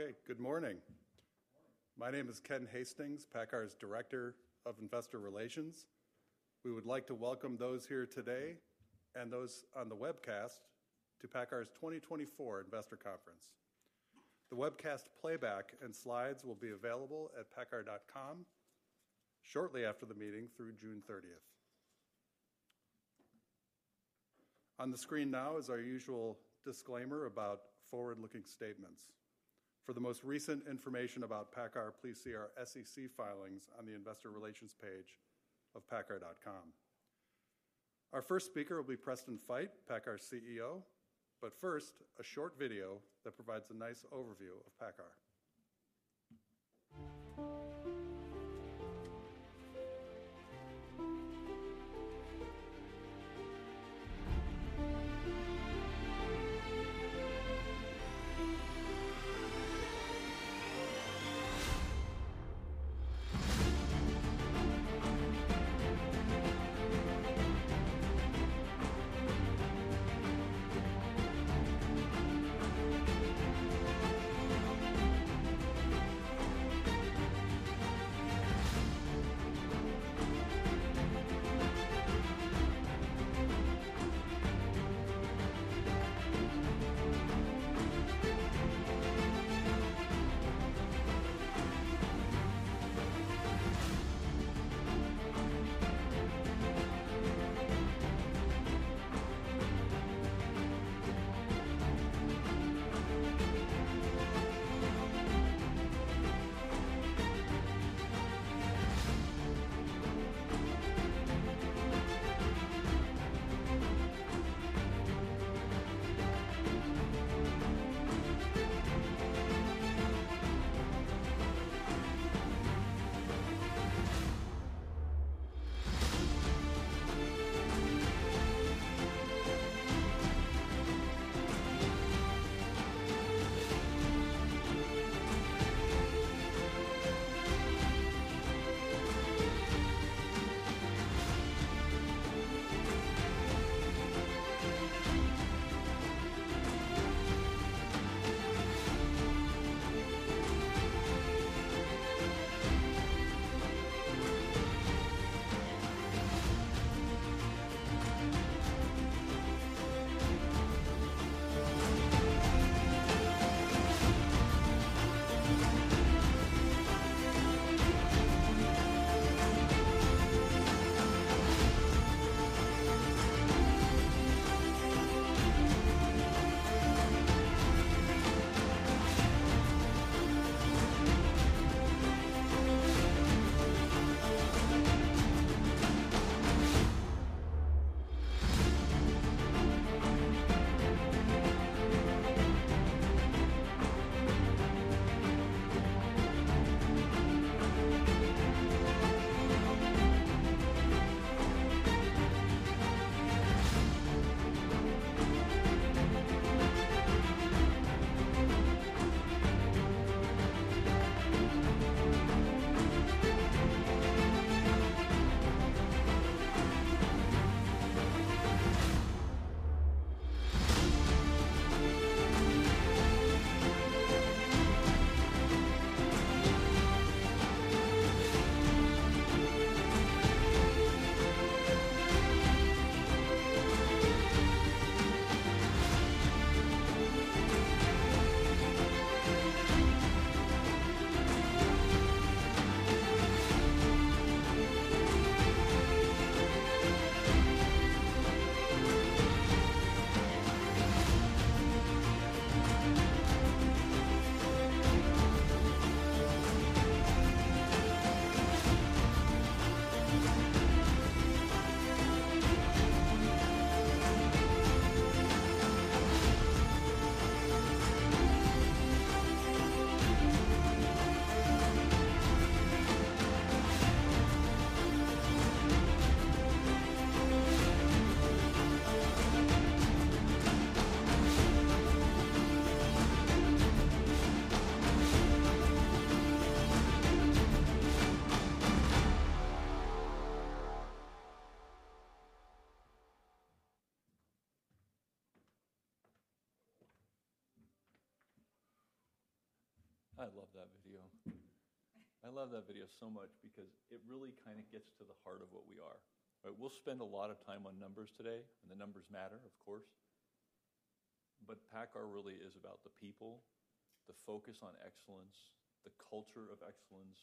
Okay, good morning. My name is Ken Hastings, PACCAR's Director of Investor Relations. We would like to welcome those here today and those on the webcast to PACCAR's 2024 Investor Conference. The webcast playback and slides will be available at paccar.com shortly after the meeting through June 30th. On the screen now is our usual disclaimer about forward-looking statements. For the most recent information about PACCAR, please see our SEC filings on the investor relations page of paccar.com. Our first speaker will be Preston Feight, PACCAR's CEO, but first, a short video that provides a nice overview of PACCAR. I love that video. I love that video so much because it really kind of gets to the heart of what we are. We'll spend a lot of time on numbers today, and the numbers matter, of course, but PACCAR really is about the people, the focus on excellence, the culture of excellence,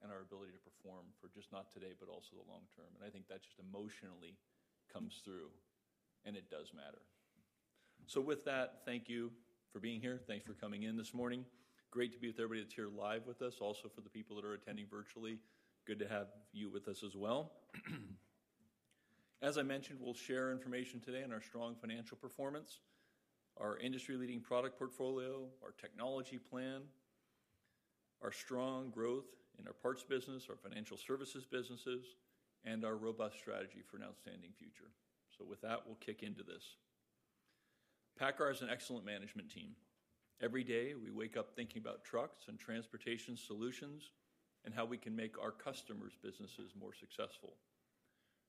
and our ability to perform for just not today, but also the long term. I think that just emotionally comes through, and it does matter. With that, thank you for being here. Thanks for coming in this morning. Great to be with everybody that's here live with us. Also, for the people that are attending virtually, good to have you with us as well. As I mentioned, we'll share information today on our strong financial performance, our industry-leading product portfolio, our technology plan, our strong growth in our parts business, our financial services businesses, and our robust strategy for an outstanding future. So with that, we'll kick into this. PACCAR has an excellent management team. Every day, we wake up thinking about trucks and transportation solutions, and how we can make our customers' businesses more successful....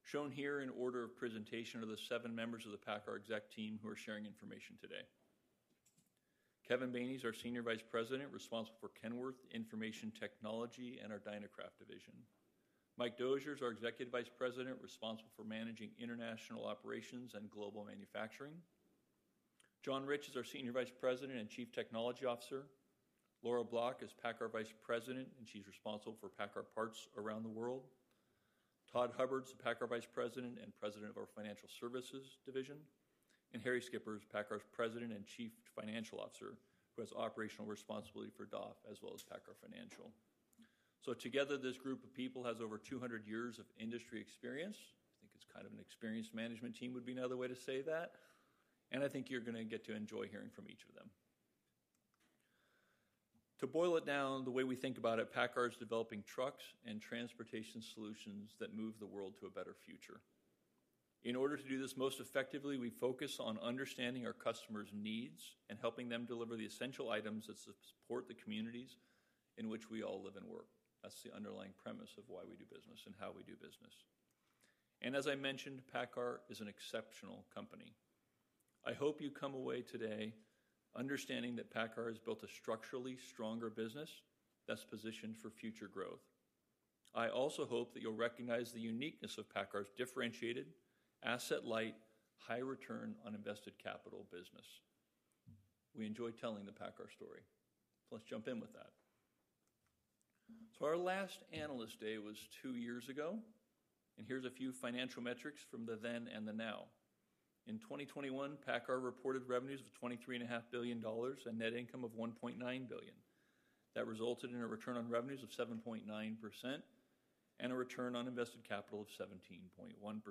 Shown here in order of presentation are the seven members of the PACCAR exec team who are sharing information today. Kevin Baney is our Senior Vice President, responsible for Kenworth, Information Technology, and our Dynacraft division. Mike Dozier is our Executive Vice President, responsible for managing International Operations and Global Manufacturing. John Rich is our Senior Vice President and Chief Technology Officer. Laura Bloch is PACCAR Vice President, and she's responsible for PACCAR Parts around the world. Todd Hubbard's the PACCAR Vice President and President of our Financial Services division, and Harrie Schippers is PACCAR's President and Chief Financial Officer, who has operational responsibility for DAF, as well as PACCAR Financial. So together, this group of people has over 200 years of industry experience. I think it's kind of an experienced management team, would be another way to say that, and I think you're gonna get to enjoy hearing from each of them. To boil it down, the way we think about it, PACCAR is developing trucks and transportation solutions that move the world to a better future. In order to do this most effectively, we focus on understanding our customers' needs and helping them deliver the essential items that support the communities in which we all live and work. That's the underlying premise of why we do business and how we do business. As I mentioned, PACCAR is an exceptional company. I hope you come away today understanding that PACCAR has built a structurally stronger business that's positioned for future growth. I also hope that you'll recognize the uniqueness of PACCAR's differentiated, asset-light, high return on invested capital business. We enjoy telling the PACCAR story. Let's jump in with that. So our last Analyst Day was two years ago, and here's a few financial metrics from the then and the now. In 2021, PACCAR reported revenues of $23.5 billion and net income of $1.9 billion. That resulted in a return on revenues of 7.9% and a return on invested capital of 17.1%.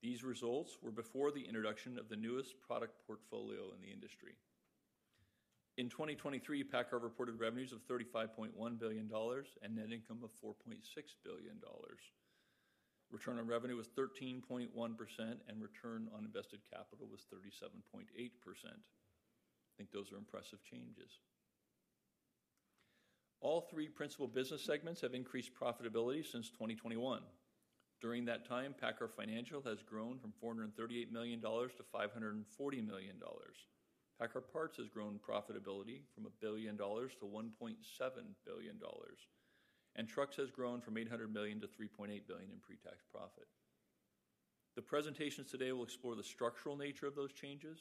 These results were before the introduction of the newest product portfolio in the industry. In 2023, PACCAR reported revenues of $35.1 billion and net income of $4.6 billion. Return on revenue was 13.1%, and return on invested capital was 37.8%. I think those are impressive changes. All three principal business segments have increased profitability since 2021. During that time, PACCAR Financial has grown from $438 million to $540 million. PACCAR Parts has grown profitability from $1 billion to $1.7 billion, and Trucks has grown from $800 million to $3.8 billion in pre-tax profit. The presentations today will explore the structural nature of those changes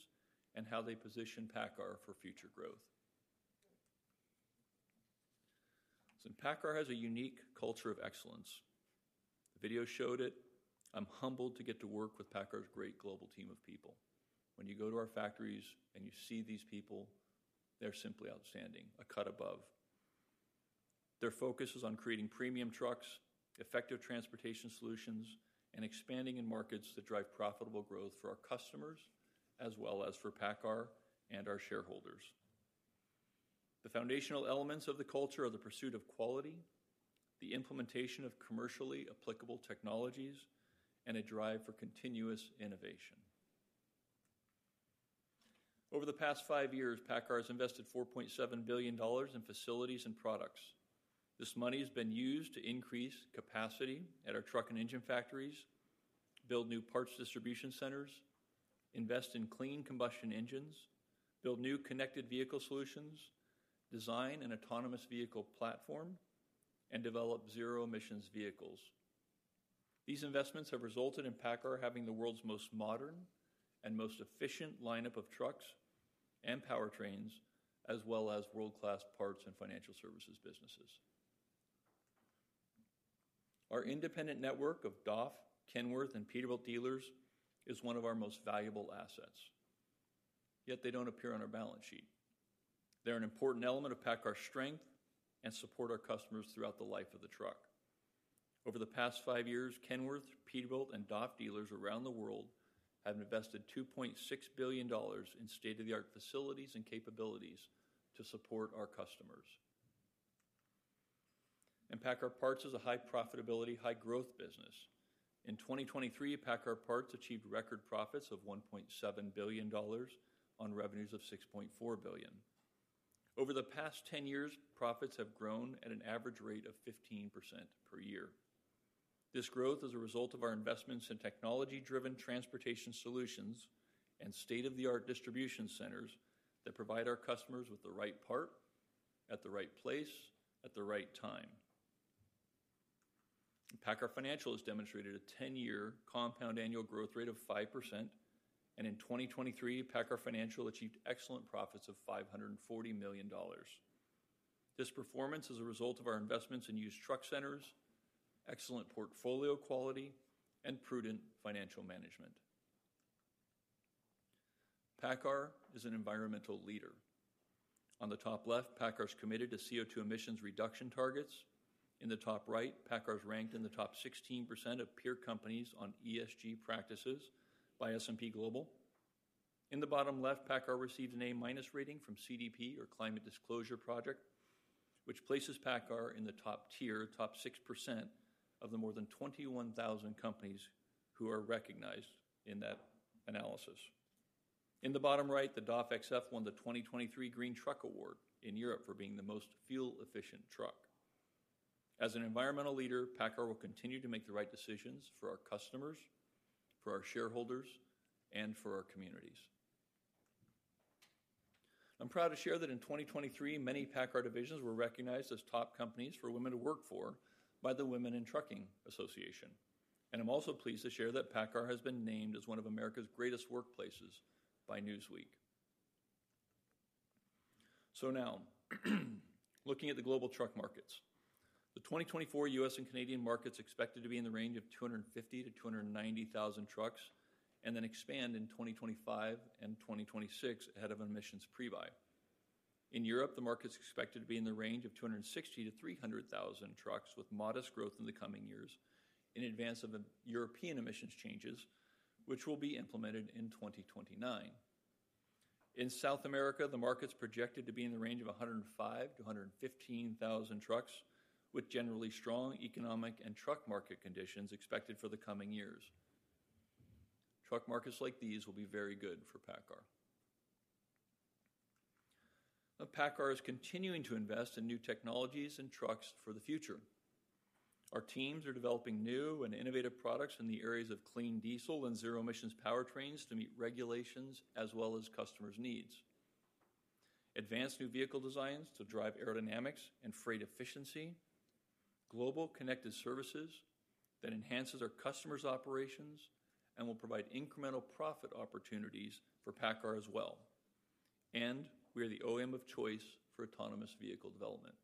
and how they position PACCAR for future growth. PACCAR has a unique culture of excellence. The video showed it. I'm humbled to get to work with PACCAR's great global team of people. When you go to our factories and you see these people, they're simply outstanding, a cut above. Their focus is on creating premium trucks, effective transportation solutions, and expanding in markets that drive profitable growth for our customers, as well as for PACCAR and our shareholders. The foundational elements of the culture are the pursuit of quality, the implementation of commercially applicable technologies, and a drive for continuous innovation. Over the past five years, PACCAR has invested $4.7 billion in facilities and products. This money has been used to increase capacity at our truck and engine factories, build new parts distribution centers, invest in clean combustion engines, build new connected vehicle solutions, design an autonomous vehicle platform, and develop zero-emissions vehicles. These investments have resulted in PACCAR having the world's most modern and most efficient lineup of trucks and powertrains, as well as world-class parts and financial services businesses. Our independent network of DAF, Kenworth, and Peterbilt dealers is one of our most valuable assets, yet they don't appear on our balance sheet. They're an important element of PACCAR's strength and support our customers throughout the life of the truck. Over the past 5 years, Kenworth, Peterbilt, and DAF dealers around the world have invested $2.6 billion in state-of-the-art facilities and capabilities to support our customers. PACCAR Parts is a high profitability, high growth business. In 2023, PACCAR Parts achieved record profits of $1.7 billion on revenues of $6.4 billion. Over the past 10 years, profits have grown at an average rate of 15% per year. This growth is a result of our investments in technology-driven transportation solutions and state-of-the-art distribution centers that provide our customers with the right part, at the right place, at the right time. PACCAR Financial has demonstrated a ten-year compound annual growth rate of 5%, and in 2023, PACCAR Financial achieved excellent profits of $540 million. This performance is a result of our investments in used truck centers, excellent portfolio quality, and prudent financial management. PACCAR is an environmental leader. On the top left, PACCAR's committed to CO2 emissions reduction targets. In the top right, PACCAR is ranked in the top 16% of peer companies on ESG practices by S&P Global. In the bottom left, PACCAR received an A-minus rating from CDP or Climate Disclosure Project, which places PACCAR in the top tier, top 6% of the more than 21,000 companies who are recognized in that analysis. In the bottom right, the DAF XF won the 2023 Green Truck Award in Europe for being the most fuel-efficient truck. As an environmental leader, PACCAR will continue to make the right decisions for our customers, for our shareholders, and for our communities. I'm proud to share that in 2023, many PACCAR divisions were recognized as top companies for women to work for by the Women In Trucking Association. And I'm also pleased to share that PACCAR has been named as one of America's Greatest Workplaces by Newsweek. So now, looking at the global truck markets. The 2024 U.S. and Canadian market's expected to be in the range of 250,000-290,000 trucks, and then expand in 2025 and 2026 ahead of emissions pre-buy. In Europe, the market's expected to be in the range of 260,000-300,000 trucks, with modest growth in the coming years in advance of the European emissions changes, which will be implemented in 2029. In South America, the market's projected to be in the range of 105,000-115,000 trucks, with generally strong economic and truck market conditions expected for the coming years. Truck markets like these will be very good for PACCAR. Now, PACCAR is continuing to invest in new technologies and trucks for the future. Our teams are developing new and innovative products in the areas of clean diesel and zero-emissions powertrains to meet regulations as well as customers' needs. Advanced new vehicle designs to drive aerodynamics and freight efficiency, global connected services that enhances our customers' operations and will provide incremental profit opportunities for PACCAR as well, and we are the OEM of choice for autonomous vehicle development.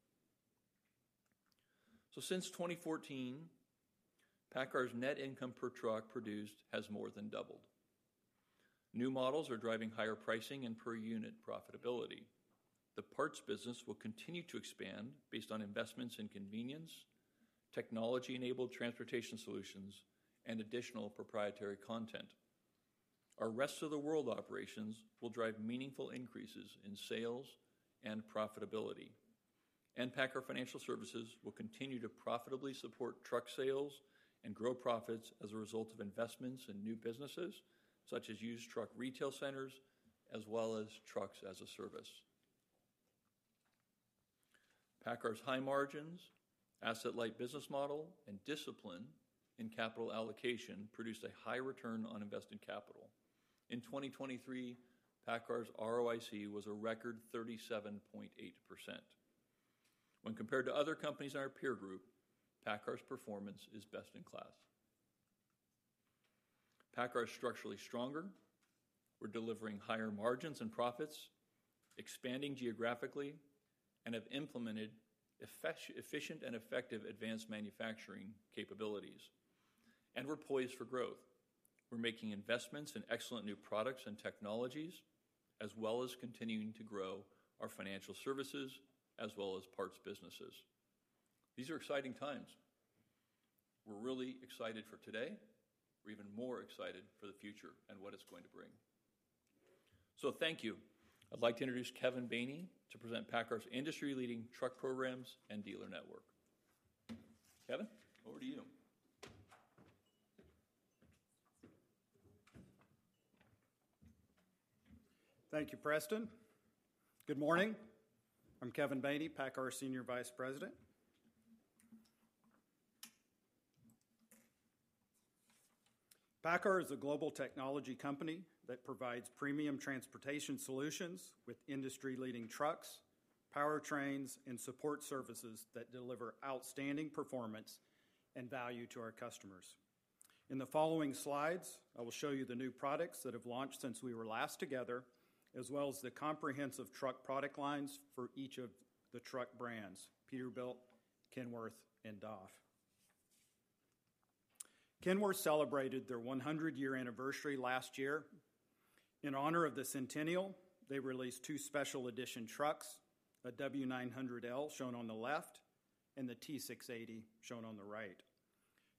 So since 2014, PACCAR's net income per truck produced has more than doubled. New models are driving higher pricing and per unit profitability. The parts business will continue to expand based on investments in convenience, technology-enabled transportation solutions, and additional proprietary content. Our rest of the world operations will drive meaningful increases in sales and profitability. PACCAR Financial Services will continue to profitably support truck sales and grow profits as a result of investments in new businesses, such as used truck retail centers, as well as Trucks-as-a-Service. PACCAR's high margins, asset-light business model, and discipline in capital allocation produced a high return on invested capital. In 2023, PACCAR's ROIC was a record 37.8%. When compared to other companies in our peer group, PACCAR's performance is best in class. PACCAR is structurally stronger. We're delivering higher margins and profits, expanding geographically, and have implemented efficient and effective advanced manufacturing capabilities. We're poised for growth. We're making investments in excellent new products and technologies, as well as continuing to grow our financial services, as well as parts businesses. These are exciting times. We're really excited for today. We're even more excited for the future and what it's going to bring. So thank you. I'd like to introduce Kevin Baney to present PACCAR's industry-leading truck programs and dealer network. Kevin, over to you. Thank you, Preston. Good morning. I'm Kevin Baney, PACCAR Senior Vice President. PACCAR is a global technology company that provides premium transportation solutions with industry-leading trucks, powertrains, and support services that deliver outstanding performance and value to our customers. In the following slides, I will show you the new products that have launched since we were last together, as well as the comprehensive truck product lines for each of the truck brands, Peterbilt, Kenworth, and DAF. Kenworth celebrated their 100-year anniversary last year. In honor of the centennial, they released two special edition trucks: a W900L, shown on the left, and the T680, shown on the right.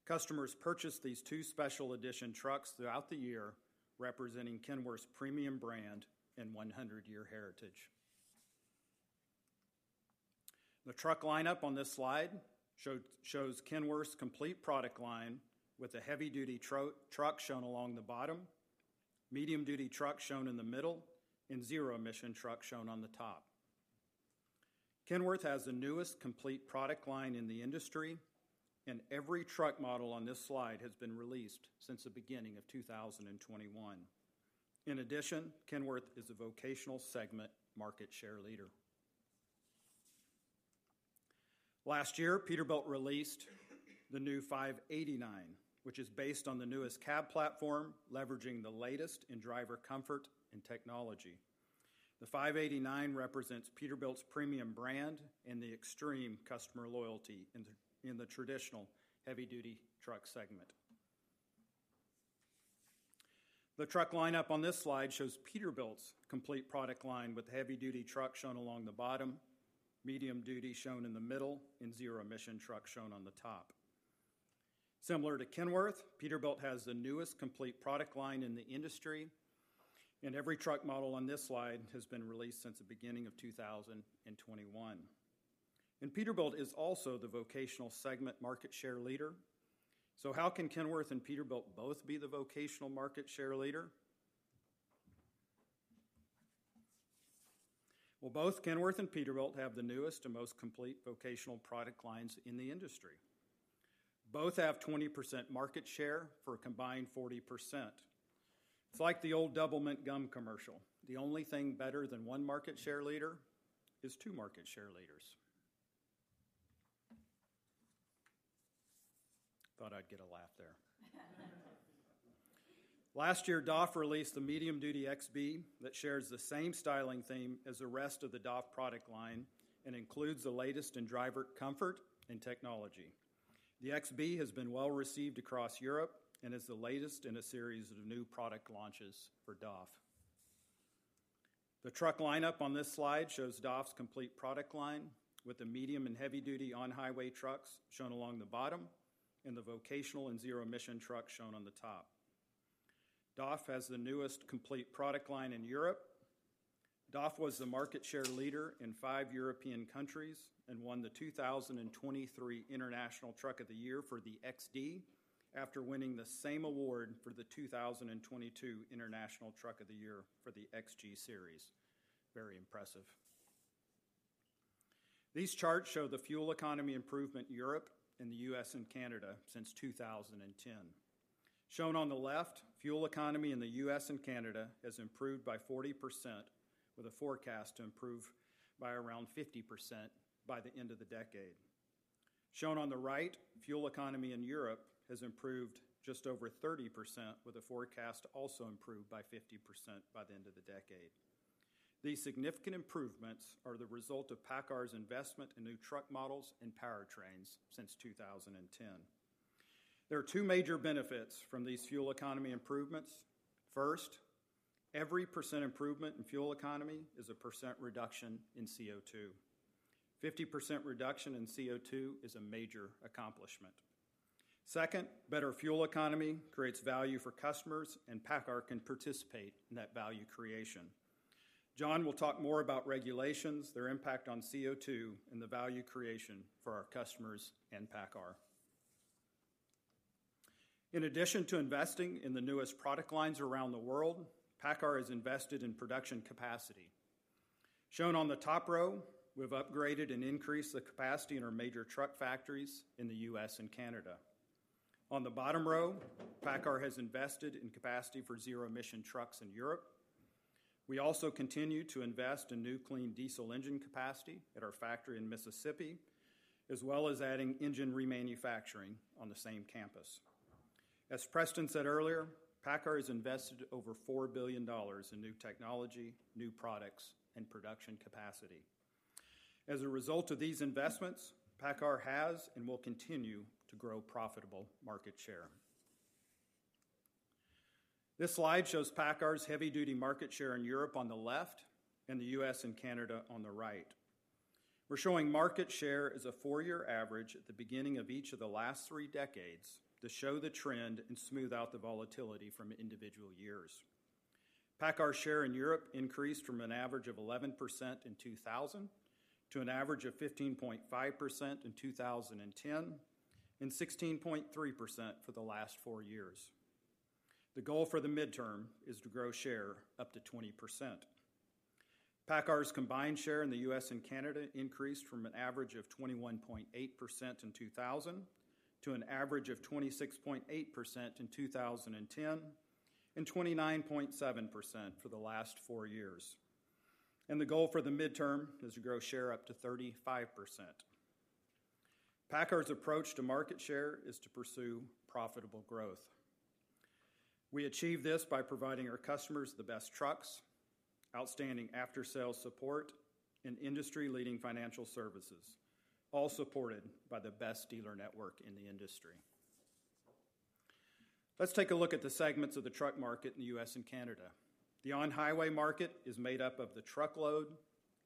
Customers purchased these two special edition trucks throughout the year, representing Kenworth's premium brand and 100-year heritage. The truck lineup on this slide shows Kenworth's complete product line, with the heavy-duty truck shown along the bottom, medium-duty truck shown in the middle, and zero-emission truck shown on the top. Kenworth has the newest complete product line in the industry, and every truck model on this slide has been released since the beginning of 2021. In addition, Kenworth is a vocational segment market share leader. Last year, Peterbilt released the new 589, which is based on the newest cab platform, leveraging the latest in driver comfort and technology. The 589 represents Peterbilt's premium brand and the extreme customer loyalty in the traditional heavy-duty truck segment. The truck lineup on this slide shows Peterbilt's complete product line, with the heavy-duty truck shown along the bottom, medium-duty shown in the middle, and zero-emission truck shown on the top. Similar to Kenworth, Peterbilt has the newest complete product line in the industry, and every truck model on this slide has been released since the beginning of 2021.... and Peterbilt is also the vocational segment market share leader. So how can Kenworth and Peterbilt both be the vocational market share leader? Well, both Kenworth and Peterbilt have the newest and most complete vocational product lines in the industry. Both have 20% market share for a combined 40%. It's like the old Doublemint Gum commercial: the only thing better than one market share leader is two market share leaders. Thought I'd get a laugh there. Last year, DAF released the medium-duty XB that shares the same styling theme as the rest of the DAF product line and includes the latest in driver comfort and technology. The XB has been well-received across Europe and is the latest in a series of new product launches for DAF. The truck lineup on this slide shows DAF's complete product line, with the medium and heavy-duty on-highway trucks shown along the bottom and the vocational and zero-emission trucks shown on the top. DAF has the newest complete product line in Europe. DAF was the market share leader in five European countries and won the 2023 International Truck of the Year for the XD, after winning the same award for the 2022 International Truck of the Year for the XG series. Very impressive. These charts show the fuel economy improvement in Europe and the U.S. and Canada since 2010. Shown on the left, fuel economy in the U.S. and Canada has improved by 40%, with a forecast to improve by around 50% by the end of the decade. Shown on the right, fuel economy in Europe has improved just over 30%, with a forecast to also improve by 50% by the end of the decade. These significant improvements are the result of PACCAR's investment in new truck models and powertrains since 2010. There are two major benefits from these fuel economy improvements. First, every percent improvement in fuel economy is a percent reduction in CO2. 50% reduction in CO2 is a major accomplishment. Second, better fuel economy creates value for customers, and PACCAR can participate in that value creation. John will talk more about regulations, their impact on CO2, and the value creation for our customers and PACCAR. In addition to investing in the newest product lines around the world, PACCAR has invested in production capacity. Shown on the top row, we've upgraded and increased the capacity in our major truck factories in the U.S. and Canada. On the bottom row, PACCAR has invested in capacity for zero-emission trucks in Europe. We also continue to invest in new clean diesel engine capacity at our factory in Mississippi, as well as adding engine remanufacturing on the same campus. As Preston said earlier, PACCAR has invested over $4 billion in new technology, new products, and production capacity. As a result of these investments, PACCAR has and will continue to grow profitable market share. This slide shows PACCAR's heavy-duty market share in Europe on the left and the U.S. and Canada on the right. We're showing market share as a four-year average at the beginning of each of the last three decades to show the trend and smooth out the volatility from individual years. PACCAR's share in Europe increased from an average of 11% in 2000 to an average of 15.5% in 2010, and 16.3% for the last four years. The goal for the midterm is to grow share up to 20%. PACCAR's combined share in the U.S. and Canada increased from an average of 21.8% in 2000 to an average of 26.8% in 2010, and 29.7% for the last four years. The goal for the midterm is to grow share up to 35%. PACCAR's approach to market share is to pursue profitable growth. We achieve this by providing our customers the best trucks, outstanding after-sales support, and industry-leading financial services, all supported by the best dealer network in the industry. Let's take a look at the segments of the truck market in the U.S. and Canada. The on-highway market is made up of the truckload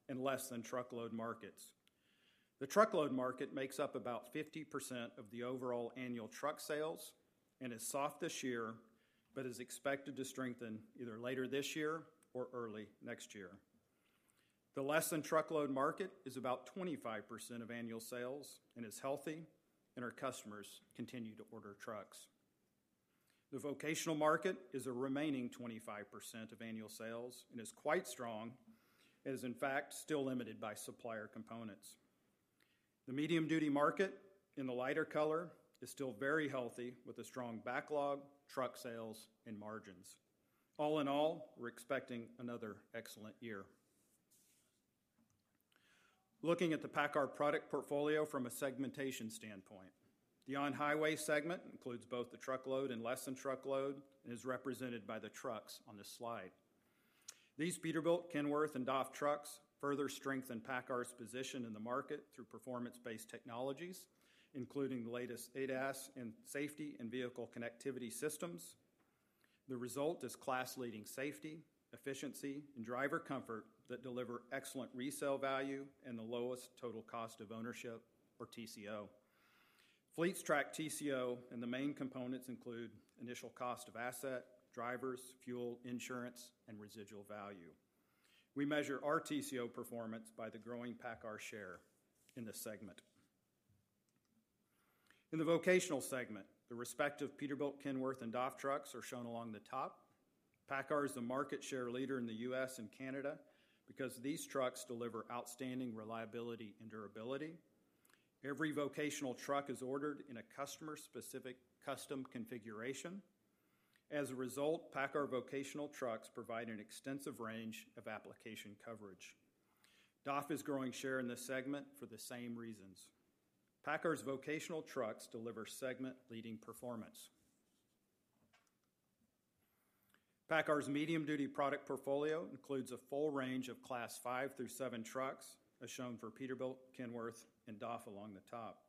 and less-than-truckload markets. The truckload market makes up about 50% of the overall annual truck sales and is soft this year, but is expected to strengthen either later this year or early next year. The less-than-truckload market is about 25% of annual sales and is healthy, and our customers continue to order trucks. The vocational market is a remaining 25% of annual sales and is quite strong, and is in fact, still limited by supplier components. The medium-duty market, in the lighter color, is still very healthy, with a strong backlog, truck sales, and margins. All in all, we're expecting another excellent year. Looking at the PACCAR product portfolio from a segmentation standpoint, the on-highway segment includes both the truckload and less-than-truckload, and is represented by the trucks on this slide. These Peterbilt, Kenworth, and DAF trucks further strengthen PACCAR's position in the market through performance-based technologies, including the latest ADAS in safety and vehicle connectivity systems. The result is class-leading safety, efficiency, and driver comfort that deliver excellent resale value and the lowest total cost of ownership or TCO. Fleets track TCO, and the main components include initial cost of asset, drivers, fuel, insurance, and residual value. We measure our TCO performance by the growing PACCAR share in this segment. In the vocational segment, the respective Peterbilt, Kenworth, and DAF trucks are shown along the top. PACCAR is the market share leader in the U.S. and Canada because these trucks deliver outstanding reliability and durability. Every vocational truck is ordered in a customer-specific custom configuration. As a result, PACCAR vocational trucks provide an extensive range of application coverage. DAF is growing share in this segment for the same reasons. PACCAR's vocational trucks deliver segment-leading performance. PACCAR's medium-duty product portfolio includes a full range of Class 5 through 7 trucks, as shown for Peterbilt, Kenworth, and DAF along the top.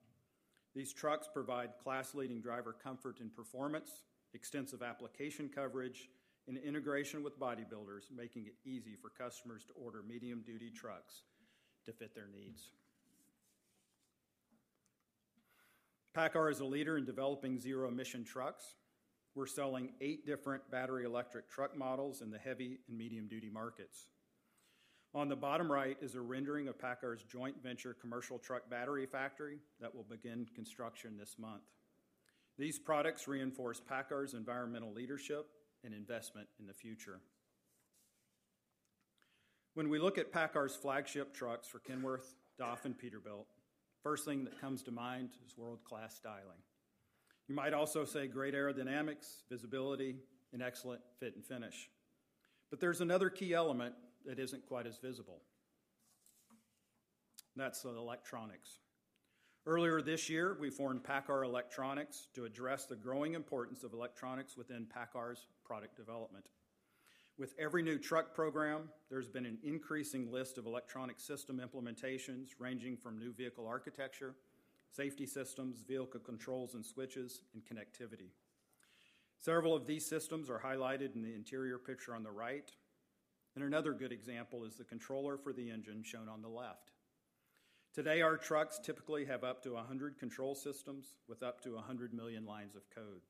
These trucks provide class-leading driver comfort and performance, extensive application coverage, and integration with bodybuilders, making it easy for customers to order medium-duty trucks to fit their needs. PACCAR is a leader in developing zero-emission trucks. We're selling eight different battery electric truck models in the heavy and medium-duty markets. On the bottom right is a rendering of PACCAR's joint venture commercial truck battery factory that will begin construction this month. These products reinforce PACCAR's environmental leadership and investment in the future. When we look at PACCAR's flagship trucks for Kenworth, DAF, and Peterbilt, first thing that comes to mind is world-class styling. You might also say great aerodynamics, visibility, and excellent fit and finish. But there's another key element that isn't quite as visible, and that's the electronics. Earlier this year, we formed PACCAR Electronics to address the growing importance of electronics within PACCAR's product development. With every new truck program, there's been an increasing list of electronic system implementations, ranging from new vehicle architecture, safety systems, vehicle controls and switches, and connectivity. Several of these systems are highlighted in the interior picture on the right, and another good example is the controller for the engine shown on the left. Today, our trucks typically have up to 100 control systems with up to 100 million lines of code.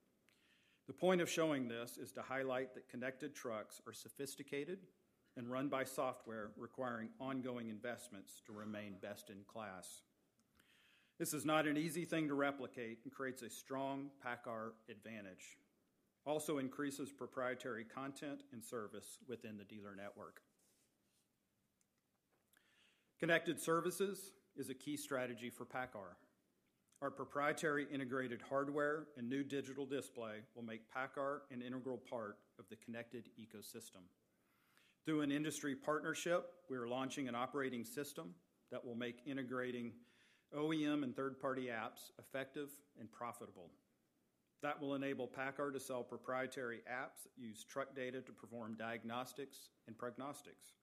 The point of showing this is to highlight that connected trucks are sophisticated and run by software, requiring ongoing investments to remain best in class. This is not an easy thing to replicate and creates a strong PACCAR advantage. Also increases proprietary content and service within the dealer network. Connected services is a key strategy for PACCAR. Our proprietary integrated hardware and new digital display will make PACCAR an integral part of the connected ecosystem. Through an industry partnership, we are launching an operating system that will make integrating OEM and third-party apps effective and profitable. That will enable PACCAR to sell proprietary apps that use truck data to perform diagnostics and prognostics.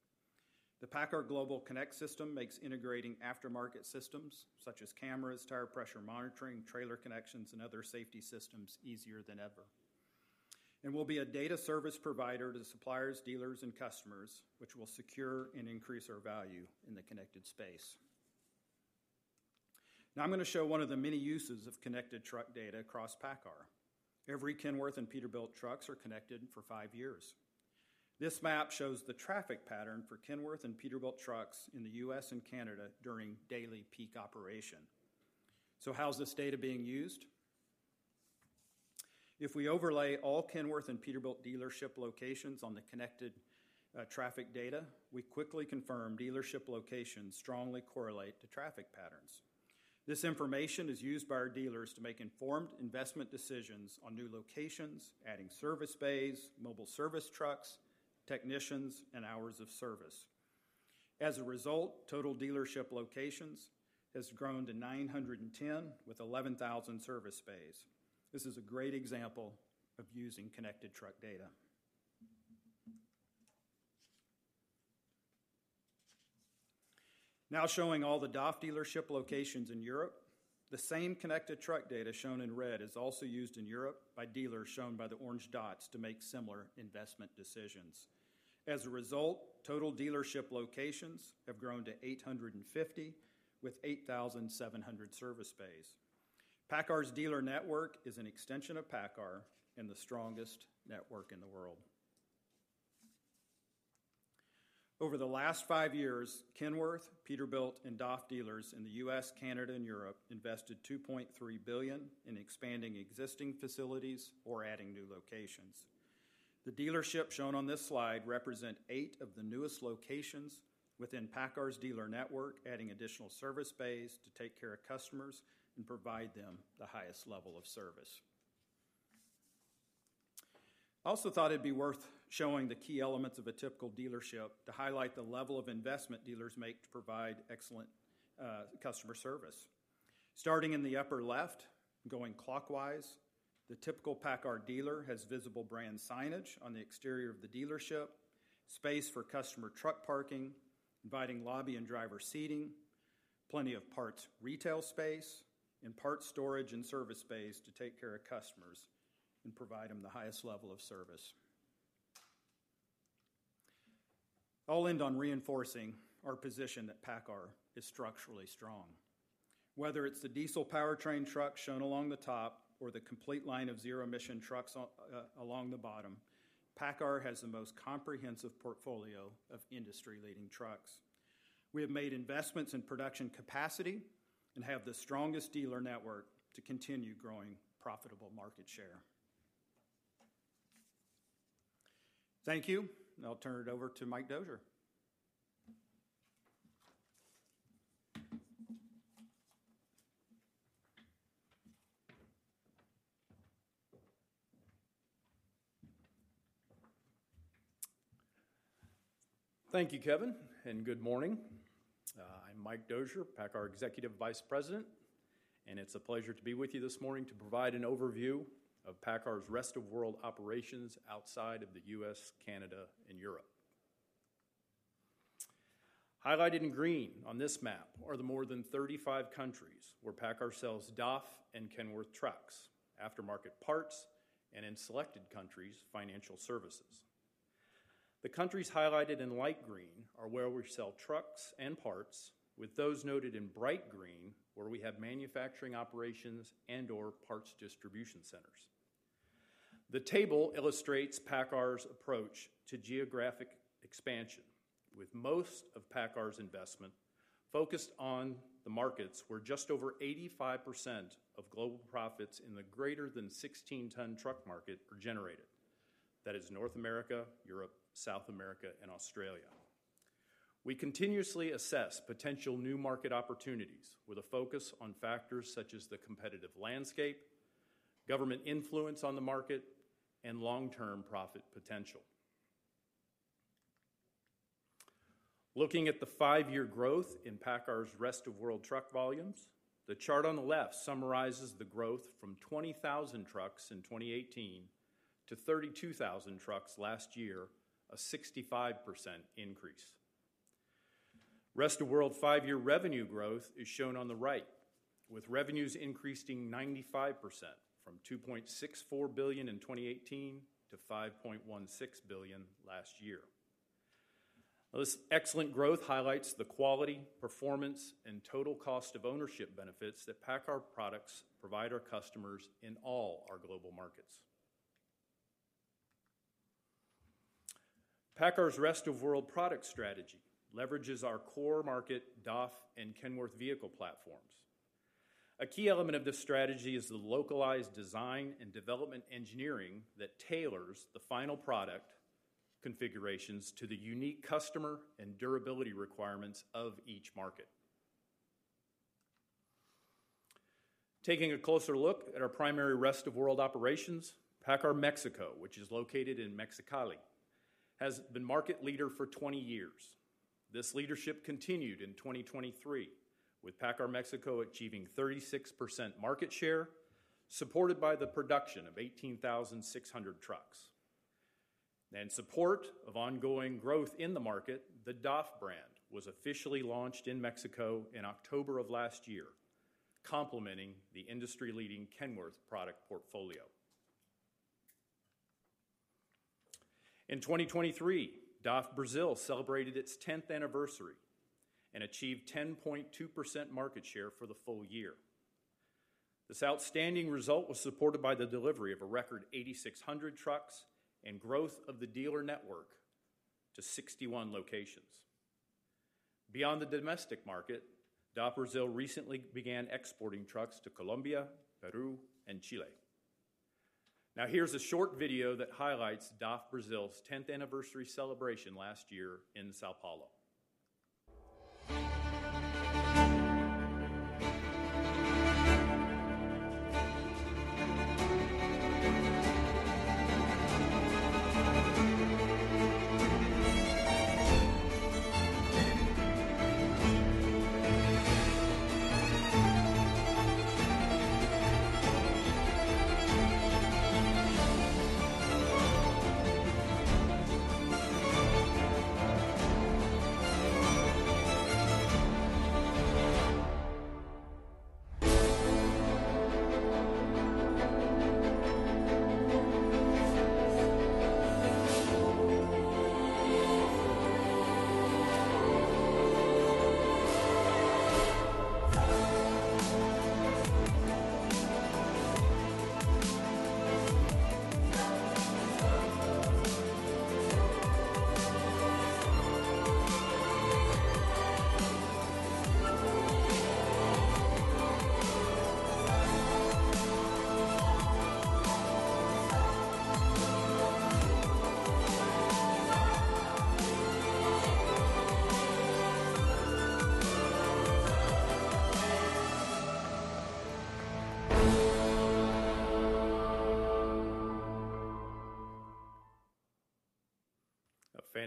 The PACCAR Global Connect system makes integrating aftermarket systems such as cameras, tire pressure monitoring, trailer connections, and other safety systems easier than ever. And we'll be a data service provider to suppliers, dealers, and customers, which will secure and increase our value in the connected space. Now I'm gonna show one of the many uses of connected truck data across PACCAR. Every Kenworth and Peterbilt trucks are connected for five years. This map shows the traffic pattern for Kenworth and Peterbilt trucks in the U.S. and Canada during daily peak operation. So how is this data being used? If we overlay all Kenworth and Peterbilt dealership locations on the connected traffic data, we quickly confirm dealership locations strongly correlate to traffic patterns. This information is used by our dealers to make informed investment decisions on new locations, adding service bays, mobile service trucks, technicians, and hours of service. As a result, total dealership locations has grown to 910, with 11,000 service bays. This is a great example of using connected truck data. Now showing all the DAF dealership locations in Europe. The same connected truck data shown in red is also used in Europe by dealers shown by the orange dots to make similar investment decisions. As a result, total dealership locations have grown to 850, with 8,700 service bays. PACCAR's dealer network is an extension of PACCAR and the strongest network in the world. Over the last five years, Kenworth, Peterbilt, and DAF dealers in the U.S., Canada, and Europe invested $2.3 billion in expanding existing facilities or adding new locations. The dealerships shown on this slide represent eight of the newest locations within PACCAR's dealer network, adding additional service bays to take care of customers and provide them the highest level of service. I also thought it'd be worth showing the key elements of a typical dealership to highlight the level of investment dealers make to provide excellent customer service. Starting in the upper left, going clockwise, the typical PACCAR dealer has visible brand signage on the exterior of the dealership, space for customer truck parking, inviting lobby and driver seating, plenty of parts retail space, and parts storage and service bays to take care of customers and provide them the highest level of service. I'll end on reinforcing our position that PACCAR is structurally strong. Whether it's the diesel powertrain truck shown along the top or the complete line of zero-emission trucks on, along the bottom, PACCAR has the most comprehensive portfolio of industry-leading trucks. We have made investments in production capacity and have the strongest dealer network to continue growing profitable market share. Thank you, and I'll turn it over to Mike Dozier. Thank you, Kevin, and good morning. I'm Mike Dozier, PACCAR Executive Vice President, and it's a pleasure to be with you this morning to provide an overview of PACCAR's rest of world operations outside of the U.S., Canada, and Europe. Highlighted in green on this map are the more than 35 countries where PACCAR sells DAF and Kenworth trucks, aftermarket parts, and in selected countries, financial services. The countries highlighted in light green are where we sell trucks and parts, with those noted in bright green, where we have manufacturing operations and/or parts distribution centers. The table illustrates PACCAR's approach to geographic expansion, with most of PACCAR's investment focused on the markets where just over 85% of global profits in the greater than 16-ton truck market are generated. That is North America, Europe, South America, and Australia. We continuously assess potential new market opportunities with a focus on factors such as the competitive landscape, government influence on the market, and long-term profit potential. Looking at the five-year growth in PACCAR's rest-of-world truck volumes, the chart on the left summarizes the growth from 20,000 trucks in 2018 to 32,000 trucks last year, a 65% increase. Rest-of-world five-year revenue growth is shown on the right, with revenues increasing 95% from $2.64 billion in 2018 to $5.16 billion last year. This excellent growth highlights the quality, performance, and total cost of ownership benefits that PACCAR products provide our customers in all our global markets. PACCAR's rest-of-world product strategy leverages our core market, DAF and Kenworth vehicle platforms. A key element of this strategy is the localized design and development engineering that tailors the final product configurations to the unique customer and durability requirements of each market. Taking a closer look at our primary rest-of-world operations, PACCAR Mexico, which is located in Mexicali, has been market leader for 20 years. This leadership continued in 2023, with PACCAR Mexico achieving 36% market share, supported by the production of 18,600 trucks. In support of ongoing growth in the market, the DAF brand was officially launched in Mexico in October of last year, complementing the industry-leading Kenworth product portfolio. In 2023, DAF Brazil celebrated its 10th anniversary and achieved 10.2% market share for the full year. This outstanding result was supported by the delivery of a record 8,600 trucks and growth of the dealer network to 61 locations. Beyond the domestic market, DAF Brazil recently began exporting trucks to Colombia, Peru, and Chile. Now, here's a short video that highlights DAF Brazil's 10th anniversary celebration last year in São Paulo.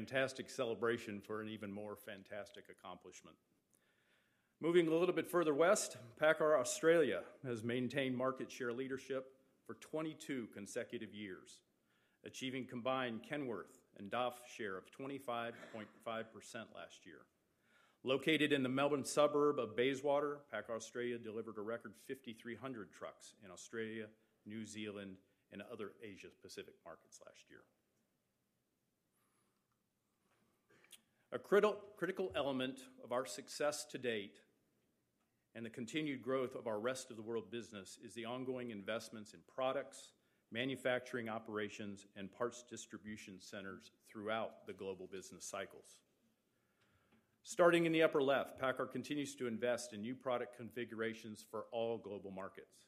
A fantastic celebration for an even more fantastic accomplishment. Moving a little bit further west, PACCAR Australia has maintained market share leadership for 22 consecutive years, achieving combined Kenworth and DAF share of 25.5% last year.... Located in the Melbourne suburb of Bayswater, PACCAR Australia delivered a record 5,300 trucks in Australia, New Zealand, and other Asia-Pacific markets last year. A critical element of our success to date and the continued growth of our rest of the world business is the ongoing investments in products, manufacturing operations, and parts distribution centers throughout the global business cycles. Starting in the upper left, PACCAR continues to invest in new product configurations for all global markets.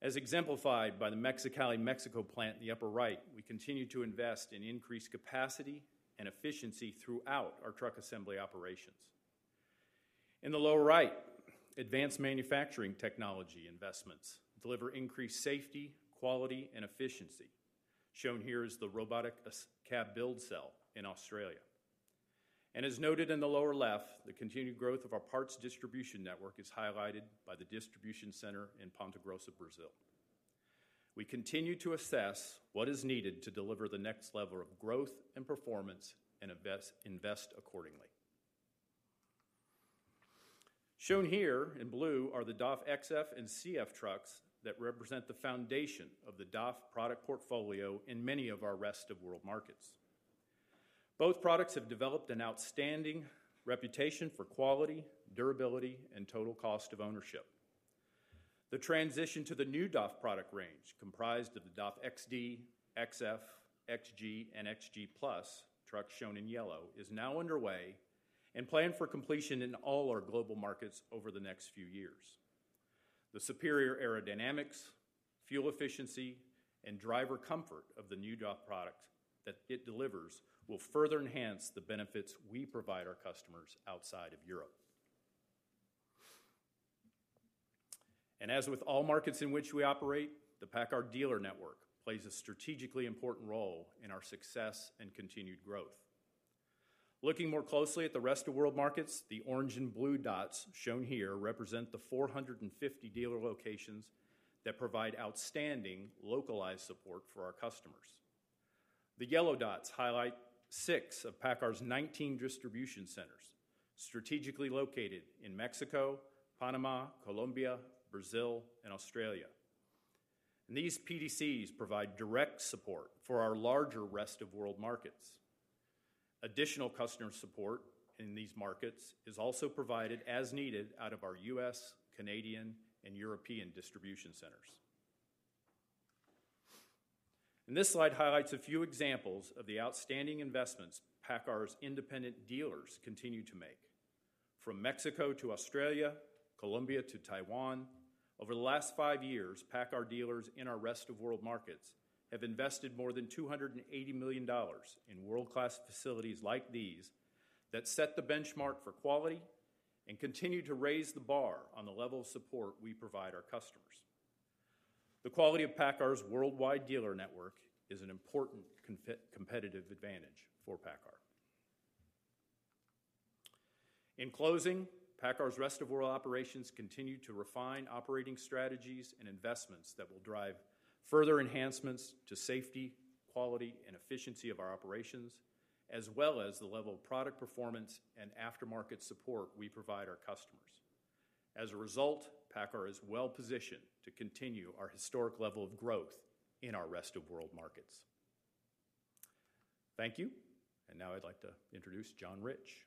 As exemplified by the Mexicali, Mexico plant in the upper right, we continue to invest in increased capacity and efficiency throughout our truck assembly operations. In the lower right, advanced manufacturing technology investments deliver increased safety, quality, and efficiency. Shown here is the robotic cab build cell in Australia. As noted in the lower left, the continued growth of our parts distribution network is highlighted by the distribution center in Ponta Grossa, Brazil. We continue to assess what is needed to deliver the next level of growth and performance and invest, invest accordingly. Shown here in blue are the DAF XF and CF trucks that represent the foundation of the DAF product portfolio in many of our rest of world markets. Both products have developed an outstanding reputation for quality, durability, and total cost of ownership. The transition to the new DAF product range, comprised of the DAF XD, XF, XG, and XG+ trucks shown in yellow, is now underway and planned for completion in all our global markets over the next few years. The superior aerodynamics, fuel efficiency, and driver comfort of the new DAF product that it delivers will further enhance the benefits we provide our customers outside of Europe. As with all markets in which we operate, the PACCAR dealer network plays a strategically important role in our success and continued growth. Looking more closely at the rest of world markets, the orange and blue dots shown here represent the 450 dealer locations that provide outstanding localized support for our customers. The yellow dots highlight 6 of PACCAR's 19 distribution centers, strategically located in Mexico, Panama, Colombia, Brazil, and Australia. These PDCs provide direct support for our larger rest of world markets. Additional customer support in these markets is also provided as needed out of our U.S., Canadian, and European distribution centers. This slide highlights a few examples of the outstanding investments PACCAR's independent dealers continue to make. From Mexico to Australia, Colombia to Taiwan, over the last five years, PACCAR dealers in our rest of world markets have invested more than $280 million in world-class facilities like these that set the benchmark for quality and continue to raise the bar on the level of support we provide our customers. The quality of PACCAR's worldwide dealer network is an important competitive advantage for PACCAR. In closing, PACCAR's rest of world operations continue to refine operating strategies and investments that will drive further enhancements to safety, quality, and efficiency of our operations, as well as the level of product performance and aftermarket support we provide our customers. As a result, PACCAR is well-positioned to continue our historic level of growth in our rest of world markets. Thank you, and now I'd like to introduce John Rich.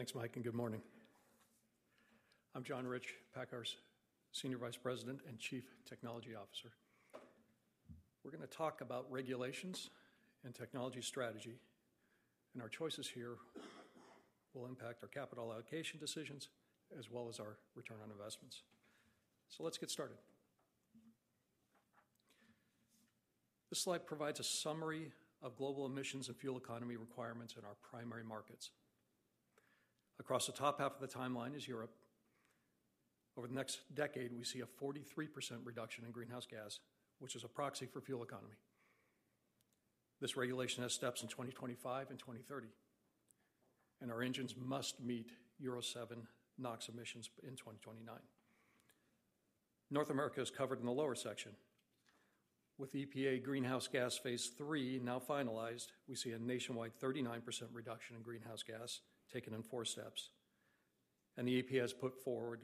Thanks, Mike, and good morning. I'm John Rich, PACCAR's Senior Vice President and Chief Technology Officer. We're gonna talk about regulations and technology strategy, and our choices here will impact our capital allocation decisions as well as our return on investments. So let's get started. This slide provides a summary of global emissions and fuel economy requirements in our primary markets. Across the top half of the timeline is Europe. Over the next decade, we see a 43% reduction in greenhouse gas, which is a proxy for fuel economy. This regulation has steps in 2025 and 2030, and our engines must meet Euro 7 NOx emissions in 2029. North America is covered in the lower section. With EPA Greenhouse Gas phase III now finalized, we see a nationwide 39% reduction in greenhouse gas, taken in four steps. The EPA has put forward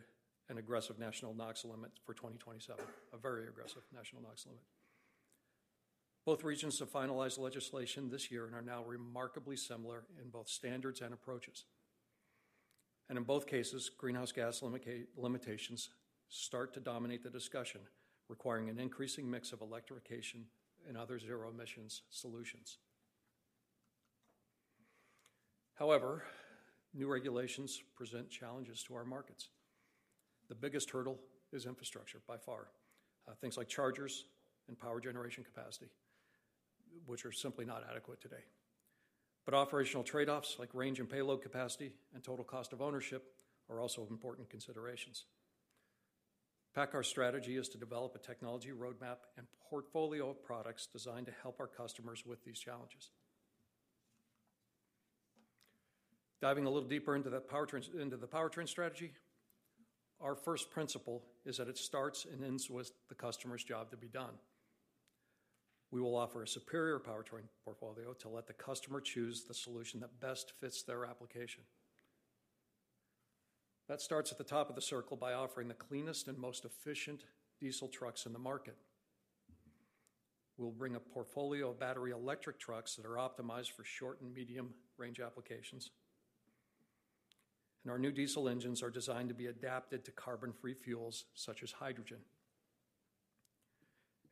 an aggressive national NOx limit for 2027, a very aggressive national NOx limit. Both regions have finalized legislation this year and are now remarkably similar in both standards and approaches. And in both cases, greenhouse gas limitations start to dominate the discussion, requiring an increasing mix of electrification and other zero-emissions solutions. However, new regulations present challenges to our markets. The biggest hurdle is infrastructure, by far. Things like chargers and power generation capacity, which are simply not adequate today. But operational trade-offs, like range and payload capacity and total cost of ownership, are also important considerations. PACCAR's strategy is to develop a technology roadmap and portfolio of products designed to help our customers with these challenges.... Diving a little deeper into that powertrain, into the powertrain strategy, our first principle is that it starts and ends with the customer's job to be done. We will offer a superior powertrain portfolio to let the customer choose the solution that best fits their application. That starts at the top of the circle by offering the cleanest and most efficient diesel trucks in the market. We'll bring a portfolio of battery electric trucks that are optimized for short and medium-range applications. And our new diesel engines are designed to be adapted to carbon-free fuels, such as hydrogen.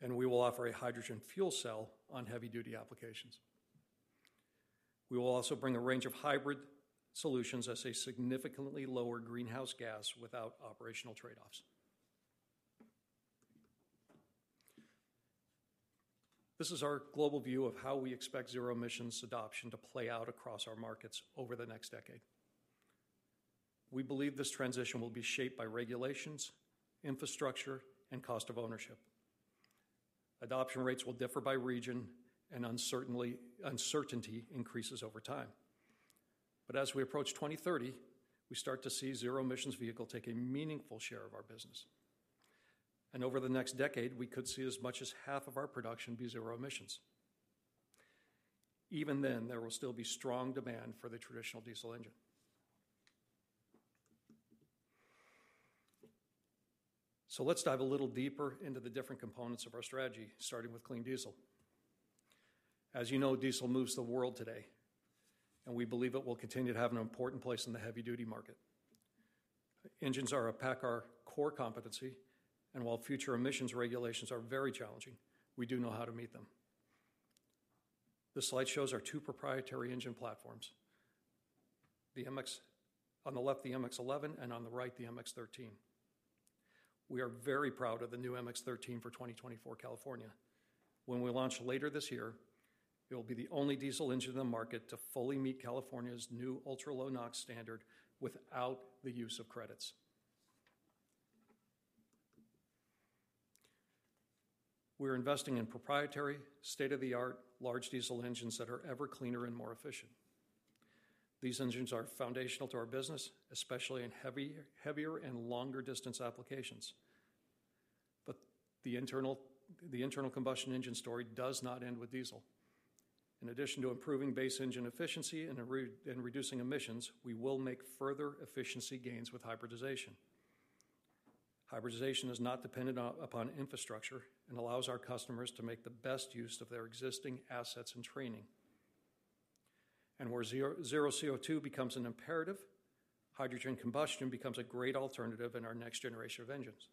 And we will offer a hydrogen fuel cell on heavy-duty applications. We will also bring a range of hybrid solutions as a significantly lower greenhouse gas without operational trade-offs. This is our global view of how we expect zero emissions adoption to play out across our markets over the next decade. We believe this transition will be shaped by regulations, infrastructure, and cost of ownership. Adoption rates will differ by region, and uncertainty increases over time. But as we approach 2030, we start to see zero emissions vehicle take a meaningful share of our business, and over the next decade, we could see as much as half of our production be zero emissions. Even then, there will still be strong demand for the traditional diesel engine. So let's dive a little deeper into the different components of our strategy, starting with clean diesel. As you know, diesel moves the world today, and we believe it will continue to have an important place in the heavy-duty market. Engines are a PACCAR core competency, and while future emissions regulations are very challenging, we do know how to meet them. This slide shows our two proprietary engine platforms, the MX... On the left, the MX-11, and on the right, the MX-13. We are very proud of the new MX-13 for 2024 California. When we launch later this year, it will be the only diesel engine in the market to fully meet California's new ultra-low NOx standard without the use of credits. We're investing in proprietary, state-of-the-art, large diesel engines that are ever cleaner and more efficient. These engines are foundational to our business, especially in heavy, heavier, and longer distance applications. But the internal, the internal combustion engine story does not end with diesel. In addition to improving base engine efficiency and reducing emissions, we will make further efficiency gains with hybridization. Hybridization is not dependent upon infrastructure and allows our customers to make the best use of their existing assets and training. Where zero CO2 becomes an imperative, hydrogen combustion becomes a great alternative in our next generation of engines.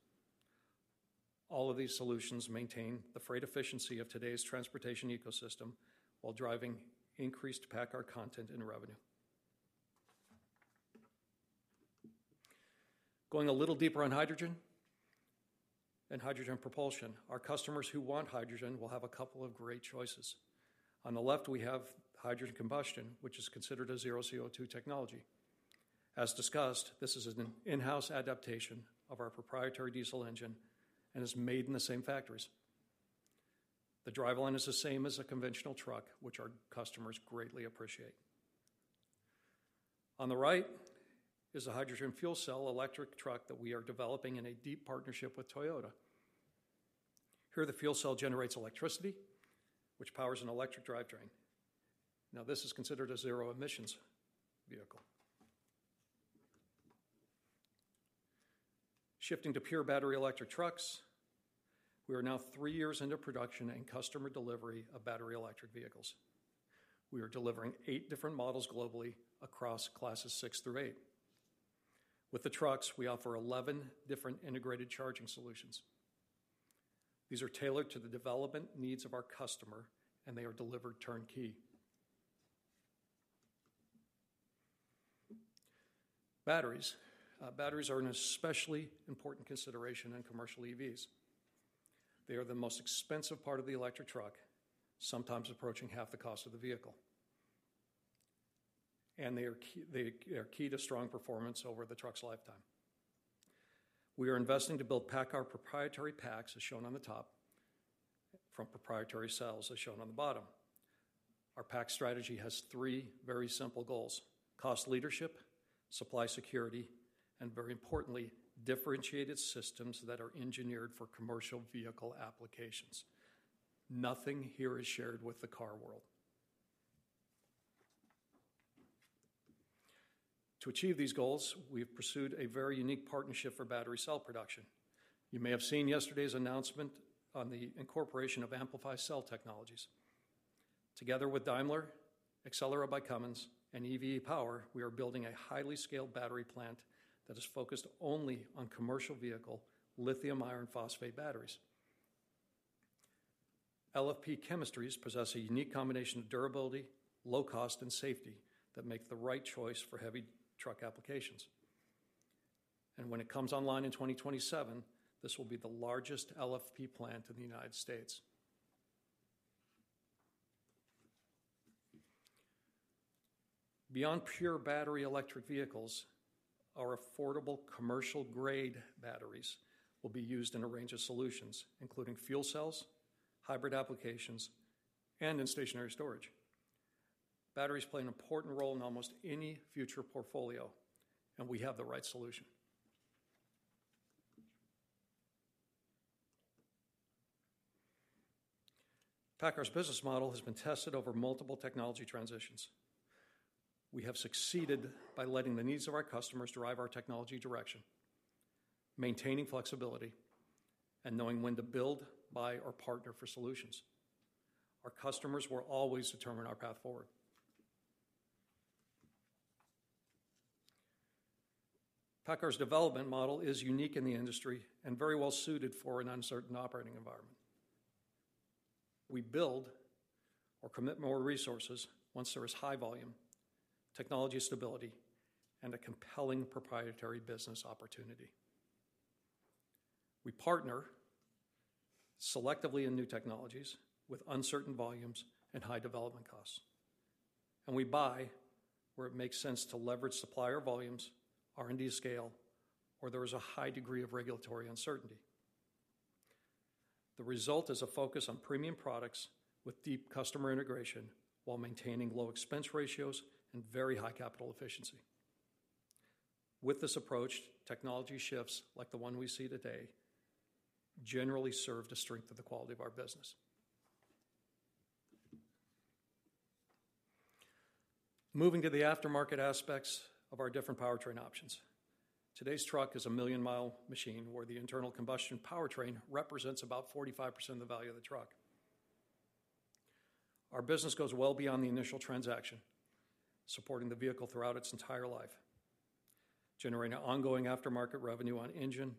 All of these solutions maintain the freight efficiency of today's transportation ecosystem while driving increased PACCAR content and revenue. Going a little deeper on hydrogen and hydrogen propulsion, our customers who want hydrogen will have a couple of great choices. On the left, we have hydrogen combustion, which is considered a zero CO2 technology. As discussed, this is an in-house adaptation of our proprietary diesel engine and is made in the same factories. The driveline is the same as a conventional truck, which our customers greatly appreciate. On the right is a hydrogen fuel cell electric truck that we are developing in a deep partnership with Toyota. Here, the fuel cell generates electricity, which powers an electric drivetrain. Now, this is considered a zero-emissions vehicle. Shifting to pure battery electric trucks, we are now three years into production and customer delivery of battery electric vehicles. We are delivering eight different models globally across Classes 6 through 8. With the trucks, we offer 11 different integrated charging solutions. These are tailored to the development needs of our customer, and they are delivered turnkey. Batteries. Batteries are an especially important consideration in commercial EVs. They are the most expensive part of the electric truck, sometimes approaching half the cost of the vehicle, and they are key, they, they are key to strong performance over the truck's lifetime. We are investing to build PACCAR proprietary packs, as shown on the top, from proprietary cells, as shown on the bottom. Our pack strategy has three very simple goals: cost leadership, supply security, and very importantly, differentiated systems that are engineered for commercial vehicle applications. Nothing here is shared with the car world. To achieve these goals, we've pursued a very unique partnership for battery cell production. You may have seen yesterday's announcement on the incorporation of Amplify Cell Technologies. Together with Daimler, Accelera by Cummins, and EVE Power, we are building a highly scaled battery plant that is focused only on commercial vehicle lithium iron phosphate batteries. LFP chemistries possess a unique combination of durability, low cost, and safety that make the right choice for heavy truck applications. And when it comes online in 2027, this will be the largest LFP plant in the United States. Beyond pure battery electric vehicles. Our affordable commercial-grade batteries will be used in a range of solutions, including fuel cells, hybrid applications, and in stationary storage. Batteries play an important role in almost any future portfolio, and we have the right solution. PACCAR's business model has been tested over multiple technology transitions. We have succeeded by letting the needs of our customers drive our technology direction, maintaining flexibility, and knowing when to build, buy, or partner for solutions. Our customers will always determine our path forward. PACCAR's development model is unique in the industry and very well-suited for an uncertain operating environment. We build or commit more resources once there is high volume, technology stability, and a compelling proprietary business opportunity. We partner selectively in new technologies with uncertain volumes and high development costs, and we buy where it makes sense to leverage supplier volumes, R&D scale, or there is a high degree of regulatory uncertainty. The result is a focus on premium products with deep customer integration, while maintaining low expense ratios and very high capital efficiency. With this approach, technology shifts, like the one we see today, generally serve to strengthen the quality of our business. Moving to the aftermarket aspects of our different powertrain options. Today's truck is a 1 million miles machine, where the internal combustion powertrain represents about 45% of the value of the truck. Our business goes well beyond the initial transaction, supporting the vehicle throughout its entire life, generating ongoing aftermarket revenue on engine,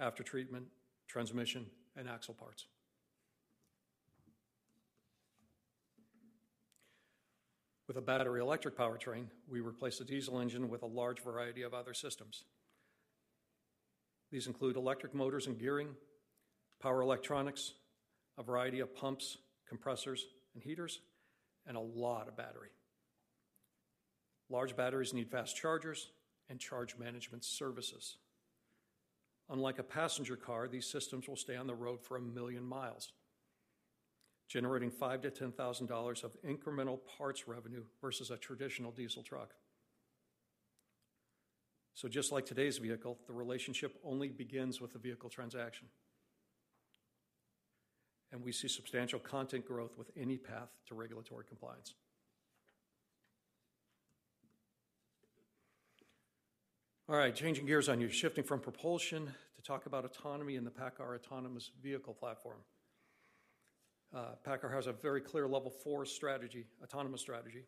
aftertreatment, transmission, and axle parts. With a battery electric powertrain, we replace the diesel engine with a large variety of other systems. These include electric motors and gearing, power electronics, a variety of pumps, compressors and heaters, and a lot of battery. Large batteries need fast chargers and charge management services. Unlike a passenger car, these systems will stay on the road for 1 million miles, generating $5,000-$10,000 of incremental parts revenue versus a traditional diesel truck. So just like today's vehicle, the relationship only begins with the vehicle transaction, and we see substantial content growth with any path to regulatory compliance. All right, changing gears on you, shifting from propulsion to talk about autonomy and the PACCAR autonomous vehicle platform. PACCAR has a very clear Level 4 strategy, autonomous strategy.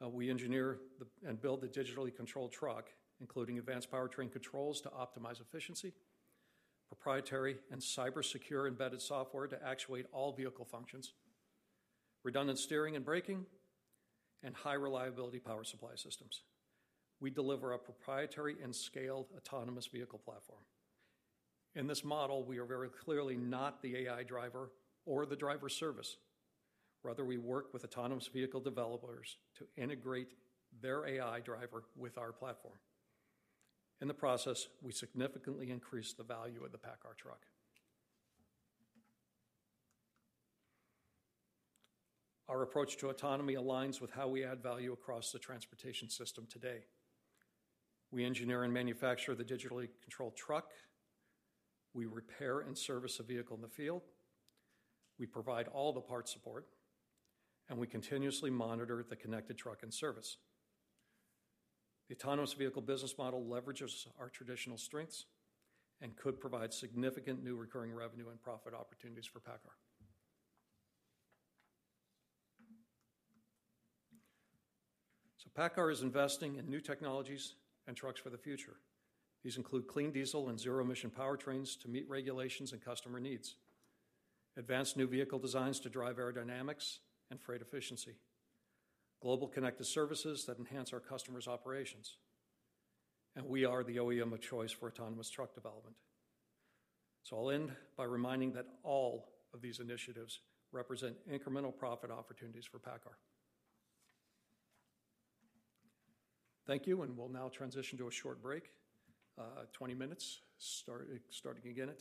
We engineer and build the digitally controlled truck, including advanced powertrain controls to optimize efficiency, proprietary and cyber-secure embedded software to actuate all vehicle functions, redundant steering and braking, and high-reliability power supply systems. We deliver a proprietary and scaled autonomous vehicle platform. In this model, we are very clearly not the AI driver or the driver service. Rather, we work with autonomous vehicle developers to integrate their AI driver with our platform. In the process, we significantly increase the value of the PACCAR truck. Our approach to autonomy aligns with how we add value across the transportation system today. We engineer and manufacture the digitally controlled truck, we repair and service a vehicle in the field, we provide all the parts support, and we continuously monitor the connected truck and service. The autonomous vehicle business model leverages our traditional strengths and could provide significant new recurring revenue and profit opportunities for PACCAR. So PACCAR is investing in new technologies and trucks for the future. These include clean diesel and zero-emission powertrains to meet regulations and customer needs, advanced new vehicle designs to drive aerodynamics and freight efficiency, global connected services that enhance our customers' operations, and we are the OEM of choice for autonomous truck development. I'll end by reminding that all of these initiatives represent incremental profit opportunities for PACCAR. Thank you, and we'll now transition to a short break, 20 minutes, starting again at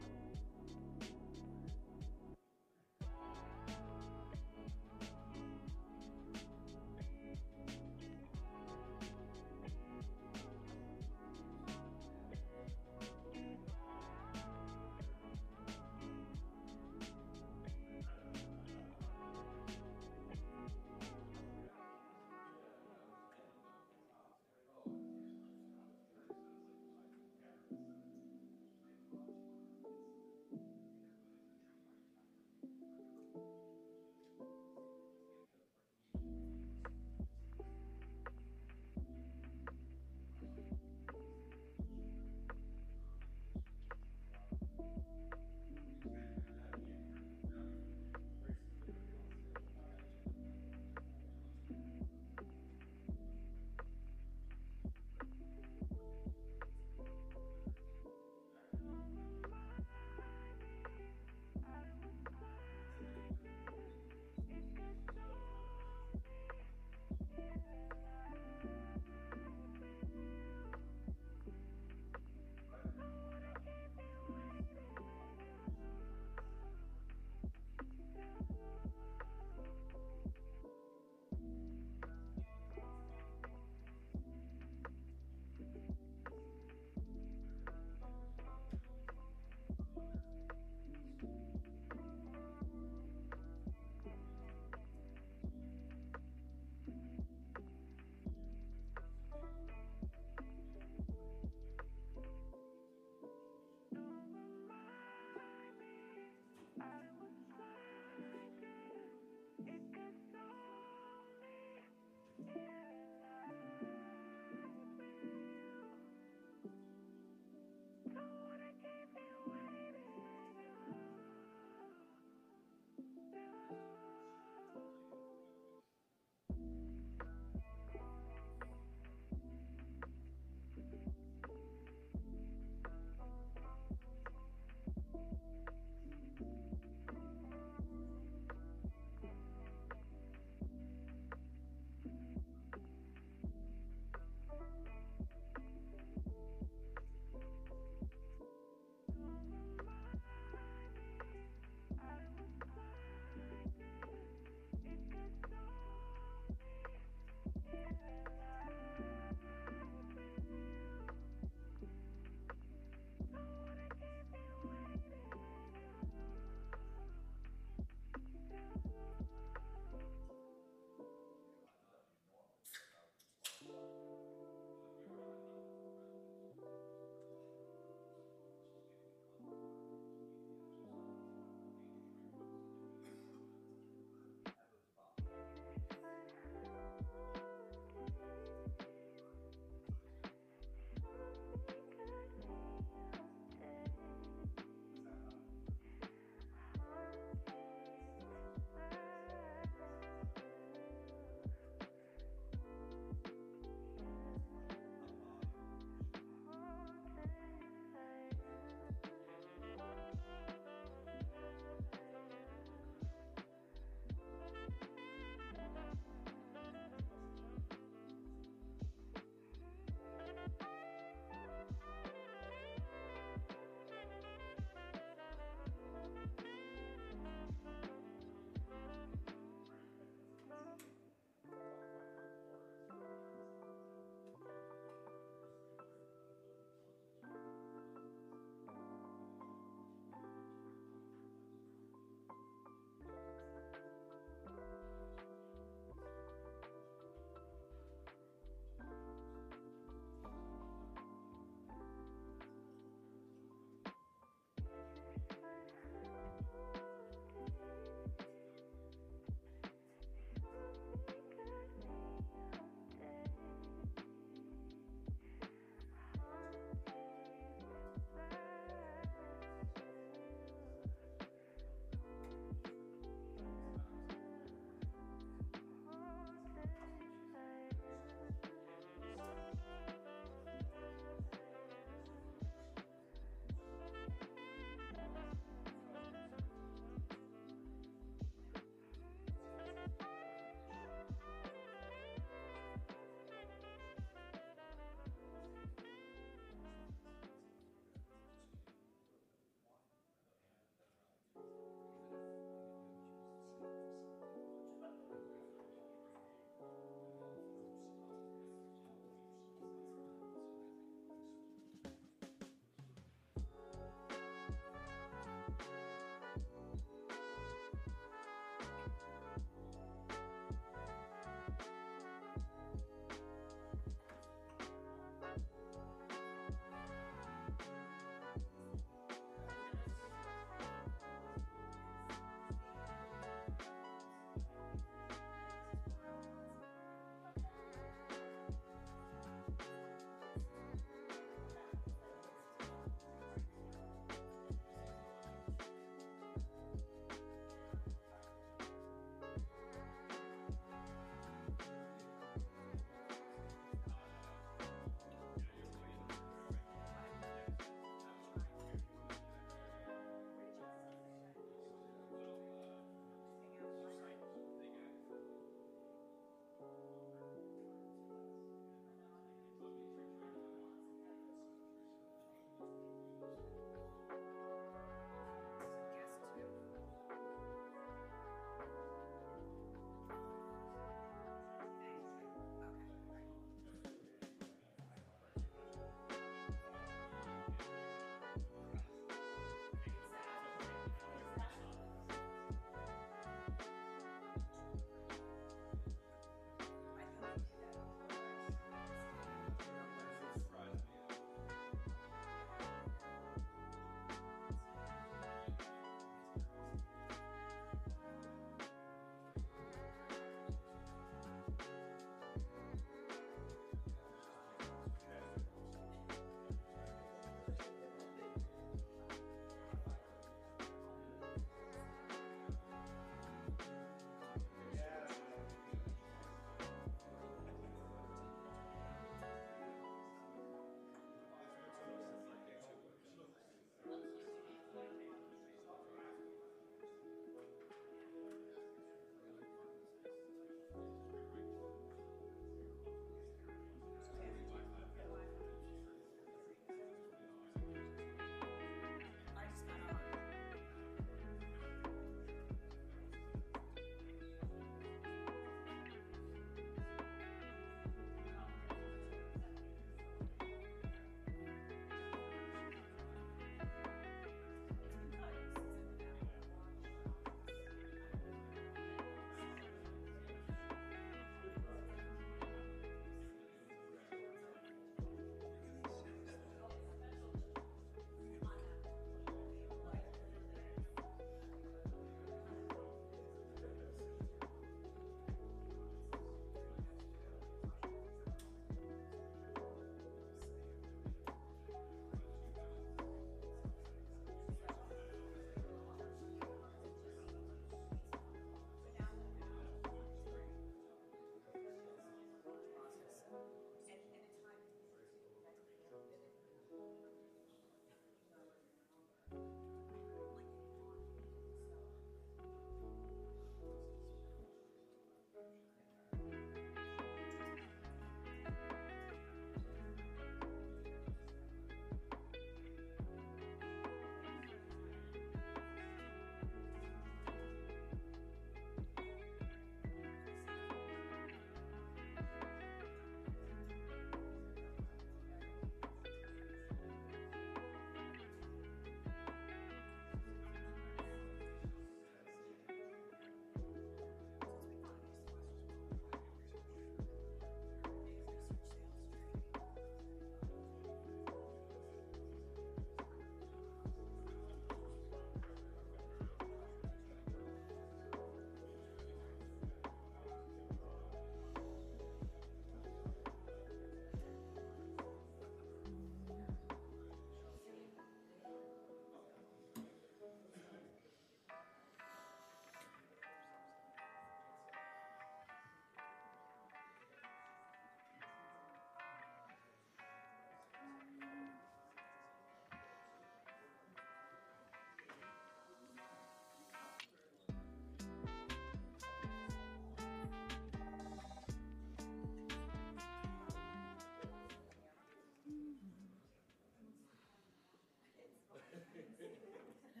10:15 A.M. Welcome to go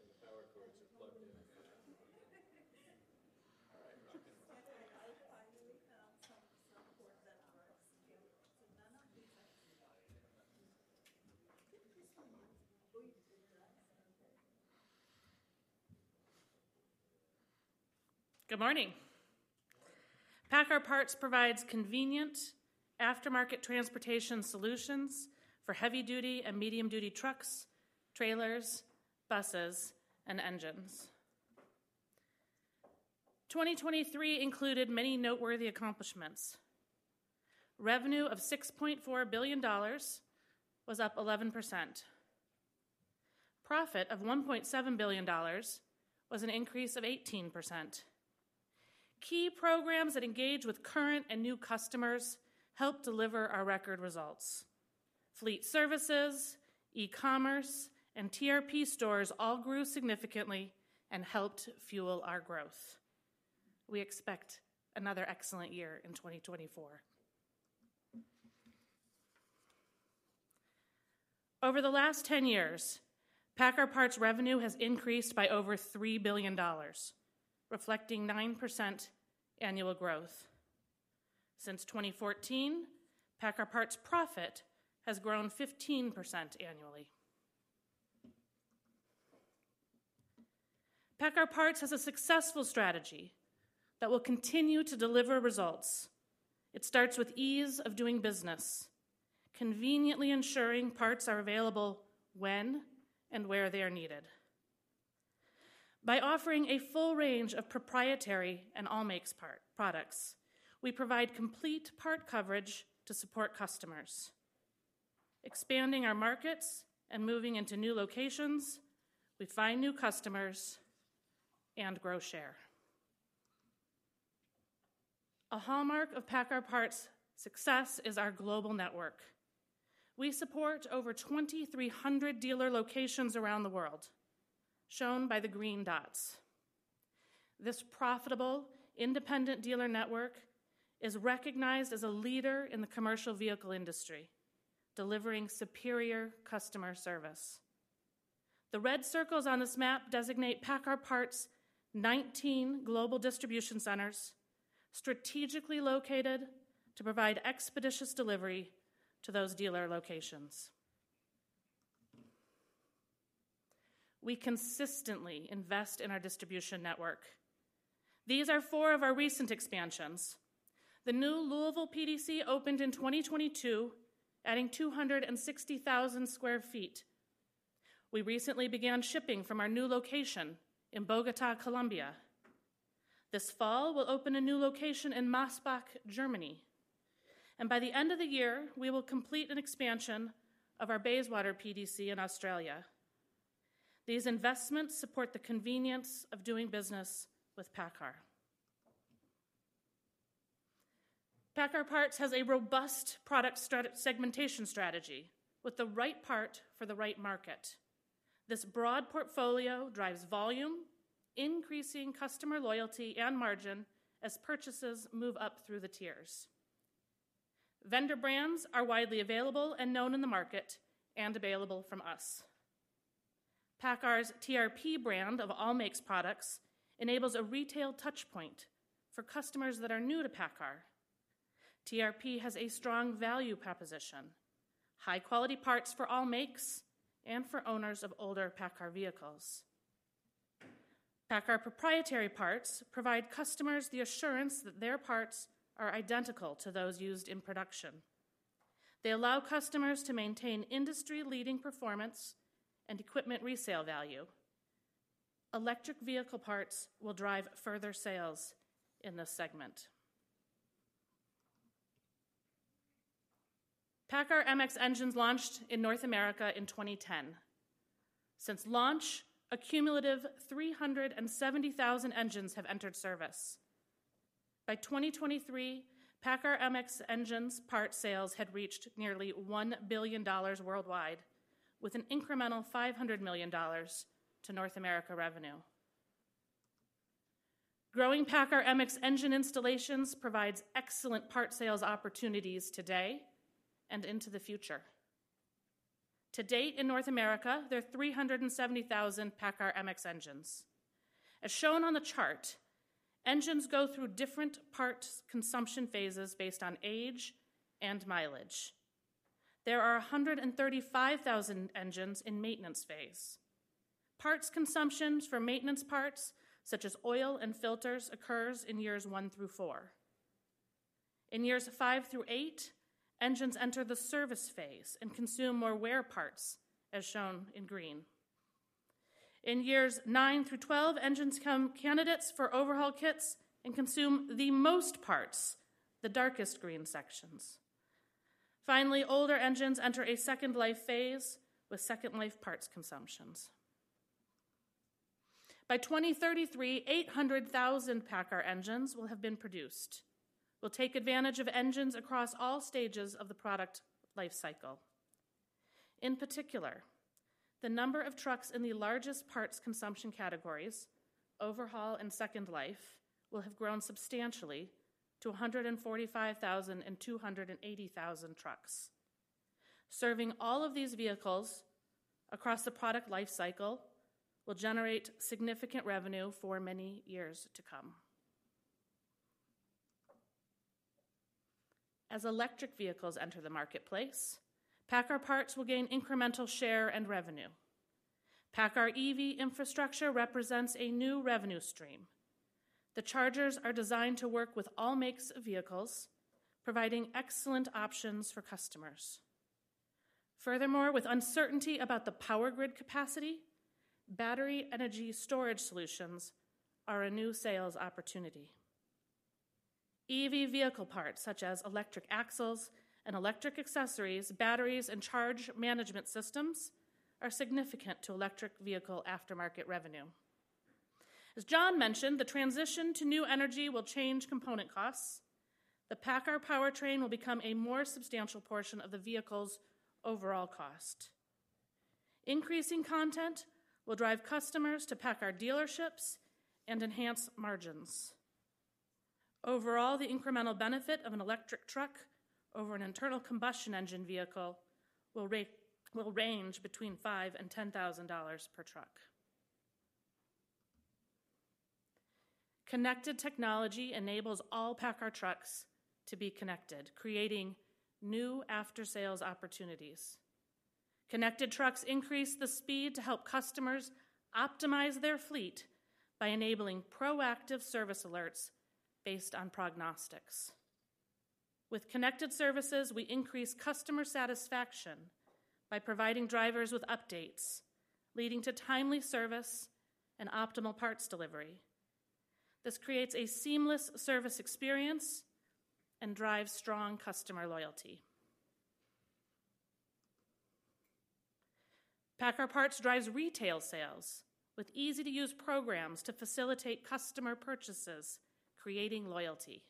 next door for refreshments. The restrooms are down the hallway along this side here, or you can stay where you are. Good morning! PACCAR Parts provides convenient aftermarket transportation solutions for heavy-duty and medium-duty trucks, trailers, buses, and engines. 2023 included many noteworthy accomplishments. Revenue of $6.4 billion was up 11%. Profit of $1.7 billion was an increase of 18%. Key programs that engage with current and new customers helped deliver our record results. Fleet Services, e-commerce, and TRP stores all grew significantly and helped fuel our growth. We expect another excellent year in 2024. Over the last 10 years, PACCAR Parts' revenue has increased by over $3 billion, reflecting 9% annual growth. Since 2014, PACCAR Parts' profit has grown 15% annually. PACCAR Parts has a successful strategy that will continue to deliver results. It starts with ease of doing business, conveniently ensuring parts are available when and where they are needed. By offering a full range of proprietary and all makes part products, we provide complete part coverage to support customers. Expanding our markets and moving into new locations, we find new customers and grow share. A hallmark of PACCAR Parts' success is our global network. We support over 2,300 dealer locations around the world, shown by the green dots. This profitable, independent dealer network is recognized as a leader in the commercial vehicle industry, delivering superior customer service. The red circles on this map designate PACCAR Parts' 19 global distribution centers, strategically located to provide expeditious delivery to those dealer locations. We consistently invest in our distribution network. These are four of our recent expansions. The new Louisville PDC opened in 2022, adding 260,000 sq ft. We recently began shipping from our new location in Bogotá, Colombia. This fall, we'll open a new location in Massbach, Germany, and by the end of the year, we will complete an expansion of our Bayswater PDC in Australia. These investments support the convenience of doing business with PACCAR. PACCAR Parts has a robust product segmentation strategy with the right part for the right market. This broad portfolio drives volume, increasing customer loyalty and margin as purchases move up through the tiers. Vendor brands are widely available and known in the market and available from us. PACCAR's TRP brand of all makes products enables a retail touch point for customers that are new to PACCAR. TRP has a strong value proposition, high-quality parts for all makes and for owners of older PACCAR vehicles. PACCAR proprietary parts provide customers the assurance that their parts are identical to those used in production. They allow customers to maintain industry-leading performance and equipment resale value. Electric vehicle parts will drive further sales in this segment. PACCAR MX Engines launched in North America in 2010. Since launch, a cumulative 370,000 engines have entered service. By 2023, PACCAR MX Engines parts sales had reached nearly $1 billion worldwide, with an incremental $500 million to North America revenue. Growing PACCAR MX Engine installations provides excellent part sales opportunities today and into the future. To date, in North America, there are 370,000 PACCAR MX engines. As shown on the chart, engines go through different parts consumption phases based on age and mileage. There are 135,000 engines in maintenance phase. Parts consumption for maintenance parts, such as oil and filters, occurs in years one through four. In years five through eight, engines enter the service phase and consume more wear parts, as shown in green. In years nine through 12, engines become candidates for overhaul kits and consume the most parts, the darkest green sections. Finally, older engines enter a second life phase with second life parts consumption. By 2033, 800,000 PACCAR engines will have been produced. We'll take advantage of engines across all stages of the product life cycle. In particular, the number of trucks in the largest parts consumption categories, overhaul and second life, will have grown substantially to 145,000 and 280,000 trucks. Serving all of these vehicles across the product life cycle will generate significant revenue for many years to come. As electric vehicles enter the marketplace, PACCAR Parts will gain incremental share and revenue. PACCAR EV infrastructure represents a new revenue stream. The chargers are designed to work with all makes of vehicles, providing excellent options for customers. Furthermore, with uncertainty about the power grid capacity, battery energy storage solutions are a new sales opportunity. EV vehicle parts, such as electric axles and electric accessories, batteries and charge management systems, are significant to electric vehicle aftermarket revenue. As John mentioned, the transition to new energy will change component costs. The PACCAR powertrain will become a more substantial portion of the vehicle's overall cost. Increasing content will drive customers to PACCAR dealerships and enhance margins. Overall, the incremental benefit of an electric truck over an internal combustion engine vehicle will range between $5,000 and $10,000 per truck. Connected technology enables all PACCAR trucks to be connected, creating new after-sales opportunities. Connected trucks increase the speed to help customers optimize their fleet by enabling proactive service alerts based on prognostics. With connected services, we increase customer satisfaction by providing drivers with updates, leading to timely service and optimal parts delivery. This creates a seamless service experience and drives strong customer loyalty. PACCAR Parts drives retail sales with easy-to-use programs to facilitate customer purchases, creating loyalty.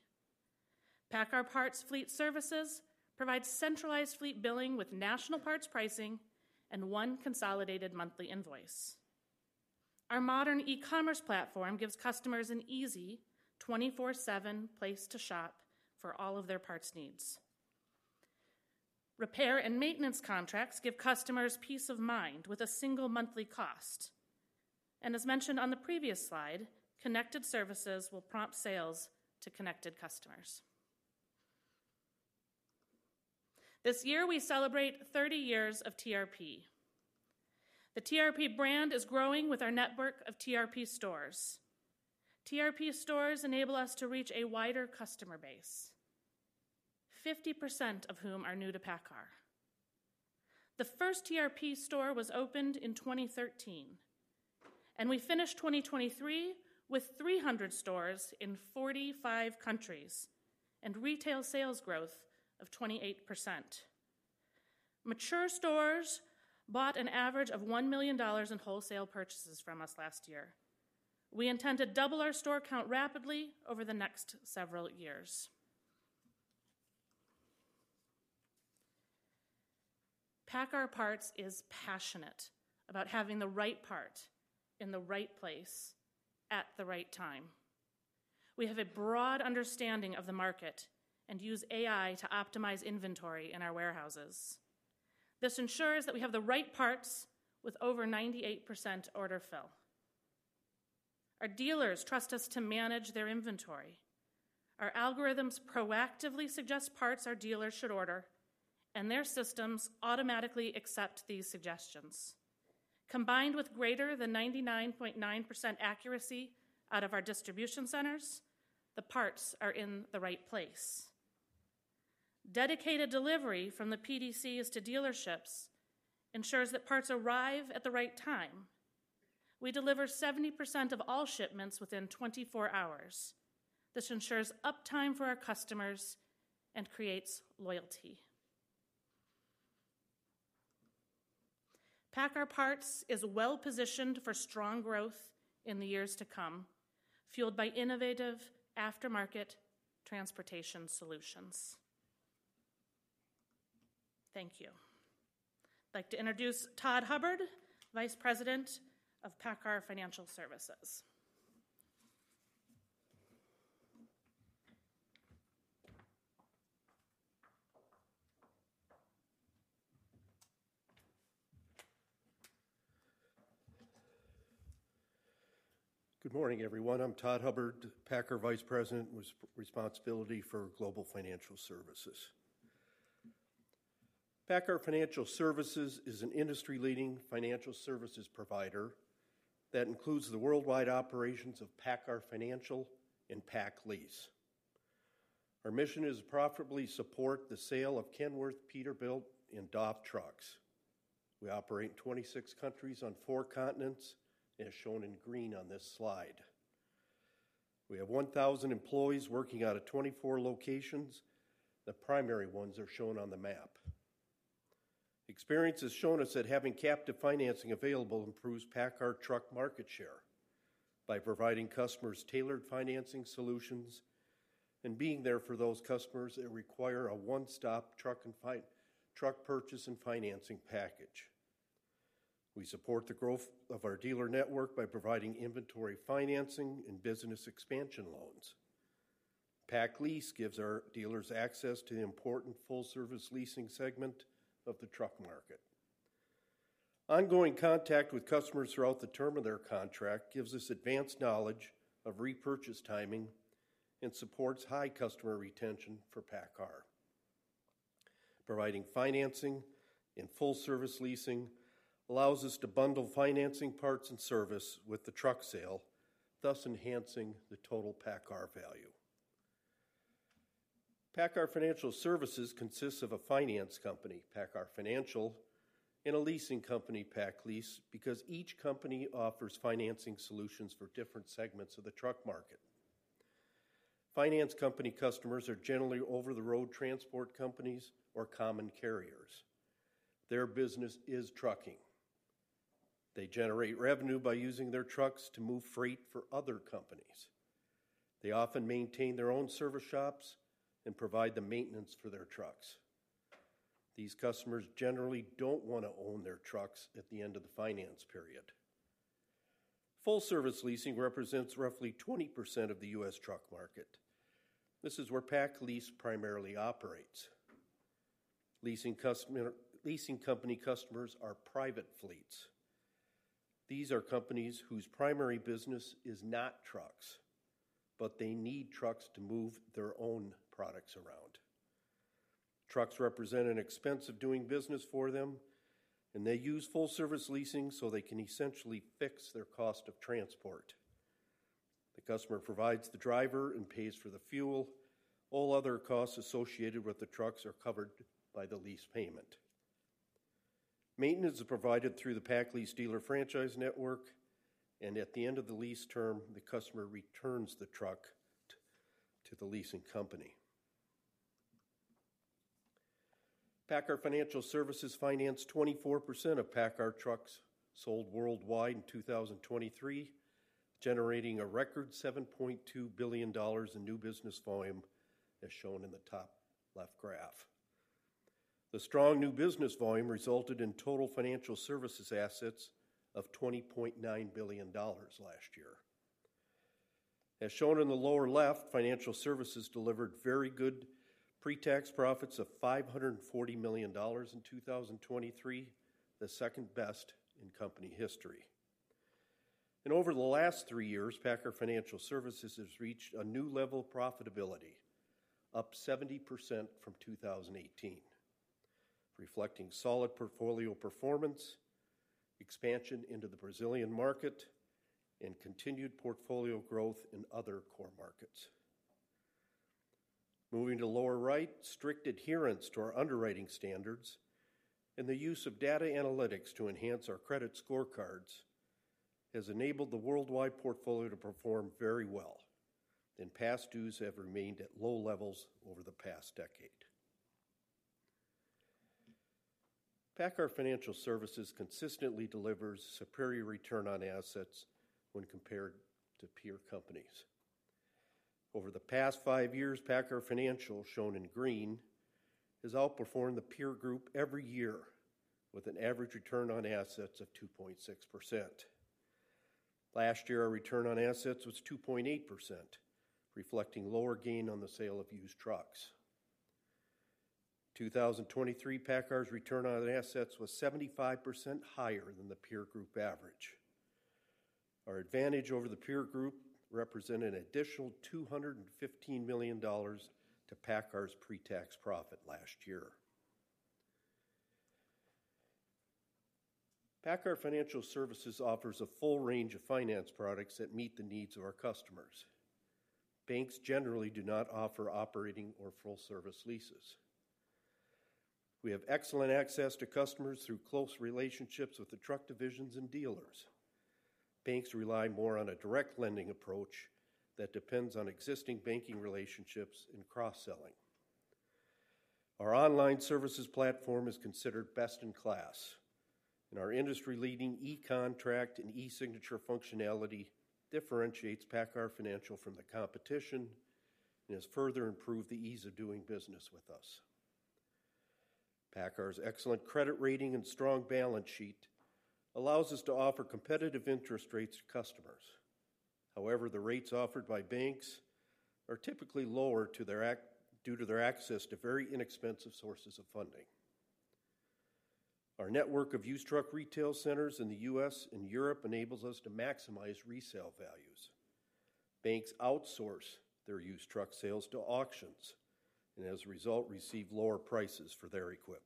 PACCAR Parts Fleet Services provides centralized fleet billing with national parts pricing and one consolidated monthly invoice. Our modern e-commerce platform gives customers an easy, 24/7 place to shop for all of their parts needs. Repair and maintenance contracts give customers peace of mind with a single monthly cost. As mentioned on the previous slide, connected services will prompt sales to connected customers. This year, we celebrate 30 years of TRP. The TRP brand is growing with our network of TRP stores. TRP stores enable us to reach a wider customer base, 50% of whom are new to PACCAR. The first TRP store was opened in 2013, and we finished 2023 with 300 stores in 45 countries and retail sales growth of 28%. Mature stores bought an average of $1 million in wholesale purchases from us last year. We intend to double our store count rapidly over the next several years. PACCAR Parts is passionate about having the right part in the right place at the right time. We have a broad understanding of the market and use AI to optimize inventory in our warehouses. This ensures that we have the right parts with over 98% order fill. Our dealers trust us to manage their inventory. Our algorithms proactively suggest parts our dealers should order, and their systems automatically accept these suggestions. Combined with greater than 99.9% accuracy out of our distribution centers, the parts are in the right place. Dedicated delivery from the PDCs to dealerships ensures that parts arrive at the right time. We deliver 70% of all shipments within 24 hours. This ensures uptime for our customers and creates loyalty. PACCAR Parts is well-positioned for strong growth in the years to come, fueled by innovative aftermarket transportation solutions. Thank you. I'd like to introduce Todd Hubbard, Vice President of PACCAR Financial Services. Good morning, everyone. I'm Todd Hubbard, PACCAR Vice President, with responsibility for Global Financial Services. PACCAR Financial Services is an industry-leading financial services provider that includes the worldwide operations of PACCAR Financial and PacLease. Our mission is to profitably support the sale of Kenworth, Peterbilt, and DAF trucks. We operate in 26 countries on four continents, as shown in green on this slide. We have 1,000 employees working out of 24 locations. The primary ones are shown on the map. Experience has shown us that having captive financing available improves PACCAR truck market share by providing customers tailored financing solutions and being there for those customers that require a one-stop truck purchase and financing package. We support the growth of our dealer network by providing inventory financing and business expansion loans. PacLease gives our dealers access to the important full-service leasing segment of the truck market. Ongoing contact with customers throughout the term of their contract gives us advanced knowledge of repurchase timing and supports high customer retention for PACCAR. Providing financing and full-service leasing allows us to bundle financing parts and service with the truck sale, thus enhancing the total PACCAR value. PACCAR Financial Services consists of a finance company, PACCAR Financial, and a leasing company, PacLease, because each company offers financing solutions for different segments of the truck market. Finance company customers are generally over-the-road transport companies or common carriers. Their business is trucking. They generate revenue by using their trucks to move freight for other companies. They often maintain their own service shops and provide the maintenance for their trucks. These customers generally don't want to own their trucks at the end of the finance period. Full-service leasing represents roughly 20% of the U.S. truck market. This is where PacLease primarily operates. Leasing company customers are private fleets. These are companies whose primary business is not trucks, but they need trucks to move their own products around. Trucks represent an expense of doing business for them, and they use full-service leasing so they can essentially fix their cost of transport. The customer provides the driver and pays for the fuel. All other costs associated with the trucks are covered by the lease payment. Maintenance is provided through the PacLease dealer franchise network, and at the end of the lease term, the customer returns the truck to the leasing company. PACCAR Financial Services financed 24% of PACCAR trucks sold worldwide in 2023, generating a record $7.2 billion in new business volume, as shown in the top left graph. The strong new business volume resulted in total financial services assets of $20.9 billion last year. As shown in the lower left, financial services delivered very good pre-tax profits of $540 million in 2023, the second best in company history. Over the last 3 years, PACCAR Financial Services has reached a new level of profitability, up 70% from 2018, reflecting solid portfolio performance, expansion into the Brazilian market, and continued portfolio growth in other core markets. Moving to the lower right, strict adherence to our underwriting standards and the use of data analytics to enhance our credit scorecards has enabled the worldwide portfolio to perform very well, and past dues have remained at low levels over the past decade. PACCAR Financial Services consistently delivers superior return on assets when compared to peer companies. Over the past 5 years, PACCAR Financial, shown in green, has outperformed the peer group every year with an average return on assets of 2.6%. Last year, our return on assets was 2.8%, reflecting lower gain on the sale of used trucks. 2023, PACCAR's return on assets was 75% higher than the peer group average. Our advantage over the peer group represented an additional $215 million to PACCAR's pre-tax profit last year. PACCAR Financial Services offers a full range of finance products that meet the needs of our customers. Banks generally do not offer operating or full-service leases. We have excellent access to customers through close relationships with the truck divisions and dealers. Banks rely more on a direct lending approach that depends on existing banking relationships and cross-selling. Our online services platform is considered best in class, and our industry-leading eContract and eSignature functionality differentiates PACCAR Financial from the competition and has further improved the ease of doing business with us. PACCAR's excellent credit rating and strong balance sheet allows us to offer competitive interest rates to customers. However, the rates offered by banks are typically lower to their accountholders due to their access to very inexpensive sources of funding. Our network of used truck retail centers in the U.S. and Europe enables us to maximize resale values. Banks outsource their used truck sales to auctions and, as a result, receive lower prices for their equipment.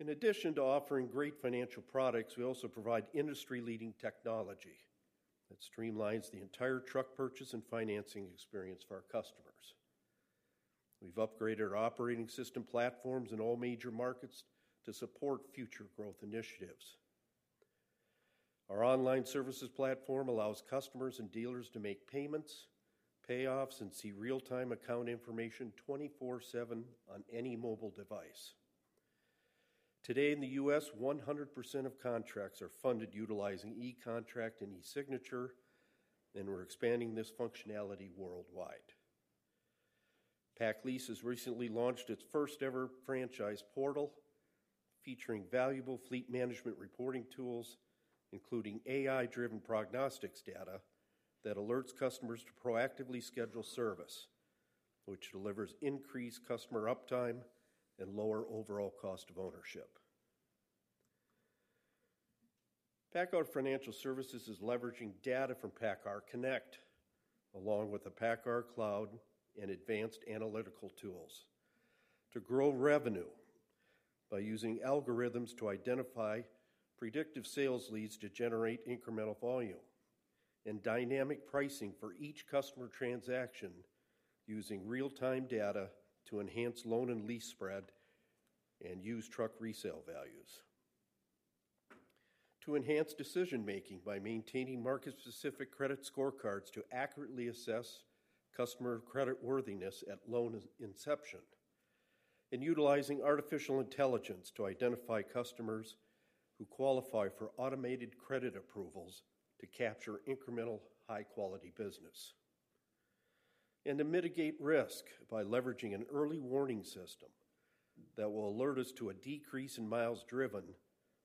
In addition to offering great financial products, we also provide industry-leading technology that streamlines the entire truck purchase and financing experience for our customers. We've upgraded our operating system platforms in all major markets to support future growth initiatives. Our online services platform allows customers and dealers to make payments, payoffs, and see real-time account information 24/7 on any mobile device. Today in the U.S., 100% of contracts are funded utilizing eContract and eSignature, and we're expanding this functionality worldwide. PacLease has recently launched its first-ever franchise portal, featuring valuable fleet management reporting tools, including AI-driven prognostics data that alerts customers to proactively schedule service, which delivers increased customer uptime and lower overall cost of ownership. PACCAR Financial Services is leveraging data from PACCAR Connect, along with the PACCAR cloud and advanced analytical tools, to grow revenue by using algorithms to identify predictive sales leads to generate incremental volume and dynamic pricing for each customer transaction, using real-time data to enhance loan and lease spread and used truck resale values. To enhance decision-making by maintaining market-specific credit scorecards to accurately assess customer creditworthiness at loan inception, and utilizing artificial intelligence to identify customers who qualify for automated credit approvals to capture incremental, high-quality business. To mitigate risk by leveraging an early warning system that will alert us to a decrease in miles driven,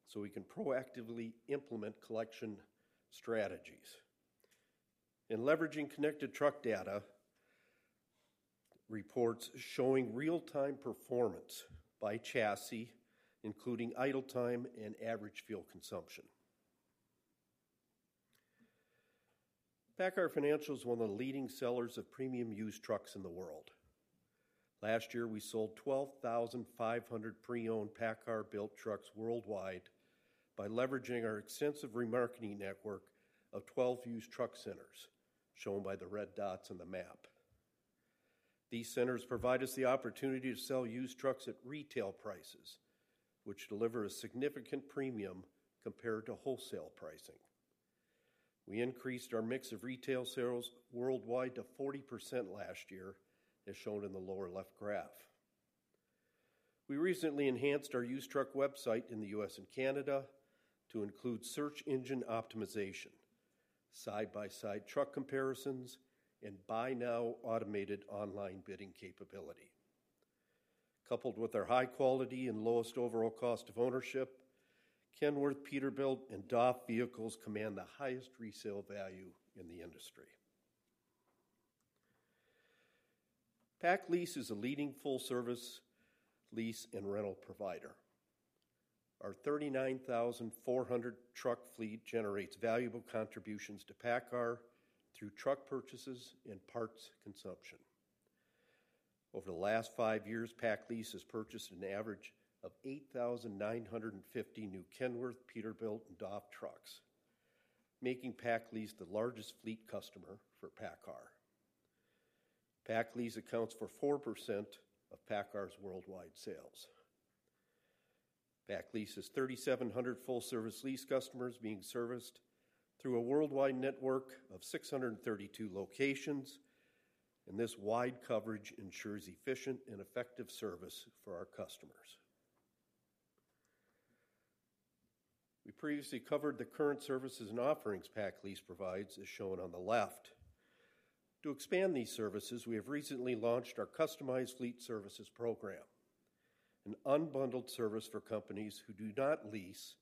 so we can proactively implement collection strategies. Leveraging connected truck data reports showing real-time performance by chassis, including idle time and average fuel consumption. PACCAR Financial is one of the leading sellers of premium used trucks in the world. Last year, we sold 12,500 pre-owned PACCAR-built trucks worldwide by leveraging our extensive remarketing network of 12 used truck centers, shown by the red dots on the map. These centers provide us the opportunity to sell used trucks at retail prices, which deliver a significant premium compared to wholesale pricing. We increased our mix of retail sales worldwide to 40% last year, as shown in the lower left graph. We recently enhanced our used truck website in the U.S. and Canada to include search engine optimization, side-by-side truck comparisons, and Buy Now automated online bidding capability. Coupled with our high quality and lowest overall cost of ownership, Kenworth, Peterbilt, and DAF vehicles command the highest resale value in the industry. PacLease is a leading full-service lease and rental provider. Our 39,400 truck fleet generates valuable contributions to PACCAR through truck purchases and parts consumption. Over the last five years, PacLease has purchased an average of 8,950 new Kenworth, Peterbilt, and DAF trucks, making PacLease the largest fleet customer for PACCAR. PacLease accounts for 4% of PACCAR's worldwide sales. PacLease has 3,700 full-service lease customers being serviced through a worldwide network of 632 locations, and this wide coverage ensures efficient and effective service for our customers. We previously covered the current services and offerings PacLease provides, as shown on the left. To expand these services, we have recently launched our Customized Fleet Services program, an unbundled service for companies who do not lease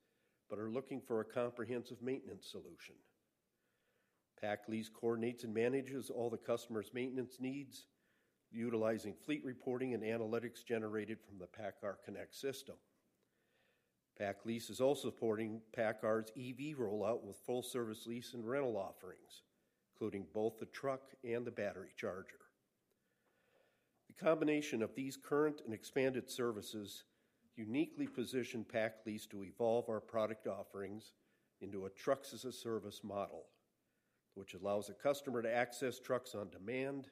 but are looking for a comprehensive maintenance solution. PacLease coordinates and manages all the customer's maintenance needs, utilizing fleet reporting and analytics generated from the PACCAR Connect system. PacLease is also supporting PACCAR's EV rollout with full-service lease and rental offerings, including both the truck and the battery charger. The combination of these current and expanded services uniquely position PacLease to evolve our product offerings into a Trucks-as-a-Service model, which allows a customer to access trucks on demand,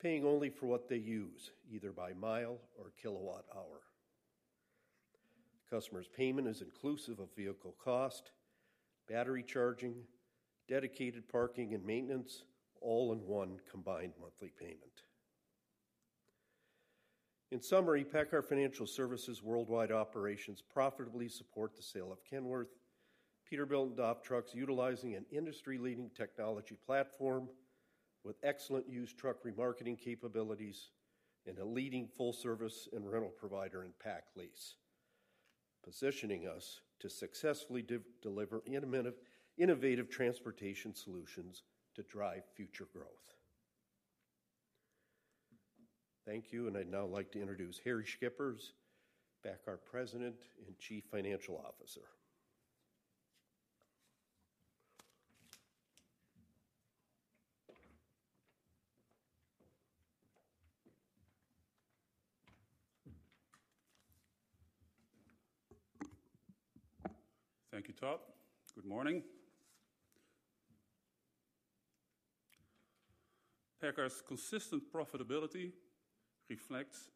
paying only for what they use, either by mile or kilowatt hour. Customer's payment is inclusive of vehicle cost, battery charging, dedicated parking, and maintenance, all in one combined monthly payment. In summary, PACCAR Financial Services worldwide operations profitably support the sale of Kenworth, Peterbilt and DAF trucks, utilizing an industry-leading technology platform with excellent used truck remarketing capabilities and a leading full-service and rental provider in PacLease, positioning us to successfully deliver innovative transportation solutions to drive future growth. Thank you, and I'd now like to introduce Harrie Schippers, PACCAR President and Chief Financial Officer. Thank you, Todd. Good morning. PACCAR's consistent profitability reflects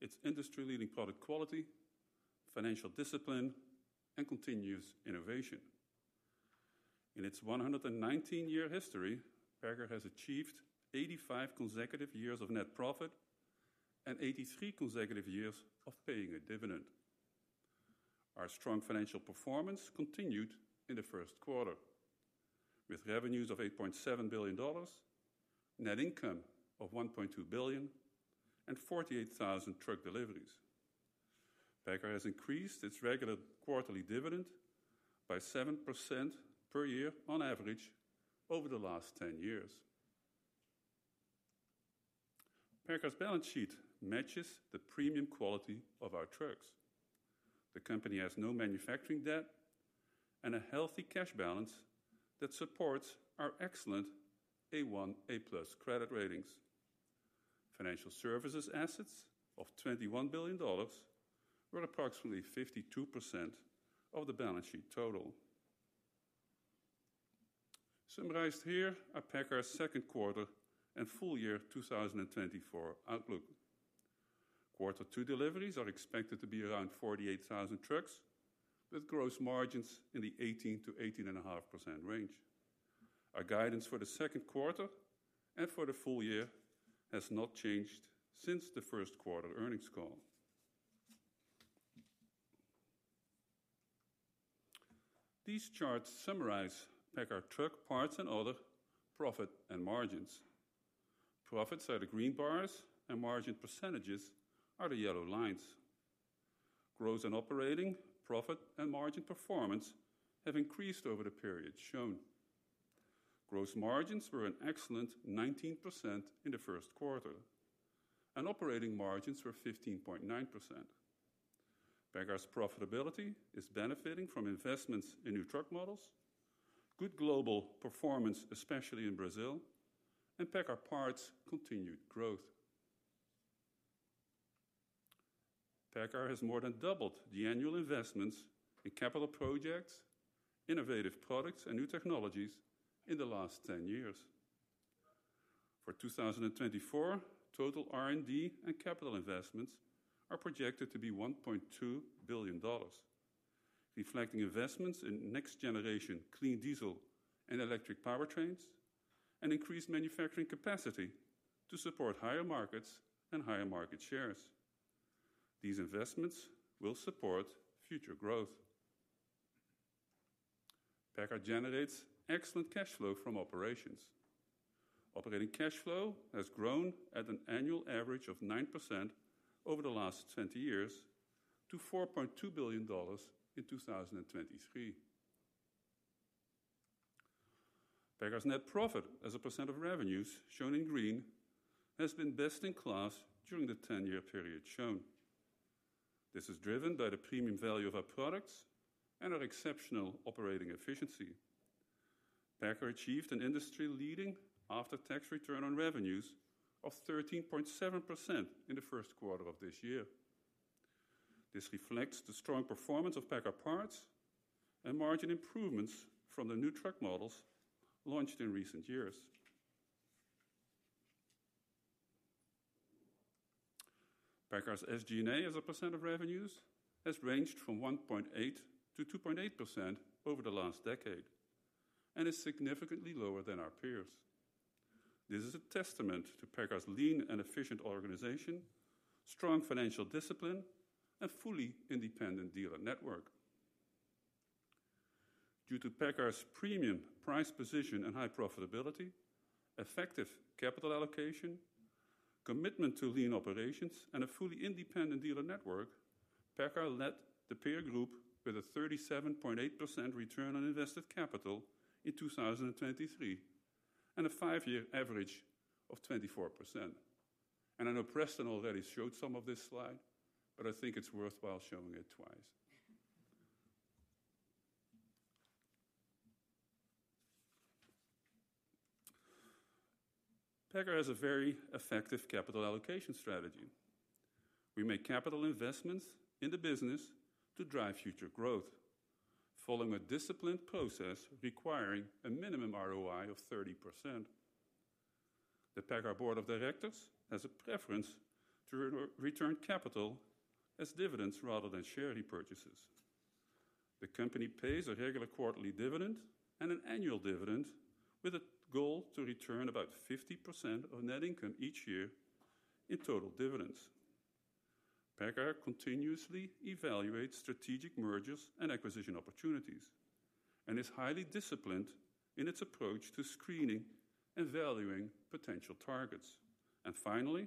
its industry-leading product quality, financial discipline, and continuous innovation. In its 119-year history, PACCAR has achieved 85 consecutive years of net profit and 83 consecutive years of paying a dividend. Our strong financial performance continued in the first quarter, with revenues of $8.7 billion, net income of $1.2 billion, and 48,000 truck deliveries. PACCAR has increased its regular quarterly dividend by 7% per year on average over the last 10 years. PACCAR's balance sheet matches the premium quality of our trucks. The company has no manufacturing debt and a healthy cash balance that supports our excellent A1/A+ credit ratings. Financial services assets of $21 billion were approximately 52% of the balance sheet total. Summarized here are PACCAR's second quarter and full year 2024 outlook. Quarter two deliveries are expected to be around 48,000 trucks, with gross margins in the 18%-18.5% range. Our guidance for the second quarter and for the full year has not changed since the first quarter earnings call. These charts summarize PACCAR truck parts and other profit and margins. Profits are the green bars, and margin percentages are the yellow lines. Gross and operating profit and margin performance have increased over the period shown. Gross margins were an excellent 19% in the first quarter, and operating margins were 15.9%. PACCAR's profitability is benefiting from investments in new truck models, good global performance, especially in Brazil, and PACCAR Parts' continued growth. PACCAR has more than doubled the annual investments in capital projects, innovative products, and new technologies in the last 10 years. For 2024, total R&D and capital investments are projected to be $1.2 billion, reflecting investments in next-generation clean diesel and electric powertrains, and increased manufacturing capacity to support higher markets and higher market shares. These investments will support future growth. PACCAR generates excellent cash flow from operations. Operating cash flow has grown at an annual average of 9% over the last 20 years to $4.2 billion in 2023. PACCAR's net profit as a percent of revenues, shown in green, has been best-in-class during the 10-year period shown. This is driven by the premium value of our products and our exceptional operating efficiency. PACCAR achieved an industry-leading after-tax return on revenues of 13.7% in the first quarter of this year. This reflects the strong performance of PACCAR Parts and margin improvements from the new truck models launched in recent years. PACCAR's SG&A as a percent of revenues has ranged from 1.8% to 2.8% over the last decade and is significantly lower than our peers. This is a testament to PACCAR's lean and efficient organization, strong financial discipline, and fully independent dealer network. Due to PACCAR's premium price position and high profitability, effective capital allocation, commitment to lean operations, and a fully independent dealer network, PACCAR led the peer group with a 37.8% return on invested capital in 2023 and a five-year average of 24%. And I know Preston already showed some of this slide, but I think it's worthwhile showing it twice. PACCAR has a very effective capital allocation strategy. We make capital investments in the business to drive future growth, following a disciplined process requiring a minimum ROI of 30%. The PACCAR Board of Directors has a preference to return capital as dividends rather than share repurchases. The company pays a regular quarterly dividend and an annual dividend, with a goal to return about 50% of net income each year in total dividends. PACCAR continuously evaluates strategic mergers and acquisition opportunities, and is highly disciplined in its approach to screening and valuing potential targets. Finally,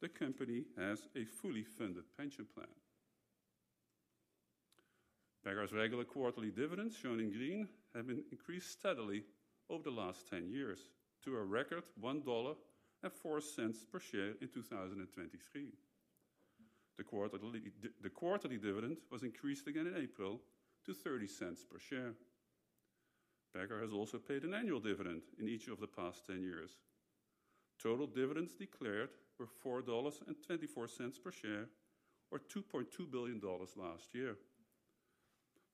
the company has a fully funded pension plan. PACCAR's regular quarterly dividends, shown in green, have been increased steadily over the last 10 years to a record $1.04 per share in 2023. The quarterly dividend was increased again in April to $0.30 per share. PACCAR has also paid an annual dividend in each of the past 10 years. Total dividends declared were $4.24 per share, or $2.2 billion last year.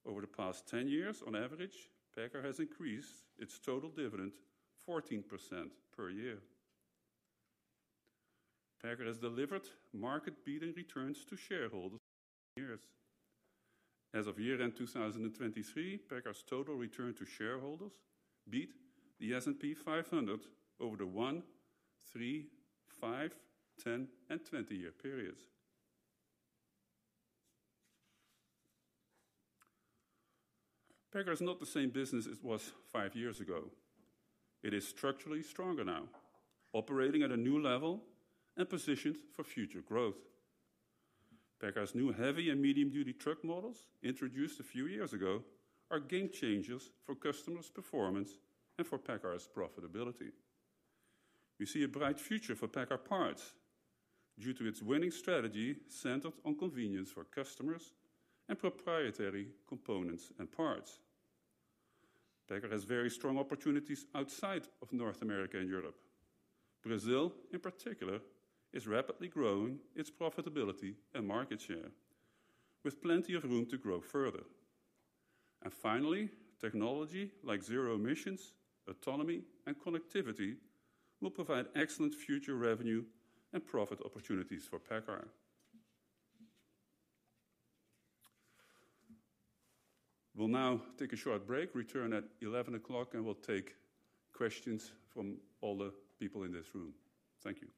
Over the past 10 years, on average, PACCAR has increased its total dividend 14% per year. PACCAR has delivered market-beating returns to shareholders years. As of year-end 2023, PACCAR's total return to shareholders beat the S&P 500 over the 1-, 3-, 5-, 10-, and 20-year periods. PACCAR is not the same business it was 5 years ago. It is structurally stronger now, operating at a new level and positioned for future growth. PACCAR's new heavy- and medium-duty truck models, introduced a few years ago, are game changers for customers' performance and for PACCAR's profitability. We see a bright future for PACCAR Parts due to its winning strategy centered on convenience for customers and proprietary components and parts. PACCAR has very strong opportunities outside of North America and Europe. Brazil, in particular, is rapidly growing its profitability and market share, with plenty of room to grow further. And finally, technology like zero emissions, autonomy, and connectivity will provide excellent future revenue and profit opportunities for PACCAR. We'll now take a short break, return at 11:00, and we'll take questions from all the people in this room. Thank you.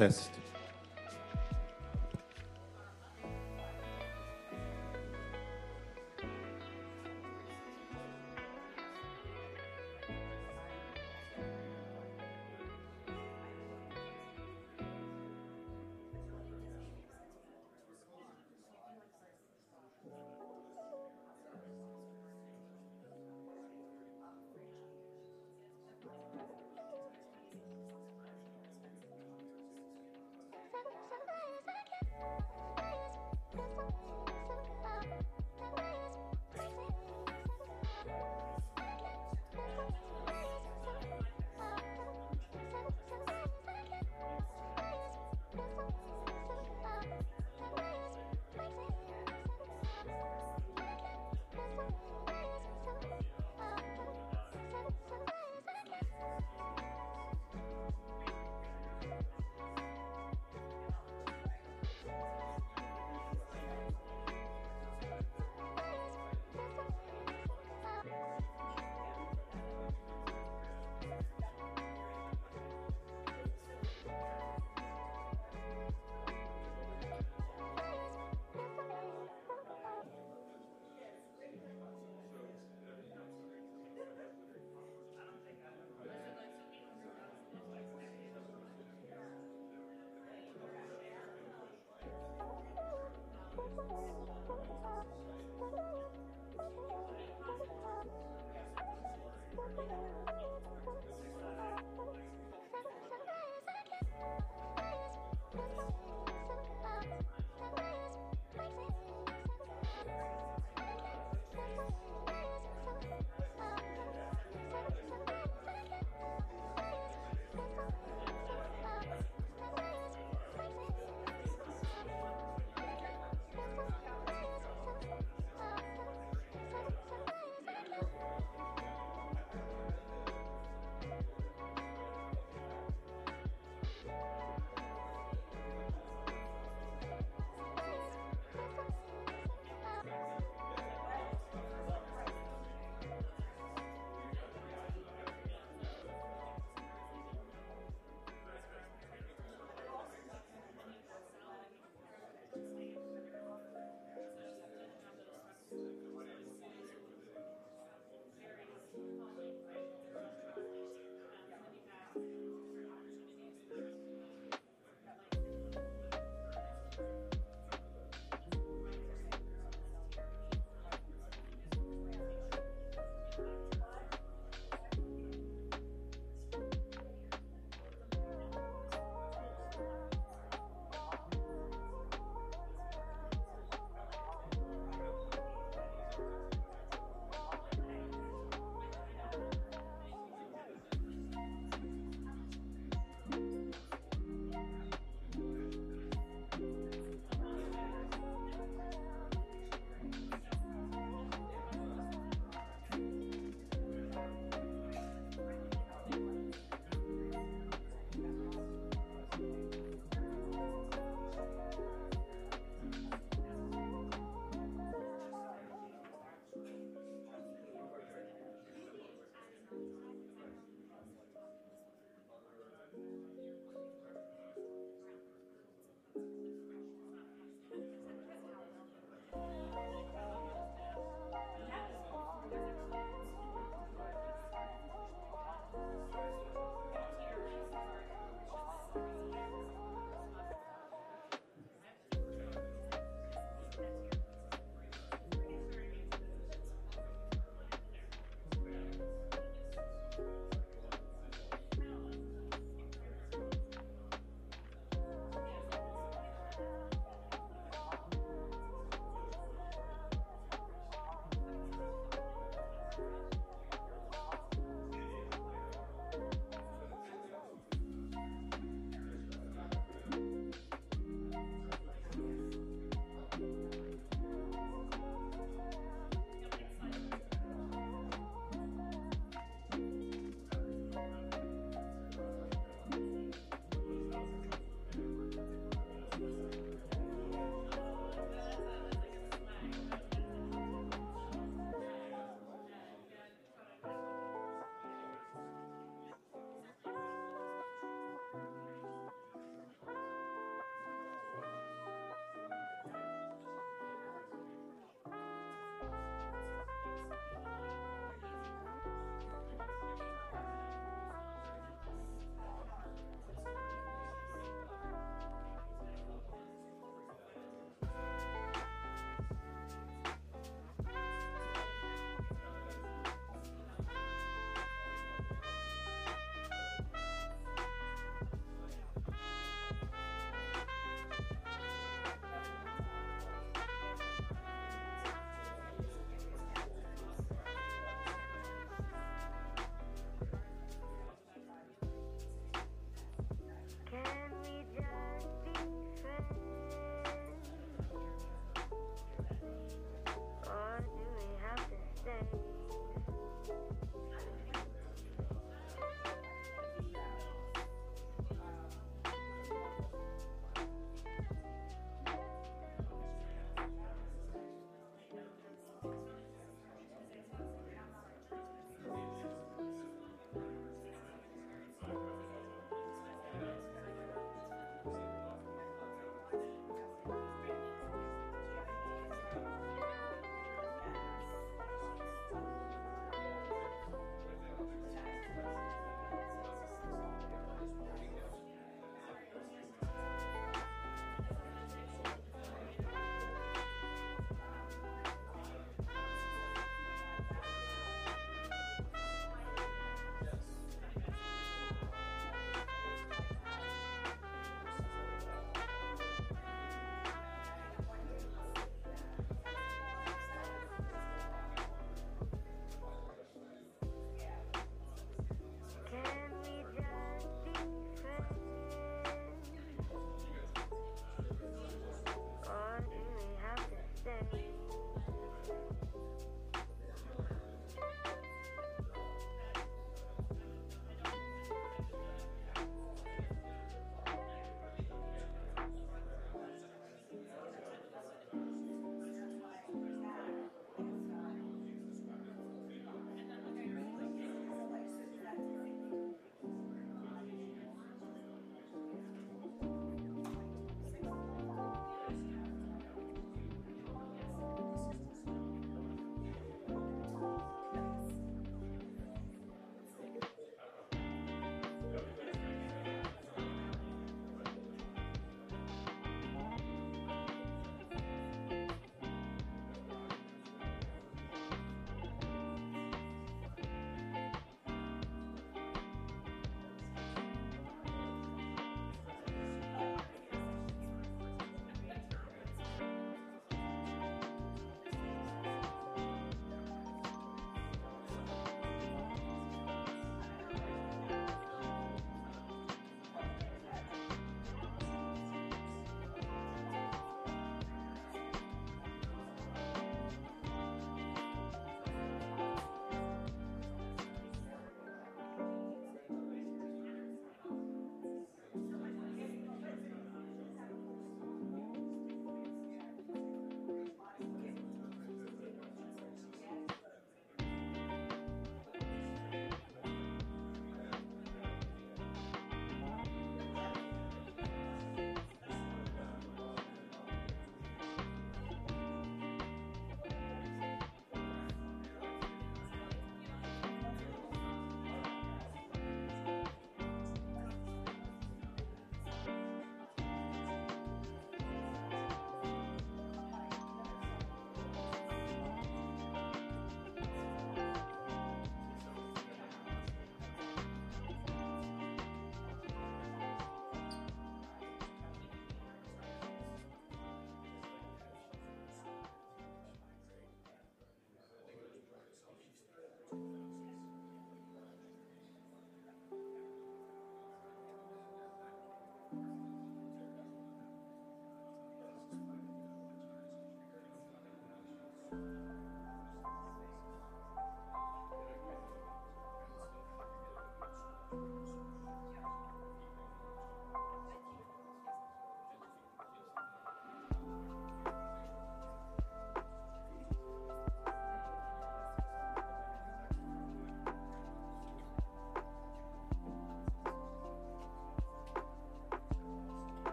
Test. I think you got it figured out.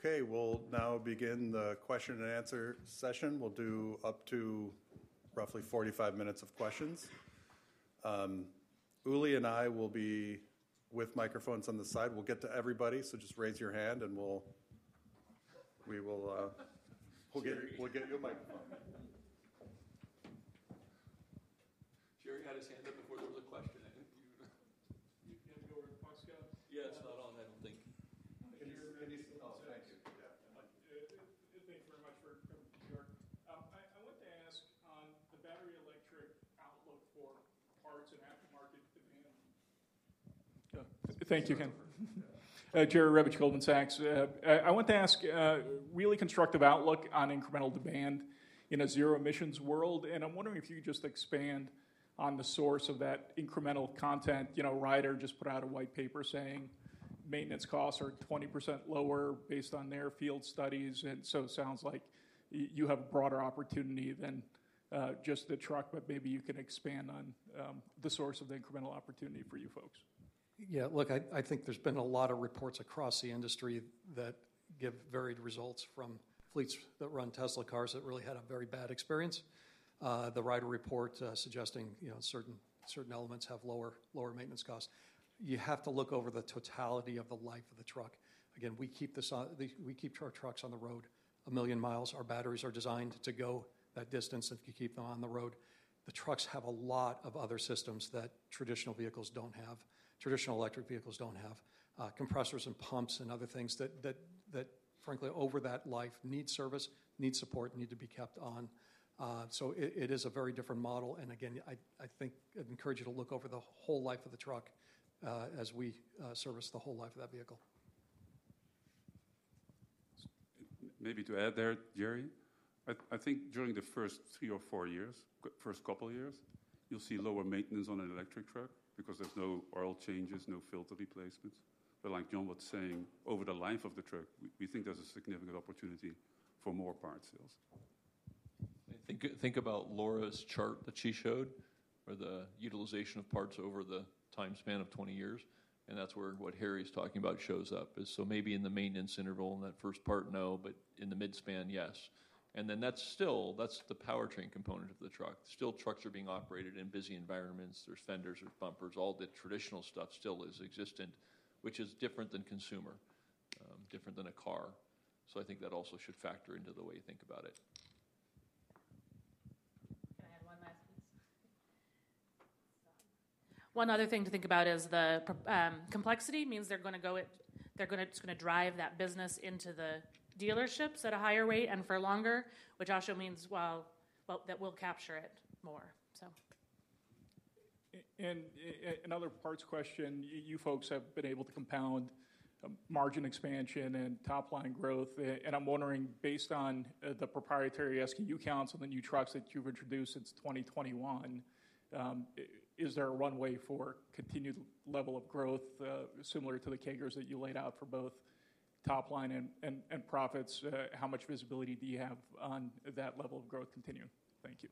Okay, we'll now begin the question and answer session. We'll do up to roughly 45 minutes of questions. Uli and I will be with microphones on the side. We'll get to everybody, so just raise your hand and we'll get you a microphone. Jerry had his hand up before there was a question. I think you- You have to go over the broadcast? Yeah, it's not on, I don't think. Oh, thank you. Yeah. Thank you very much for coming to New York. I wanted to ask on the battery electric outlook for parts and aftermarket demand. Yeah. Thank you, again. Jerry Revich, Goldman Sachs. I want to ask really constructive outlook on incremental demand in a zero emissions world, and I'm wondering if you could just expand on the source of that incremental content. You know, Ryder just put out a white paper saying maintenance costs are 20% lower based on their field studies, and so it sounds like you have a broader opportunity than just the truck, but maybe you can expand on the source of the incremental opportunity for you folks. Yeah, look, I think there's been a lot of reports across the industry that give varied results from fleets that run Tesla cars that really had a very bad experience. The Ryder report suggesting, you know, certain elements have lower maintenance costs. You have to look over the totality of the life of the truck. Again, we keep our trucks on the road 1 million miles. Our batteries are designed to go that distance if you keep them on the road. The trucks have a lot of other systems that traditional vehicles don't have, traditional electric vehicles don't have. Compressors and pumps and other things that frankly, over that life, need service, need support, need to be kept on. So it is a very different model, and again, I think I'd encourage you to look over the whole life of the truck, as we service the whole life of that vehicle.... Maybe to add there, Jerry, I think during the first three or four years, first couple years, you'll see lower maintenance on an electric truck because there's no oil changes, no filter replacements. But like John was saying, over the life of the truck, we think there's a significant opportunity for more parts sales. Think, think about Laura's chart that she showed, where the utilization of parts over the time span of 20 years, and that's where what Harrie is talking about shows up. So maybe in the maintenance interval, in that first part, no, but in the mid-span, yes. And then that's still, that's the powertrain component of the truck. Still, trucks are being operated in busy environments. There's fenders, there's bumpers, all the traditional stuff still is existent, which is different than consumer, different than a car. So I think that also should factor into the way you think about it. Can I add one last piece? One other thing to think about is the product complexity means they're gonna—it's gonna drive that business into the dealerships at a higher rate and for longer, which also means, well, that we'll capture it more, so. Another parts question, you folks have been able to compound margin expansion and top-line growth, and I'm wondering, based on the proprietary SKU counts on the new trucks that you've introduced since 2021, is there a runway for continued level of growth, similar to the CAGRs that you laid out for both top line and profits? How much visibility do you have on that level of growth continuing? Thank you.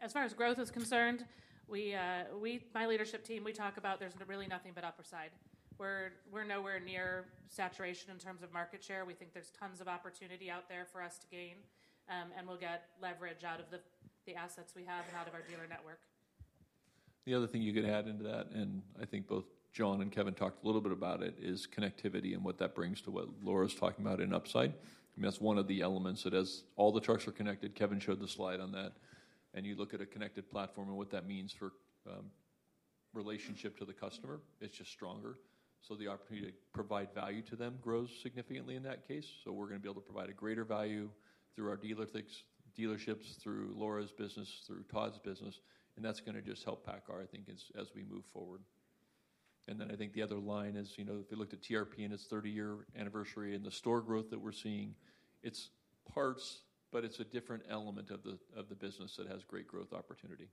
As far as growth is concerned, we, my leadership team, we talk about, there's really nothing but upside. We're nowhere near saturation in terms of market share. We think there's tons of opportunity out there for us to gain, and we'll get leverage out of the assets we have and out of our dealer network. The other thing you could add into that, and I think both John and Kevin talked a little bit about it, is connectivity and what that brings to what Laura's talking about in upside. I mean, that's one of the elements that as all the trucks are connected, Kevin showed the slide on that, and you look at a connected platform and what that means for relationship to the customer, it's just stronger. So the opportunity to provide value to them grows significantly in that case. So we're going to be able to provide a greater value through our dealerships, through Laura's business, through Todd's business, and that's going to just help PACCAR, I think, as we move forward. Then I think the other line is, you know, if you looked at TRP in its 30-year anniversary and the store growth that we're seeing, it's parts, but it's a different element of the, of the business that has great growth opportunity.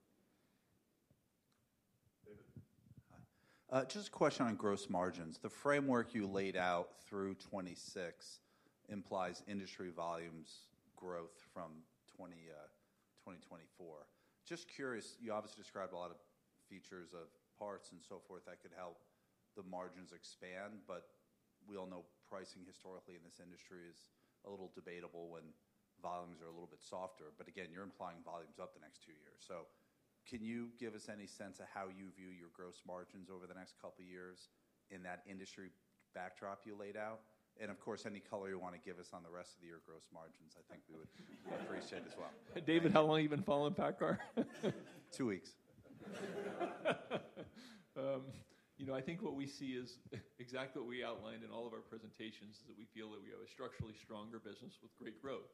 David? Hi. Just a question on gross margins. The framework you laid out through 2026 implies industry volumes growth from 2020, 2024. Just curious, you obviously described a lot of features of parts and so forth that could help the margins expand, but we all know pricing historically in this industry is a little debatable when volumes are a little bit softer. But again, you're implying volumes up the next two years. So can you give us any sense of how you view your gross margins over the next couple of years in that industry backdrop you laid out? And of course, any color you want to give us on the rest of the year gross margins, I think we would appreciate as well. David, how long have you been following PACCAR? Two weeks. You know, I think what we see is exactly what we outlined in all of our presentations, is that we feel that we have a structurally stronger business with great growth.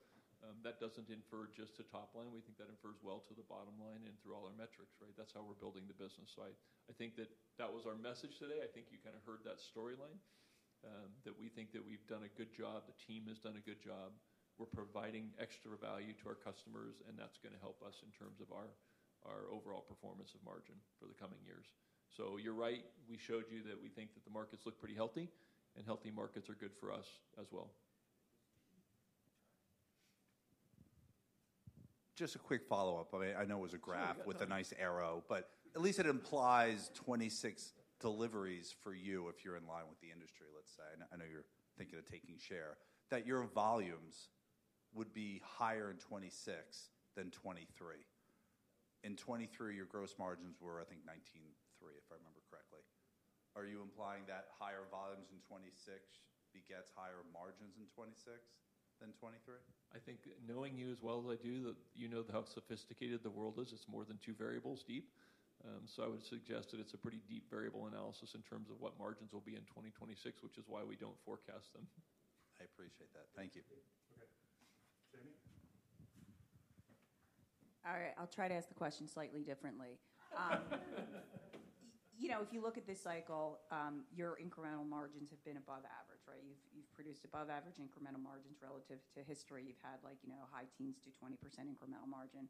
That doesn't infer just to top line. We think that infers well to the bottom line and through all our metrics, right? That's how we're building the business. So I, I think that that was our message today. I think you kind of heard that storyline, that we think that we've done a good job, the team has done a good job. We're providing extra value to our customers, and that's going to help us in terms of our, our overall performance of margin for the coming years. So you're right, we showed you that we think that the markets look pretty healthy, and healthy markets are good for us as well. Just a quick follow-up. I mean, I know it was a graph- Sure... with a nice arrow, but at least it implies 2026 deliveries for you, if you're in line with the industry, let's say. I, I know you're thinking of taking share, that your volumes would be higher in 2026 than 2023. In 2023, your gross margins were, I think, 19.3%, if I remember correctly. Are you implying that higher volumes in 2026 begets higher margins in 2026 than 2023? I think knowing you as well as I do, that you know how sophisticated the world is, it's more than two variables deep. So I would suggest that it's a pretty deep variable analysis in terms of what margins will be in 2026, which is why we don't forecast them. I appreciate that. Thank you. Okay. Jamie? All right, I'll try to ask the question slightly differently. You know, if you look at this cycle, your incremental margins have been above average, right? You've, you've produced above average incremental margins relative to history. You've had, like, you know, high teens to 20% incremental margin.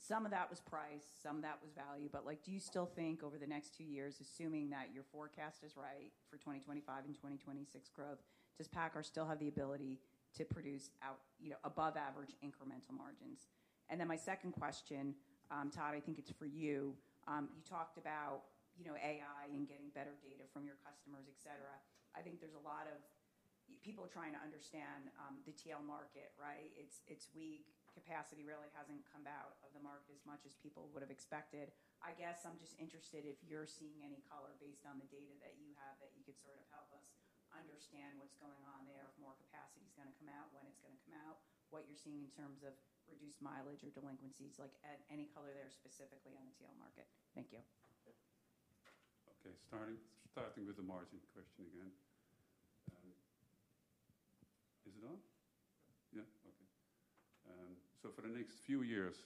Some of that was price, some of that was value, but, like, do you still think over the next two years, assuming that your forecast is right for 2025 and 2026 growth, does PACCAR still have the ability to produce out, you know, above-average incremental margins? And then my second question, Todd, I think it's for you. You talked about, you know, AI and getting better data from your customers, et cetera. I think there's a lot of people trying to understand, the TL market, right? It's, it's weak. Capacity really hasn't come out of the market as much as people would have expected. I guess I'm just interested if you're seeing any color based on the data that you have, that you could sort of help us understand what's going on there, if more capacity is going to come out, when it's going to come out, what you're seeing in terms of reduced mileage or delinquencies, like, any color there specifically on the TL market. Thank you. Okay, starting with the margin question again. Is it on? Yeah. So for the next few years,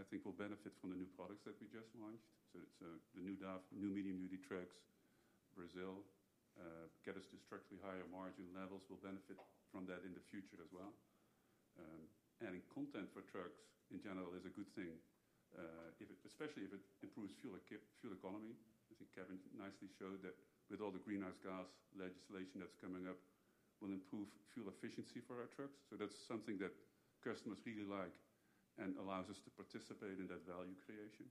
I think we'll benefit from the new products that we just launched. So the new DAF, new medium-duty trucks, Brazil, get us to structurally higher margin levels. We'll benefit from that in the future as well. And content for trucks, in general, is a good thing, if it especially if it improves fuel economy. I think Kevin nicely showed that with all the greenhouse gas legislation that's coming up, will improve fuel efficiency for our trucks. So that's something that customers really like and allows us to participate in that value creation.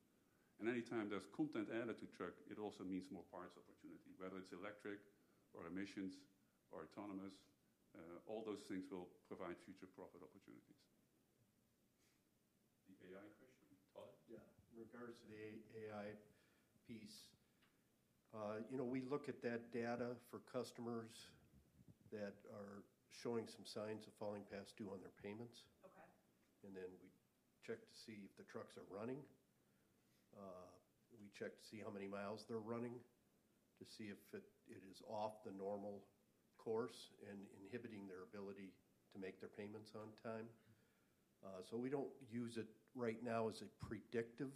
And anytime there's content added to truck, it also means more parts opportunity, whether it's electric or emissions or autonomous, all those things will provide future profit opportunities. The AI question, Todd? Yeah. In regards to the AI piece, you know, we look at that data for customers that are showing some signs of falling past due on their payments. Okay. And then we check to see if the trucks are running. We check to see how many miles they're running, to see if it is off the normal course and inhibiting their ability to make their payments on time. So we don't use it right now as a predictive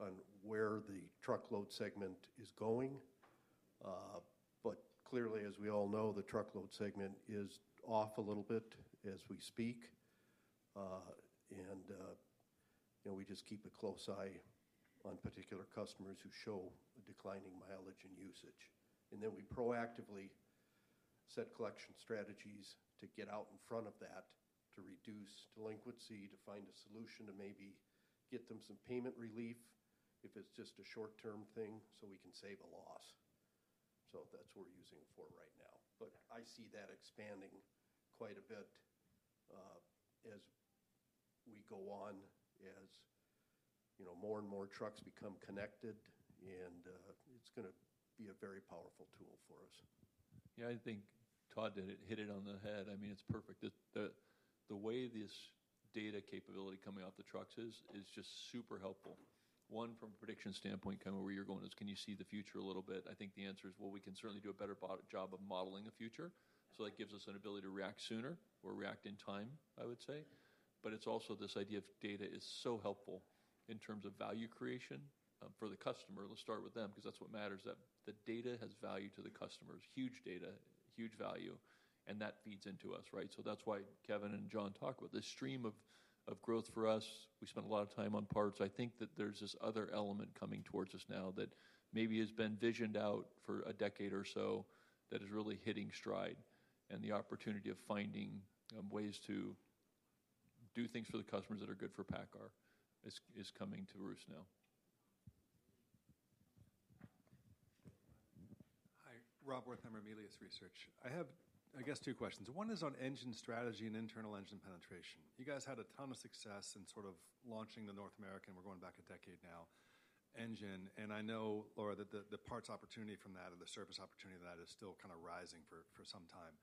on where the truckload segment is going. But clearly, as we all know, the truckload segment is off a little bit as we speak. And, you know, we just keep a close eye on particular customers who show a declining mileage and usage. And then we proactively set collection strategies to get out in front of that, to reduce delinquency, to find a solution to maybe get them some payment relief, if it's just a short-term thing, so we can save a loss. So that's what we're using it for right now. But I see that expanding quite a bit, as we go on, you know, more and more trucks become connected, and it's gonna be a very powerful tool for us. Yeah, I think Todd did it, hit it on the head. I mean, it's perfect. The way this data capability coming off the trucks is just super helpful. One, from a prediction standpoint, kind of where you're going, is can you see the future a little bit? I think the answer is, well, we can certainly do a better job of modeling the future, so that gives us an ability to react sooner or react in time, I would say. But it's also this idea of data is so helpful in terms of value creation for the customer. Let's start with them, 'cause that's what matters, that the data has value to the customers. Huge data, huge value, and that feeds into us, right? So that's why Kevin and John talk about this stream of growth for us. We spent a lot of time on parts. I think that there's this other element coming towards us now that maybe has been visioned out for a decade or so, that is really hitting stride, and the opportunity of finding ways to do things for the customers that are good for PACCAR is coming to roost now. Hi, Rob Wertheimer, Melius Research. I have, I guess, two questions. One is on engine strategy and internal engine penetration. You guys had a ton of success in sort of launching the North American, we're going back a decade now, engine, and I know, Laura, that the, the parts opportunity from that or the service opportunity from that is still kind of rising for, for some time.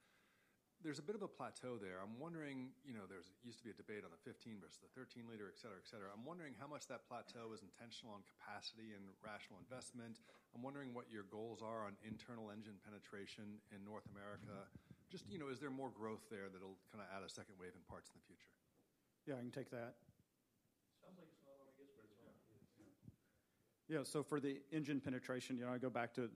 There's a bit of a plateau there. I'm wondering, you know, there's used to be a debate on the 15 L versus the 13 L, et cetera, et cetera. I'm wondering how much that plateau is intentional on capacity and rational investment. I'm wondering what your goals are on internal engine penetration in North America. Just, you know, is there more growth there that'll kind of add a second wave in parts in the future? Yeah, I can take that. Sounds like it's all over, I guess, but it's all... Yeah, so for the engine penetration, you know, I go back to,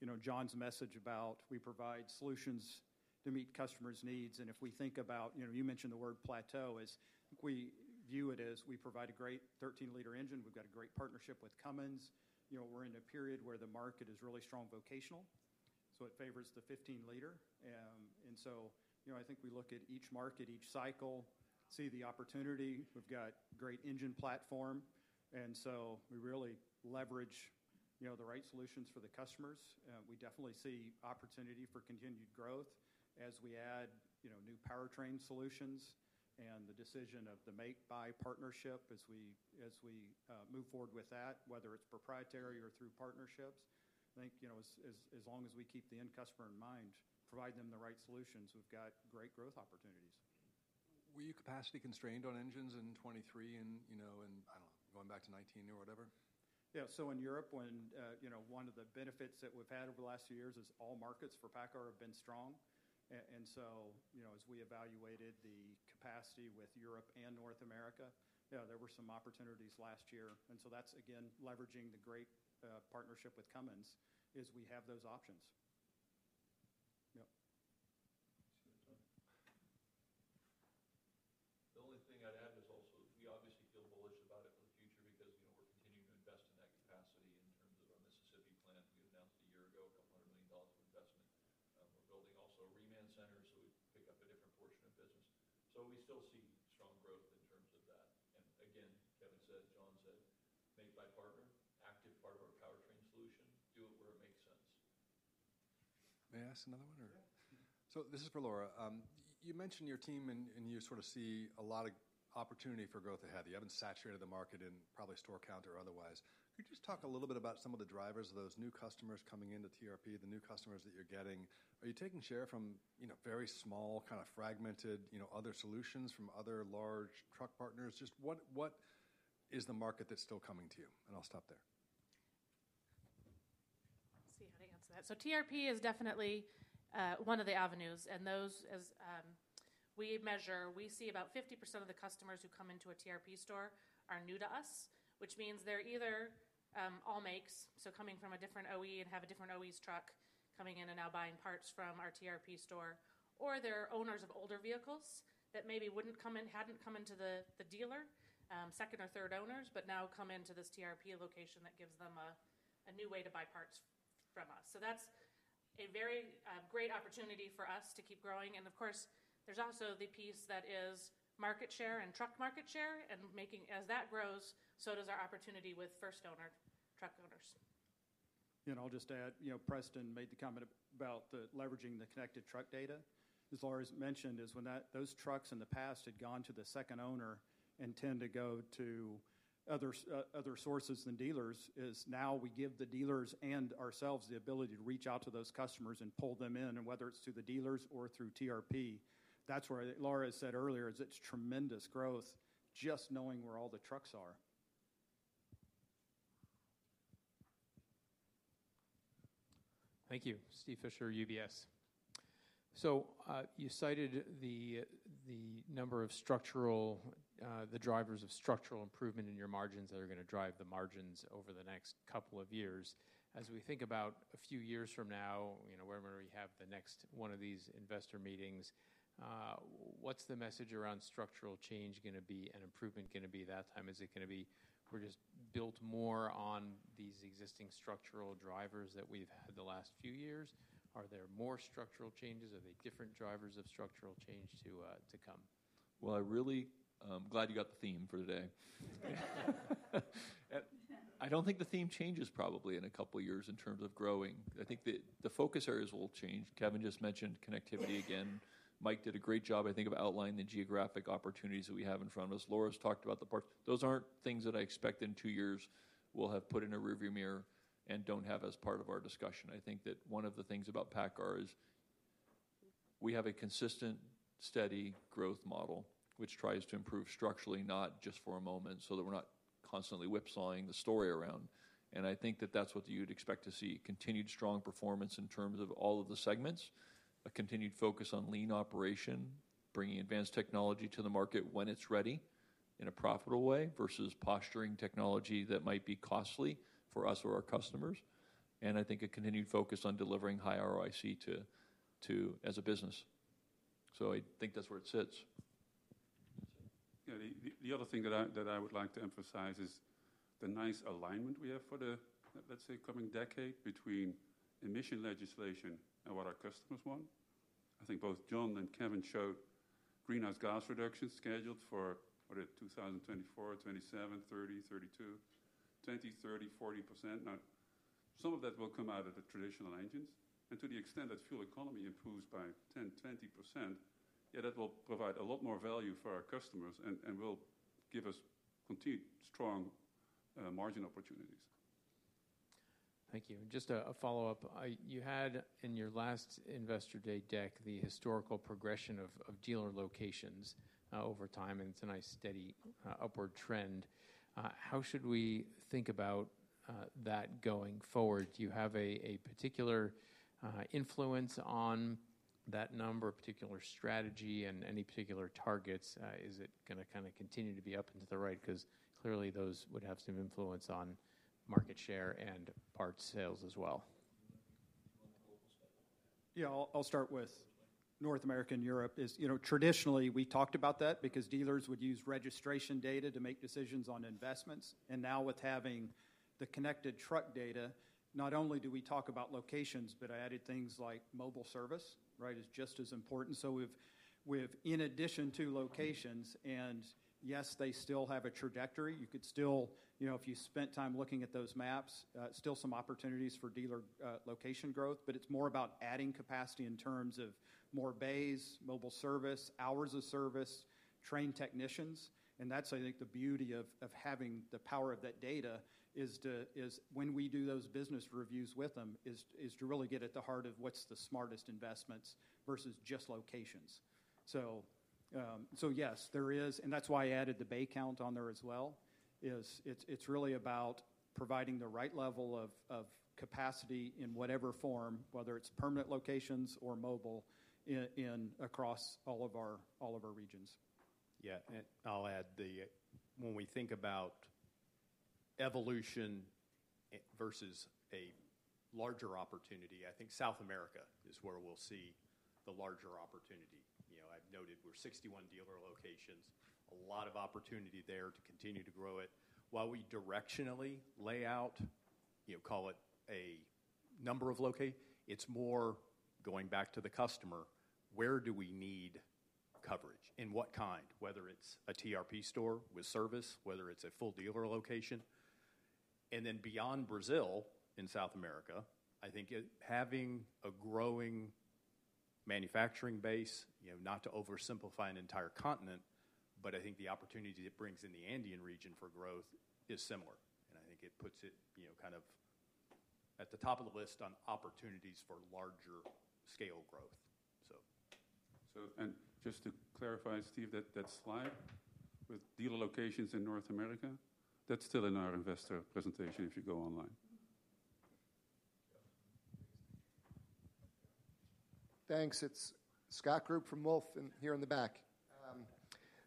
you know, John's message about we provide solutions to meet customers' needs. And if we think about, you know, you mentioned the word plateau as—we view it as we provide a great 13 L engine. We've got a great partnership with Cummins. You know, we're in a period where the market is really strong vocational, so it favors the 15 L. And so, you know, I think we look at each market, each cycle, see the opportunity. We've got great engine platform, and so we really leverage, you know, the right solutions for the customers. We definitely see opportunity for continued growth as we add, you know, new powertrain solutions and the decision of the make-buy partnership as we move forward with that, whether it's proprietary or through partnerships. I think, you know, as long as we keep the end customer in mind, provide them the right solutions, we've got great growth opportunities. Were you capacity-constrained on engines in 2023 and, you know, and, I don't know, going back to 2019 or whatever? Yeah, so in Europe, when, you know, one of the benefits that we've had over the last few years is all markets for PACCAR have been strong. And so, you know, as we evaluated the capacity with Europe and North America, yeah, there were some opportunities last year. And so that's, again, leveraging the great partnership with Cummins, is we have those options. Yep. The only thing I'd add is also, we obviously feel bullish about it for the future because, you know, we're continuing to invest in that capacity in terms of our Mississippi plant. We announced a year ago, $200 million of investment. We're building also a reman center, so we pick up a different portion of business. So we still see strong growth in terms of that. And again, Kevin said, John said, make-or-buy partner, active part of our powertrain solution, do it where it makes sense. May I ask another one, or? Yeah. This is for Laura. You mentioned your team, and you sort of see a lot of opportunity for growth ahead. You haven't saturated the market in probably store count or otherwise. Could you just talk a little bit about some of the drivers of those new customers coming into TRP, the new customers that you're getting? Are you taking share from, you know, very small, kind of fragmented, you know, other solutions from other large truck partners? Just what is the market that's still coming to you? And I'll stop there. ... Let's see how to answer that. So TRP is definitely one of the avenues, and those, as we measure, we see about 50% of the customers who come into a TRP store are new to us, which means they're either all makes, so coming from a different OE and have a different OE's truck coming in and now buying parts from our TRP store, or they're owners of older vehicles that maybe wouldn't come in, hadn't come into the dealer, second or third owners, but now come into this TRP location that gives them a new way to buy parts from us. That's a very great opportunity for us to keep growing, and of course, there's also the piece that is market share and truck market share, and making as that grows, so does our opportunity with first owner, truck owners. I'll just add, you know, Preston made the comment about leveraging the connected truck data. As Laura's mentioned, it's when those trucks in the past had gone to the second owner and tend to go to other sources than dealers; now we give the dealers and ourselves the ability to reach out to those customers and pull them in, and whether it's through the dealers or through TRP, that's where Laura said earlier, it's tremendous growth, just knowing where all the trucks are. Thank you. Steve Fisher, UBS. So, you cited the, the number of structural, the drivers of structural improvement in your margins that are gonna drive the margins over the next couple of years. As we think about a few years from now, you know, whenever we have the next one of these investor meetings, what's the message around structural change gonna be, and improvement gonna be that time? Is it gonna be we're just built more on these existing structural drivers that we've had the last few years? Are there more structural changes? Are they different drivers of structural change to, to come? Well, I really glad you got the theme for today. I don't think the theme changes probably in a couple of years in terms of growing. I think the focus areas will change. Kevin just mentioned connectivity again. Mike did a great job, I think, of outlining the geographic opportunities that we have in front of us. Laura's talked about the parts. Those aren't things that I expect in two years we'll have put in a rearview mirror and don't have as part of our discussion. I think that one of the things about PACCAR is we have a consistent, steady growth model, which tries to improve structurally, not just for a moment, so that we're not constantly whipsawing the story around. I think that that's what you'd expect to see, continued strong performance in terms of all of the segments, a continued focus on lean operation, bringing advanced technology to the market when it's ready, in a profitable way, versus posturing technology that might be costly for us or our customers, and I think a continued focus on delivering high ROIC to us as a business. So I think that's where it sits. Yeah, the other thing that I would like to emphasize is the nice alignment we have for the, let's say, coming decade between emission legislation and what our customers want. I think both John and Kevin showed greenhouse gas reductions scheduled for, what is it? 2024, 2027, 2030, 2032, 20%, 30%, 40%. Now, some of that will come out of the traditional engines, and to the extent that fuel economy improves by 10%, 20%, yeah, that will provide a lot more value for our customers and will give us continued strong margin opportunities. Thank you. Just a follow-up. You had in your last Investor Day deck, the historical progression of dealer locations over time, and it's a nice, steady, upward trend. How should we think about that going forward? Do you have a particular influence on that number, a particular strategy, and any particular targets? Is it gonna kinda continue to be up into the right, 'cause clearly, those would have some influence on market share and parts sales as well? Yeah, I'll start with North America and Europe. You know, traditionally, we talked about that because dealers would use registration data to make decisions on investments, and now with having the connected truck data, not only do we talk about locations, but I added things like mobile service, right, is just as important. So we've in addition to locations, and yes, they still have a trajectory. You could still. You know, if you spent time looking at those maps, still some opportunities for dealer location growth, but it's more about adding capacity in terms of more bays, mobile service, hours of service, trained technicians, and that's, I think, the beauty of having the power of that data, is to is when we do those business reviews with them, is to really get at the heart of what's the smartest investments versus just locations. Yes, there is, and that's why I added the bay count on there as well. It's really about providing the right level of capacity in whatever form, whether it's permanent locations or mobile, across all of our regions. Yeah, and I'll add the, when we think about evolution versus a larger opportunity, I think South America is where we'll see the larger opportunity. You know, I've noted we're 61 dealer locations, a lot of opportunity there to continue to grow it. While we directionally lay out, you know, call it a number of, it's more going back to the customer, where do we need coverage? In what kind? Whether it's a TRP store with service, whether it's a full dealer location. And then beyond Brazil, in South America, I think it, having a growing manufacturing base, you know, not to oversimplify an entire continent, but I think the opportunity it brings in the Andean region for growth is similar. And I think it puts it, you know, kind of at the top of the list on opportunities for larger scale growth. So-... So, and just to clarify, Steve, that, that slide with dealer locations in North America, that's still in our investor presentation if you go online. Thanks. It's Scott Group from Wolfe, and here in the back.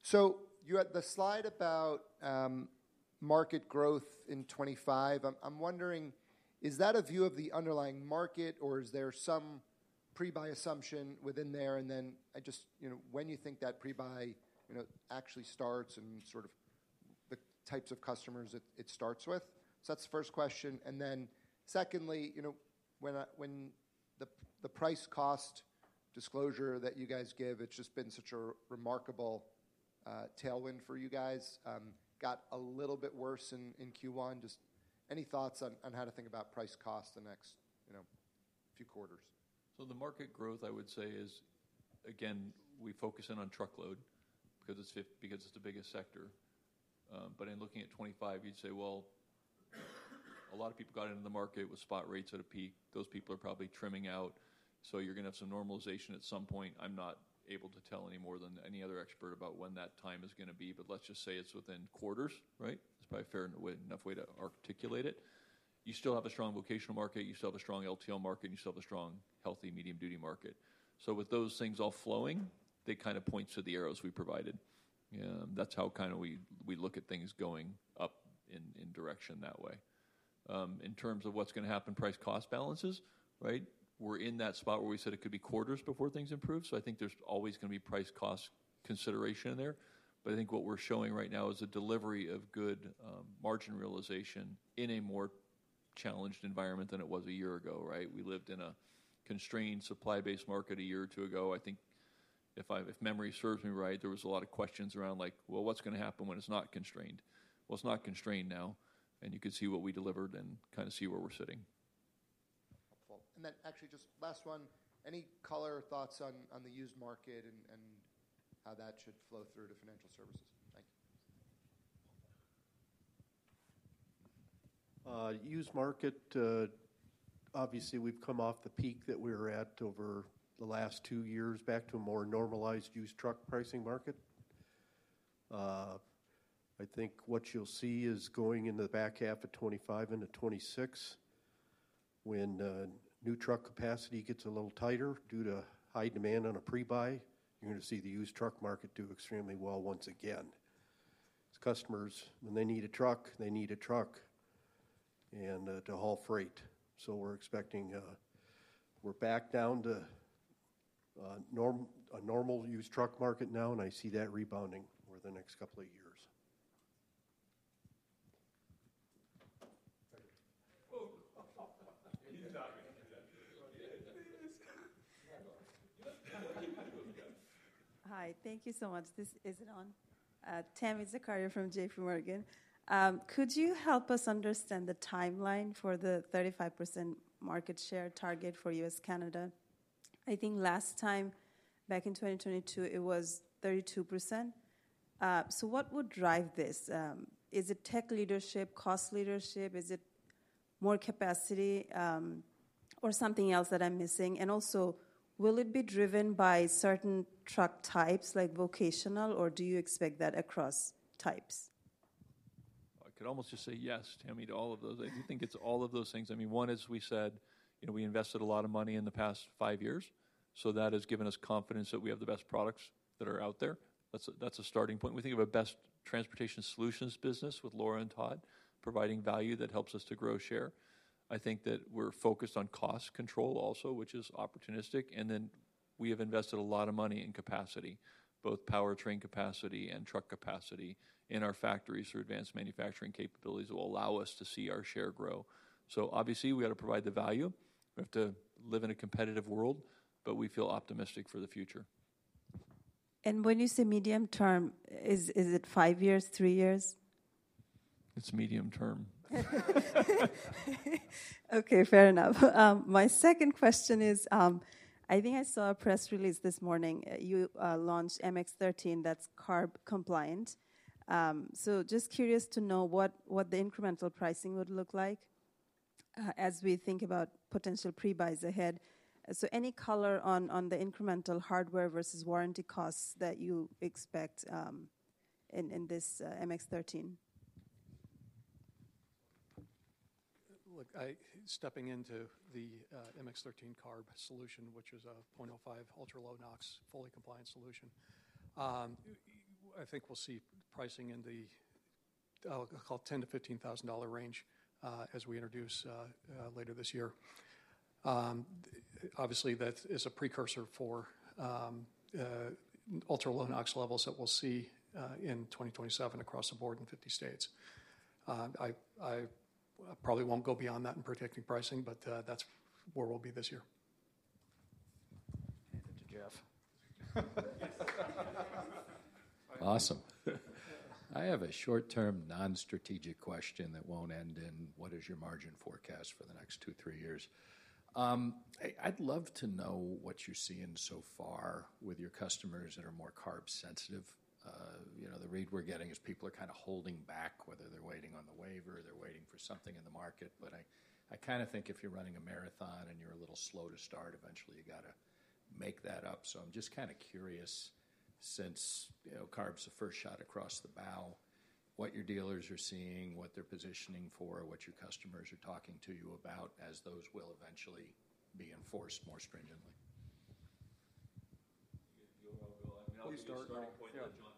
So you had the slide about market growth in 2025. I'm wondering, is that a view of the underlying market, or is there some pre-buy assumption within there? And then I just, you know, when you think that pre-buy, you know, actually starts and sort of the types of customers it starts with. So that's the first question. And then secondly, you know, when the price cost disclosure that you guys give, it's just been such a remarkable tailwind for you guys. Got a little bit worse in Q1. Just any thoughts on how to think about price cost the next, you know, few quarters? So the market growth, I would say, is, again, we focus in on truckload, because it's the biggest sector. But in looking at 2025, you'd say, well, a lot of people got into the market with spot rates at a peak. Those people are probably trimming out, so you're going to have some normalization at some point. I'm not able to tell any more than any other expert about when that time is going to be, but let's just say it's within quarters, right? That's probably a fair enough way to articulate it. You still have a strong vocational market, you still have a strong LTL market, and you still have a strong, healthy medium-duty market. So with those things all flowing, that kind of points to the arrows we provided. That's how kind of we look at things going up in direction that way. In terms of what's going to happen, price cost balances, right? We're in that spot where we said it could be quarters before things improve, so I think there's always going to be price cost consideration in there. But I think what we're showing right now is a delivery of good margin realization in a more challenged environment than it was a year ago, right? We lived in a constrained, supply-based market a year or two ago. I think if memory serves me right, there was a lot of questions around like, "Well, what's going to happen when it's not constrained?" Well, it's not constrained now, and you can see what we delivered and kind of see where we're sitting. Helpful. And then actually, just last one, any color or thoughts on, on the used market and, and how that should flow through to financial services? Thank you. Used market, obviously, we've come off the peak that we were at over the last two years back to a more normalized used truck pricing market. I think what you'll see is going into the back half of 2025 into 2026, when new truck capacity gets a little tighter due to high demand on a pre-buy, you're going to see the used truck market do extremely well once again. As customers, when they need a truck, they need a truck and to haul freight. So we're expecting... We're back down to a normal used truck market now, and I see that rebounding over the next couple of years. Oh! He's talking. Hi, thank you so much. This... Is it on? Tami Zakaria from JPMorgan. Could you help us understand the timeline for the 35% market share target for U.S., Canada? I think last time, back in 2022, it was 32%. So what would drive this? Is it tech leadership, cost leadership, is it more capacity, or something else that I'm missing? And also, will it be driven by certain truck types, like vocational, or do you expect that across types? I could almost just say yes, Tami, to all of those. I do think it's all of those things. I mean, one, as we said, you know, we invested a lot of money in the past five years, so that has given us confidence that we have the best products that are out there. That's a, that's a starting point. We think of a best transportation solutions business with Laura and Todd, providing value that helps us to grow share. I think that we're focused on cost control also, which is opportunistic, and then we have invested a lot of money in capacity, both powertrain capacity and truck capacity in our factories through advanced manufacturing capabilities will allow us to see our share grow. So obviously, we got to provide the value. We have to live in a competitive world, but we feel optimistic for the future. When you say medium term, is it 5 years, 3 years? It's medium term. Okay, fair enough. My second question is, I think I saw a press release this morning, you launched MX-13, that's CARB compliant. So just curious to know what the incremental pricing would look like, as we think about potential pre-buys ahead. So any color on the incremental hardware versus warranty costs that you expect, in this MX-13? Look, stepping into the MX-13 CARB solution, which is a 0.05 ultra-low NOx, fully compliant solution, I think we'll see pricing in the call it $10,000-$15,000 range as we introduce later this year. Obviously, that is a precursor for ultra-low NOx levels that we'll see in 2027 across the board in 50 states. I probably won't go beyond that in predicting pricing, but that's where we'll be this year. Hand it to Jeff. Awesome. I have a short-term, non-strategic question that won't end in: What is your margin forecast for the next 2, 3 years? I, I'd love to know what you're seeing so far with your customers that are more CARB sensitive. You know, the read we're getting is people are kind of holding back, whether they're waiting on the waiver, or they're waiting for something in the market. But I, I kind of think if you're running a marathon and you're a little slow to start, eventually you've got to make that up. So I'm just kind of curious, since, you know, CARB's the first shot across the bow... what your dealers are seeing, what they're positioning for, what your customers are talking to you about, as those will eventually be enforced more stringently? You want to go, I'll go. I'll start. Starting point that John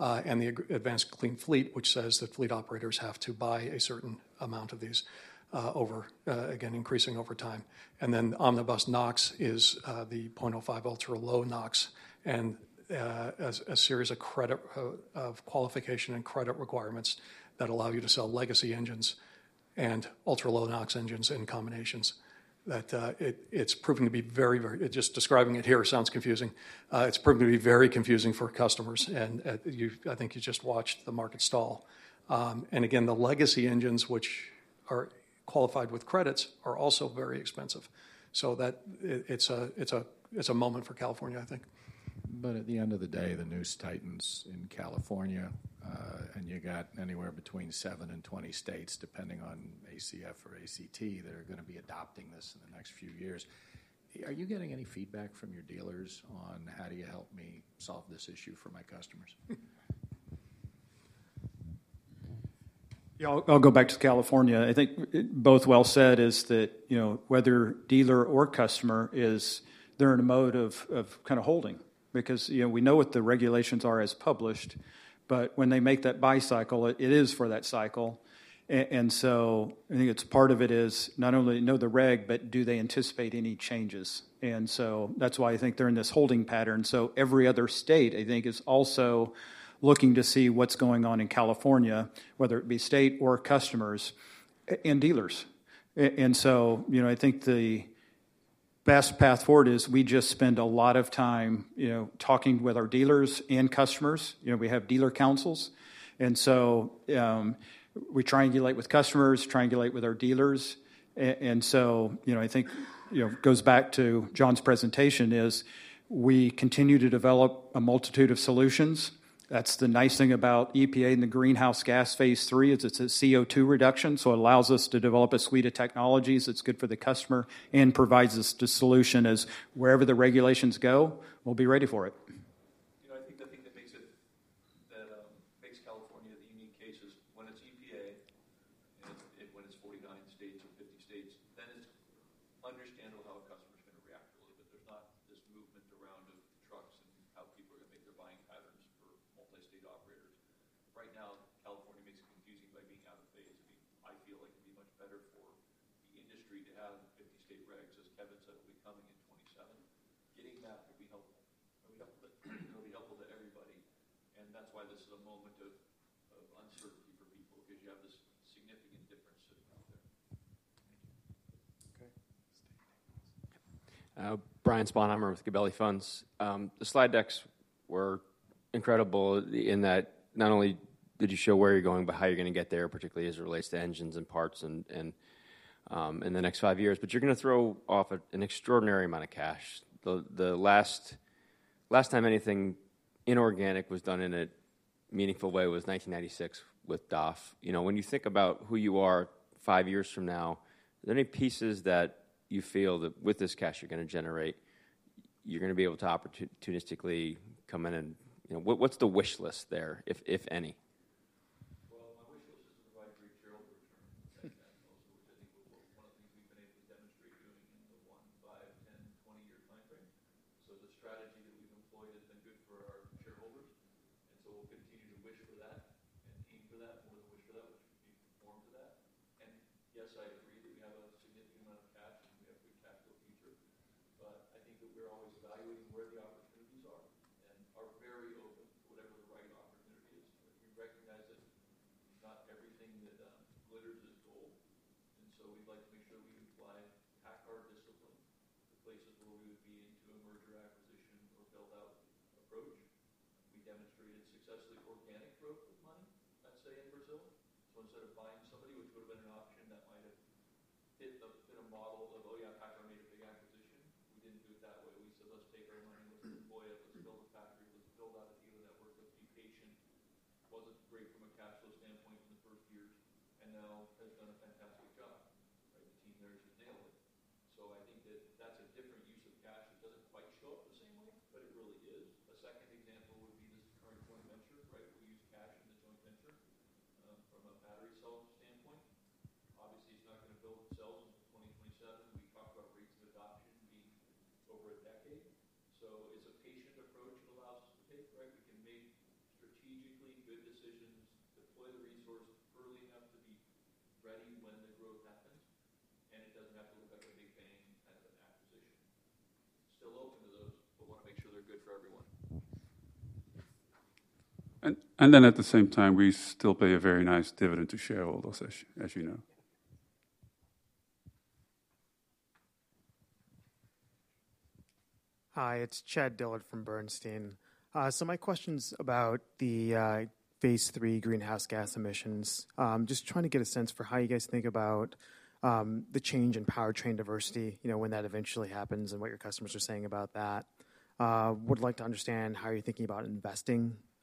and the Advanced Clean Fleet, which says that fleet operators have to buy a certain amount of these, over, again, increasing over time. And then Omnibus NOx is the 0.05 ultra-low NOx and a series of credit, of qualification and credit requirements that allow you to sell legacy engines and ultra-low NOx engines and combinations. That, it's proving to be very, very... Just describing it here sounds confusing. It's proving to be very confusing for customers, and, I think you just watched the market stall. And again, the legacy engines, which are qualified with credits, are also very expensive. So it's a moment for California, I think. But at the end of the day, the noose tightens in California, and you got anywhere between 7-20 states, depending on ACF or ACT, that are going to be adopting this in the next few years. Are you getting any feedback from your dealers on, "How do you help me solve this issue for my customers? Yeah, I'll go back to California. I think both well said is that, you know, whether dealer or customer is, they're in a mode of kind of holding because, you know, we know what the regulations are as published, but when they make that buy cycle, it is for that cycle. And so I think it's part of it is not only know the reg, but do they anticipate any changes? And so that's why I think they're in this holding pattern. So every other state, I think, is also looking to see what's going on in California, whether it be state or customers and dealers. And so, you know, I think the best path forward is we just spend a lot of time, you know, talking with our dealers and customers. You know, we have dealer councils, and so we triangulate with customers, triangulate with our dealers. And so, you know, I think, you know, goes back to John's presentation, is we continue to develop a multitude of solutions. That's the nice thing about EPA and the Greenhouse Gas phase III, is it's a CO2 reduction, so it allows us to develop a suite of technologies that's good for the customer and provides us the solution as wherever the regulations go, we'll be ready for it. you feel that with this cash you're going to generate, you're going to be able to opportunistically come in and... You know, what's the wish list there, if any?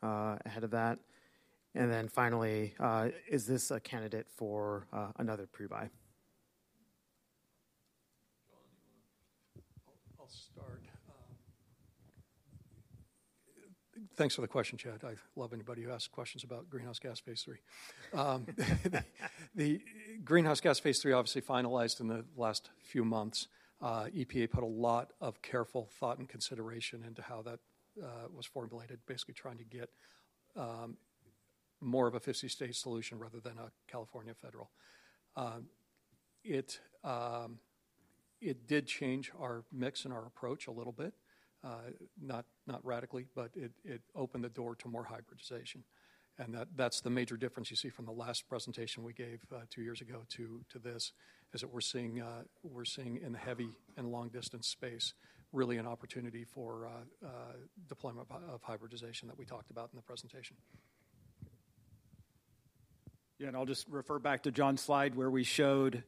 ahead of that. And then finally, is this a candidate for another pre-buy? John, do you want to- I'll start. Thanks for the question, Chad. I love anybody who asks questions about Greenhouse Gas phase III. The Greenhouse Gas phase III obviously finalized in the last few months. EPA put a lot of careful thought and consideration into how that was formulated, basically trying to get more of a 50-state solution rather than a California federal. It did change our mix and our approach a little bit, not radically, but it opened the door to more hybridization, and that's the major difference you see from the last presentation we gave two years ago to this, is that we're seeing in the heavy and long-distance space, really an opportunity for deployment of hybridization that we talked about in the presentation. Yeah, and I'll just refer back to John's slide, where we showed,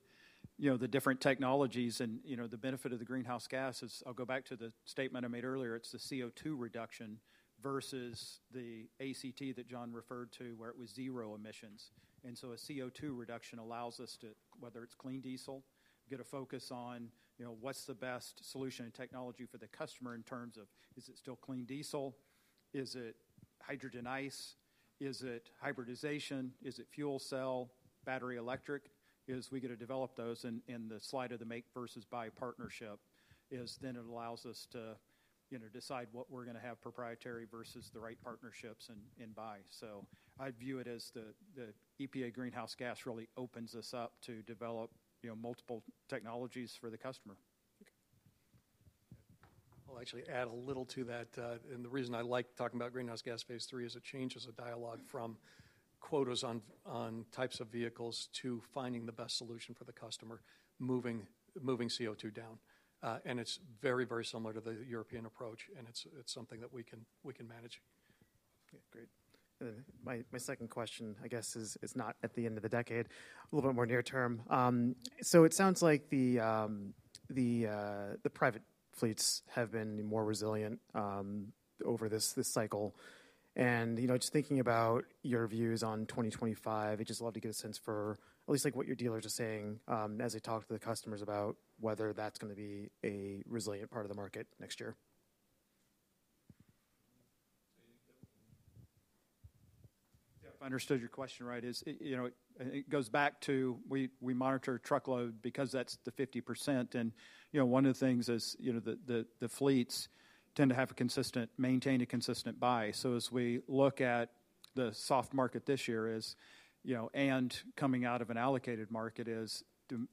you know, the different technologies and, you know, the benefit of the greenhouse gas is. I'll go back to the statement I made earlier. It's the CO2 reduction versus the ACT that John referred to, where it was zero emissions. And so a CO2 reduction allows us to, whether it's clean diesel, get a focus on, you know, what's the best solution and technology for the customer in terms of: is it still clean diesel? Is it hydrogen ICE? Is it hybridization? Is it fuel cell, battery electric? As we get to develop those in, in the slide of the make versus buy partnership, is then it allows us to, you know, decide what we're going to have proprietary versus the right partnerships and, and buy. I view it as the EPA Greenhouse Gas really opens us up to develop, you know, multiple technologies for the customer. I'll actually add a little to that, and the reason I like talking about Greenhouse Gas phase III is it changes the dialogue from quotas on types of vehicles to finding the best solution for the customer, moving, moving CO2 down. And it's very, very similar to the European approach, and it's something that we can manage. Yeah, great. My, my second question, I guess, is, is not at the end of the decade, a little bit more near term. So it sounds like the, the private fleets have been more resilient, over this, this cycle. And, you know, just thinking about your views on 2025, I'd just love to get a sense for at least, like, what your dealers are saying, as they talk to the customers about whether that's going to be a resilient part of the market next year. Yeah, if I understood your question right, you know, it goes back to we monitor truckload because that's the 50% and, you know, one of the things is, you know, the fleets tend to maintain a consistent buy. So as we look at the soft market this year, you know, and coming out of an allocated market, is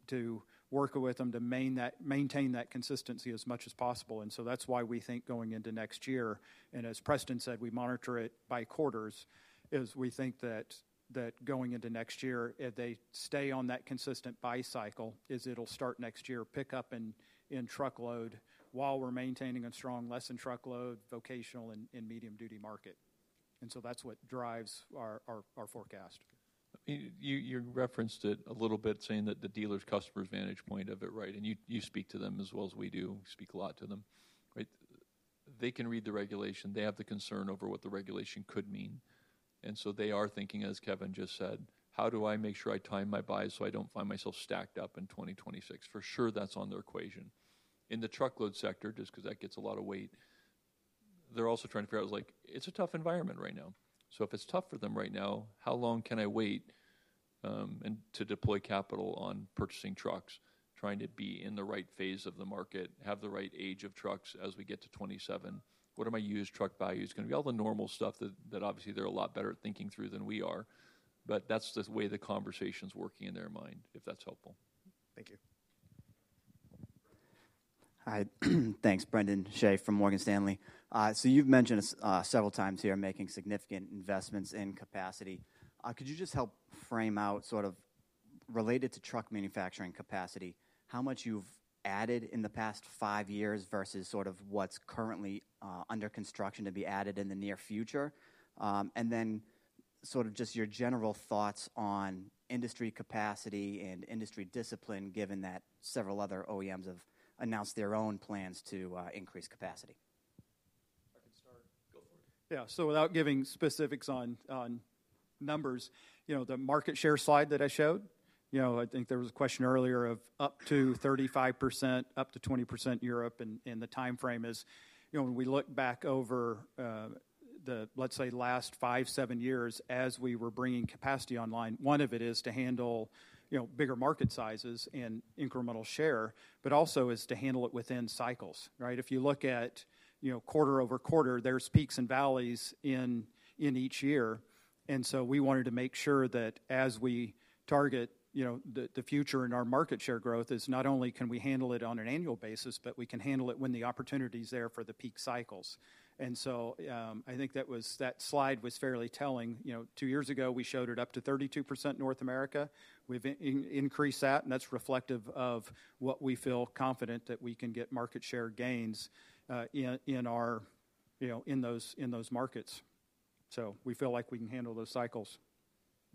to work with them to maintain that consistency as much as possible, and so that's why we think going into next year, and as Preston said, we monitor it by quarters, is we think that going into next year, if they stay on that consistent buy cycle, is it'll start next year, pick up in truckload while we're maintaining a strong leasing truckload, vocational, and medium duty market. That's what drives our forecast. You referenced it a little bit, saying that the dealers, customers' vantage point of it, right? And you speak to them as well as we do. We speak a lot to them, right? They can read the regulation. They have the concern over what the regulation could mean, and so they are thinking, as Kevin just said, "How do I make sure I time my buys, so I don't find myself stacked up in 2026?" For sure, that's on their equation. In the truckload sector, just because that gets a lot of weight, they're also trying to figure out, like, it's a tough environment right now. So if it's tough for them right now, how long can I wait, and to deploy capital on purchasing trucks, trying to be in the right phase of the market, have the right age of trucks as we get to 2027? What are my used truck values? It's going to be all the normal stuff that obviously they're a lot better at thinking through than we are, but that's the way the conversation's working in their mind, if that's helpful. Thank you. Hi. Thanks. Brendan Shea from Morgan Stanley. So you've mentioned this, several times here, making significant investments in capacity. Could you just help frame out, sort of related to truck manufacturing capacity, how much you've added in the past five years versus sort of what's currently, under construction to be added in the near future? And then sort of just your general thoughts on industry capacity and industry discipline, given that several other OEMs have announced their own plans to, increase capacity. I can start. Go for it. Yeah, so without giving specifics on numbers, you know, the market share slide that I showed—you know, I think there was a question earlier of up to 35%, up to 20% Europe, and the time frame is, you know, when we look back over, let's say, the last 5-7 years as we were bringing capacity online. One of it is to handle, you know, bigger market sizes and incremental share, but also is to handle it within cycles, right? If you look at, you know, quarter-over-quarter, there's peaks and valleys in each year. And so we wanted to make sure that as we target, you know, the future in our market share growth, is not only can we handle it on an annual basis, but we can handle it when the opportunity is there for the peak cycles. I think that slide was fairly telling. You know, two years ago, we showed it up to 32% North America. We've increased that, and that's reflective of what we feel confident that we can get market share gains in our, you know, in those markets. So we feel like we can handle those cycles.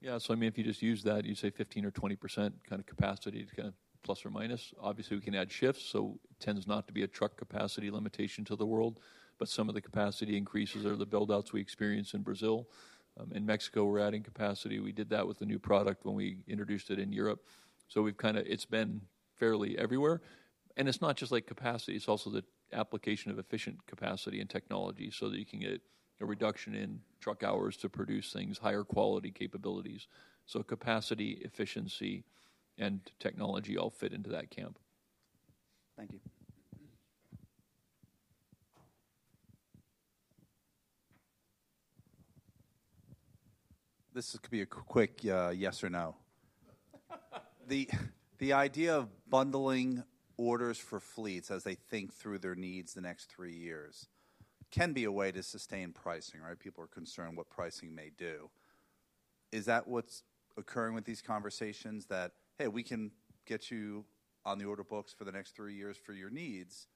Yeah, so I mean, if you just use that, you say 15%-20% kind of capacity ±. Obviously, we can add shifts, so it tends not to be a truck capacity limitation to the world, but some of the capacity increases are the build-outs we experience in Brazil. In Mexico, we're adding capacity. We did that with the new product when we introduced it in Europe. So we've kinda... It's been fairly everywhere, and it's not just like capacity, it's also the application of efficient capacity and technology so that you can get a reduction in truck hours to produce things, higher quality capabilities. So capacity, efficiency, and technology all fit into that camp. Thank you. This is gonna be a quick, yes or no. The idea of bundling orders for fleets as they think through their needs the next three years can be a way to sustain pricing, right? People are concerned what pricing may do. Is that what's occurring with these conversations that, "Hey, we can get you on the order books for the next three years for your needs,"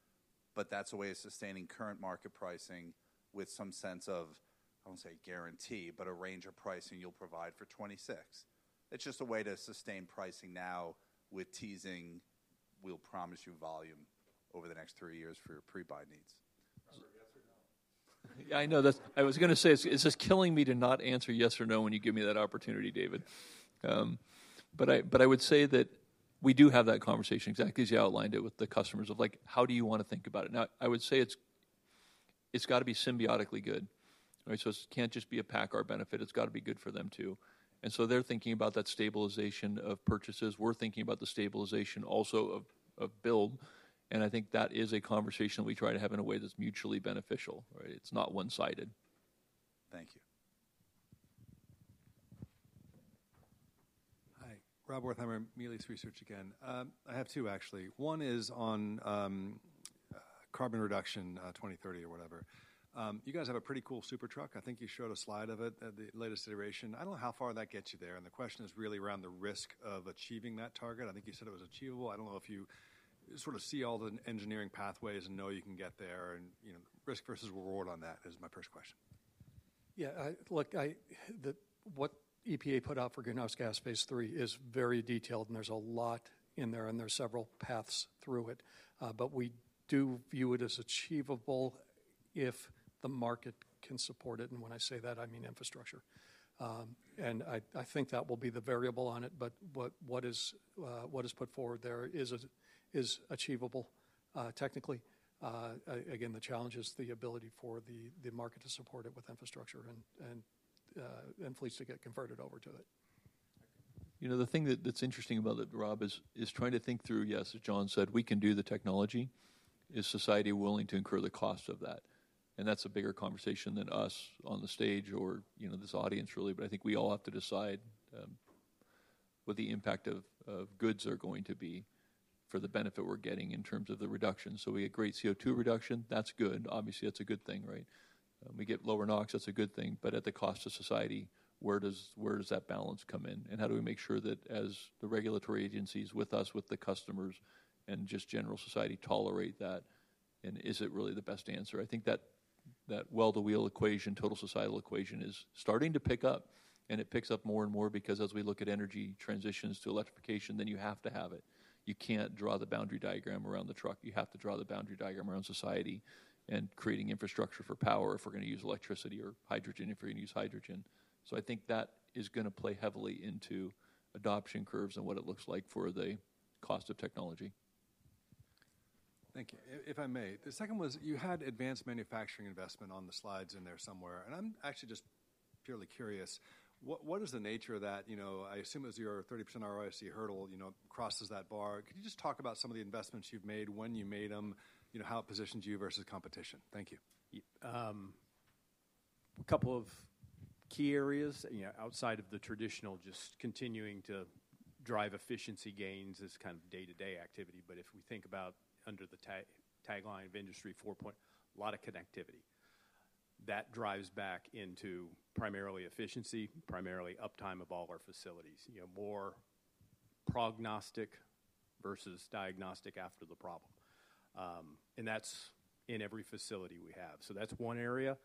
but that's a way of sustaining current market pricing with some sense of, I won't say guarantee, but a range of pricing you'll provide for 2026? It's just a way to sustain pricing now with teasing, "We'll promise you volume over the next three years for your pre-buy needs. Yes or no. I know. That's. I was gonna say, it's just killing me to not answer yes or no when you give me that opportunity, David. But I would say that we do have that conversation, exactly as you outlined it, with the customers like: how do you wanna think about it? Now, I would say it's got to be symbiotically good, right? So it can't just be a PACCAR benefit, it's got to be good for them, too. And so they're thinking about that stabilization of purchases. We're thinking about the stabilization also of build, and I think that is a conversation we try to have in a way that's mutually beneficial, right? It's not one-sided. Thank you. Hi, Rob Wertheimer, Melius Research again. I have two, actually. One is on, carbon reduction, 2030 or whatever. You guys have a pretty cool SuperTruck. I think you showed a slide of it at the latest iteration. I don't know how far that gets you there, and the question is really around the risk of achieving that target. I think you said it was achievable. I don't know if you sort of see all the engineering pathways and know you can get there, and, you know, risk versus reward on that is my first question. Yeah, look, what EPA put out for Greenhouse Gas phase III is very detailed, and there's a lot in there, and there are several paths through it. But we do view it as achievable if the market can support it, and when I say that, I mean infrastructure. And I think that will be the variable on it, but what is put forward there is achievable, technically. Again, the challenge is the ability for the market to support it with infrastructure and fleets to get converted over to it. You know, the thing that's interesting about it, Rob, is trying to think through, yes, as John said, we can do the technology. Is society willing to incur the cost of that? And that's a bigger conversation than us on the stage or, you know, this audience, really, but I think we all have to decide what the impact of goods are going to be for the benefit we're getting in terms of the reduction. So we have great CO2 reduction, that's good. Obviously, that's a good thing, right? We get lower NOx, that's a good thing, but at the cost to society, where does that balance come in? And how do we make sure that as the regulatory agencies with us, with the customers, and just general society tolerate that, and is it really the best answer? I think that well-to-wheel equation, total societal equation, is starting to pick up, and it picks up more and more because as we look at energy transitions to electrification, then you have to have it. You can't draw the boundary diagram around the truck. You have to draw the boundary diagram around society and creating infrastructure for power if we're gonna use electricity or hydrogen, if we're gonna use hydrogen. So I think that is gonna play heavily into adoption curves and what it looks like for the cost of technology. Thank you. If I may, the second was you had advanced manufacturing investment on the slides in there somewhere, and I'm actually just purely curious, what is the nature of that? You know, I assume as your 30% ROIC hurdle, you know, crosses that bar. Could you just talk about some of the investments you've made, when you made them, you know, how it positions you versus competition? Thank you. A couple of key areas, you know, outside of the traditional, just continuing to drive efficiency gains as kind of day-to-day activity. But if we think about under the tagline of Industry 4.0, a lot of connectivity. That drives back into primarily efficiency, primarily uptime of all our facilities. You know, more prognostic versus diagnostic after the problem. And that's in every facility we have. So that's one area.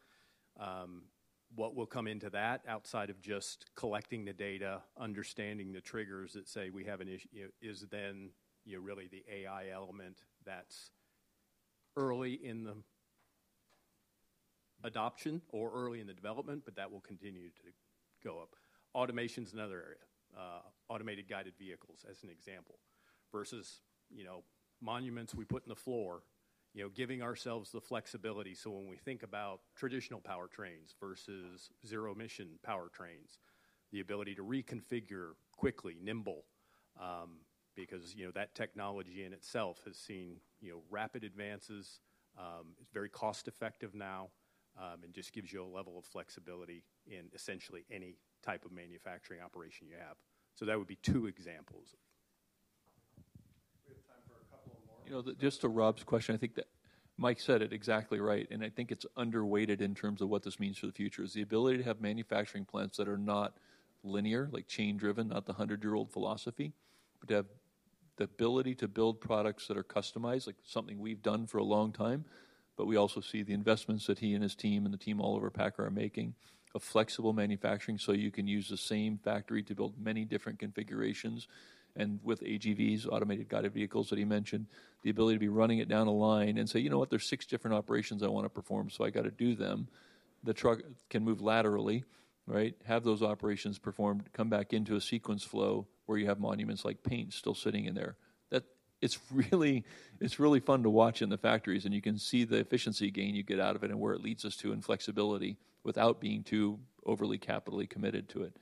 What will come into that, outside of just collecting the data, understanding the triggers that say we have an issue, you know, is then, you know, really the AI element that's early in the adoption or early in the development, but that will continue to go up. Automation's another area. Automated guided vehicles, as an example, versus, you know, monuments we put in the floor. You know, giving ourselves the flexibility, so when we think about traditional powertrains versus zero-emission powertrains, the ability to reconfigure quickly, nimble, because, you know, that technology in itself has seen, you know, rapid advances, it's very cost-effective now, and just gives you a level of flexibility in essentially any type of manufacturing operation you have. So that would be two examples. We have time for a couple of more. You know, just to Rob's question, I think that Mike said it exactly right, and I think it's underweighted in terms of what this means for the future, is the ability to have manufacturing plants that are not linear, like chain-driven, not the 100-year-old philosophy, but to have the ability to build products that are customized, like something we've done for a long time. But we also see the investments that he and his team, and the team all over PACCAR are making, of flexible manufacturing, so you can use the same factory to build many different configurations. And with AGVs, automated guided vehicles, that he mentioned, the ability to be running it down a line and say, "You know what? There's 6 different operations I want to perform, so I gotta do them." The truck can move laterally, right? Have those operations performed, come back into a sequence flow, where you have monuments like paint still sitting in there. That. It's really, it's really fun to watch in the factories, and you can see the efficiency gain you get out of it and where it leads us to in flexibility, without being too overly capitally committed to it.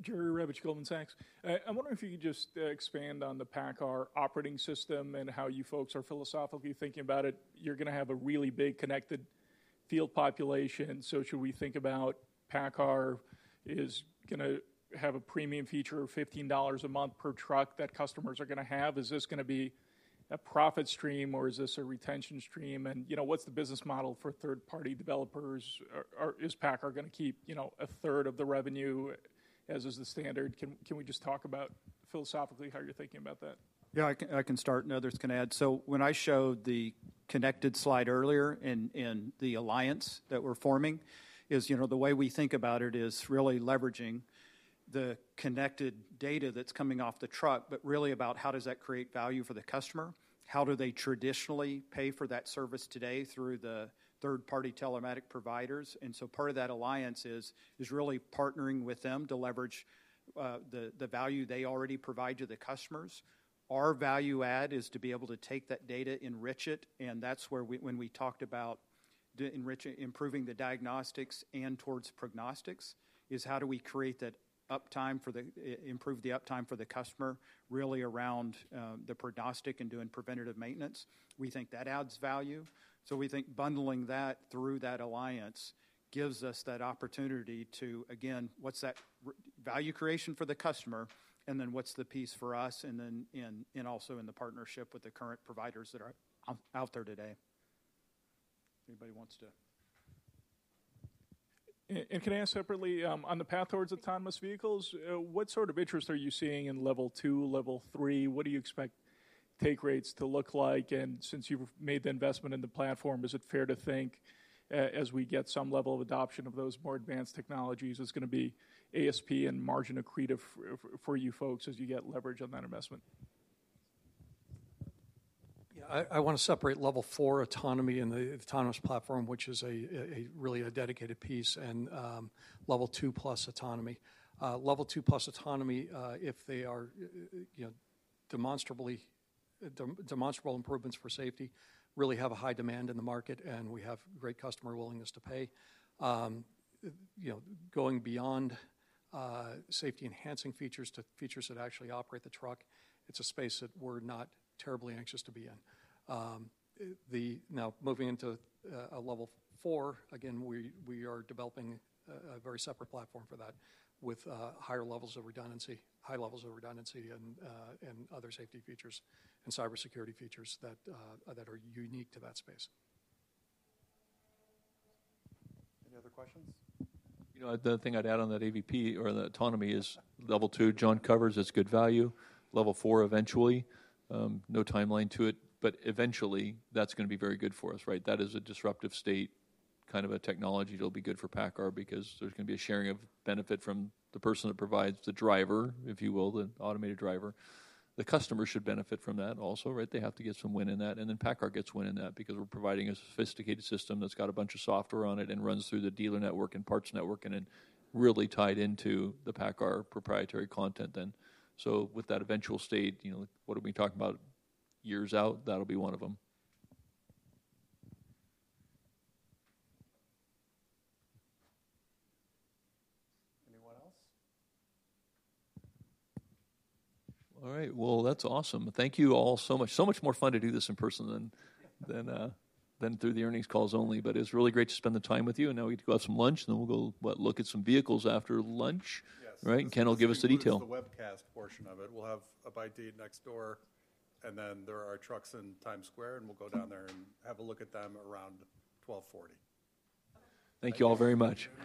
Jerry Revich, Goldman Sachs. I wonder if you could just expand on the PACCAR operating system and how you folks are philosophically thinking about it. You're gonna have a really big connected field population, so should we think about PACCAR is gonna have a premium feature of $15 a month per truck that customers are gonna have? Is this gonna be a profit stream, or is this a retention stream? And, you know, what's the business model for third-party developers? Or is PACCAR gonna keep, you know, a third of the revenue, as is the standard? Can we just talk about philosophically, how you're thinking about that? Yeah, I can, I can start, and others can add. So when I showed the connected slide earlier and the alliance that we're forming is, you know, the way we think about it is really leveraging the connected data that's coming off the truck, but really about how does that create value for the customer? How do they traditionally pay for that service today through the third-party telematics providers? And so part of that alliance is really partnering with them to leverage the value they already provide to the customers. Our value add is to be able to take that data, enrich it, and that's where we, when we talked about the enriching, improving the diagnostics and towards prognostics, is how do we create that uptime for the, improve the uptime for the customer, really around the prognostic and doing preventative maintenance. We think that adds value. So we think bundling that through that alliance gives us that opportunity to, again, what's that value creation for the customer, and then what's the piece for us, and then, and, and also in the partnership with the current providers that are out, out there today. Anybody wants to... And can I ask separately, on the path towards autonomous vehicles, what sort of interest are you seeing in Level 2, Level 3? What do you expect take rates to look like? And since you've made the investment in the platform, is it fair to think as we get some level of adoption of those more advanced technologies, it's gonna be ASP and margin accretive for you folks as you get leverage on that investment? Yeah, I wanna separate Level 4 autonomy and the autonomous platform, which is a really dedicated piece, and Level 2 plus autonomy. Level 2 plus autonomy, if they are, you know, demonstrable improvements for safety, really have a high demand in the market, and we have great customer willingness to pay. You know, going beyond safety-enhancing features to features that actually operate the truck, it's a space that we're not terribly anxious to be in. Now, moving into a Level 4, again, we are developing a very separate platform for that, with higher levels of redundancy, high levels of redundancy and other safety features and cybersecurity features that are unique to that space. Any other questions? You know, the thing I'd add on that AVP or the autonomy is Level 2. John covers, it's good value. Level 4, eventually, no timeline to it, but eventually, that's gonna be very good for us, right? That is a disruptive state, kind of a technology that'll be good for PACCAR because there's gonna be a sharing of benefit from the person that provides the driver, if you will, the automated driver. The customer should benefit from that also, right? They have to get some win in that, and then PACCAR gets win in that because we're providing a sophisticated system that's got a bunch of software on it and runs through the dealer network and parts network, and then really tied into the PACCAR proprietary content then. So with that eventual state, you know, what are we talking about? Years out, that'll be one of them. Anyone else? All right. Well, that's awesome. Thank you all so much. So much more fun to do this in person than through the earnings calls only. But it's really great to spend the time with you, and now we get to go have some lunch, and then we'll go, what, look at some vehicles after lunch? Yes. Right? Ken will give us the detail. This is the webcast portion of it. We'll have a bite to eat next door, and then there are trucks in Times Square, and we'll go down there and have a look at them around 12:40 P.M. Thank you all very much.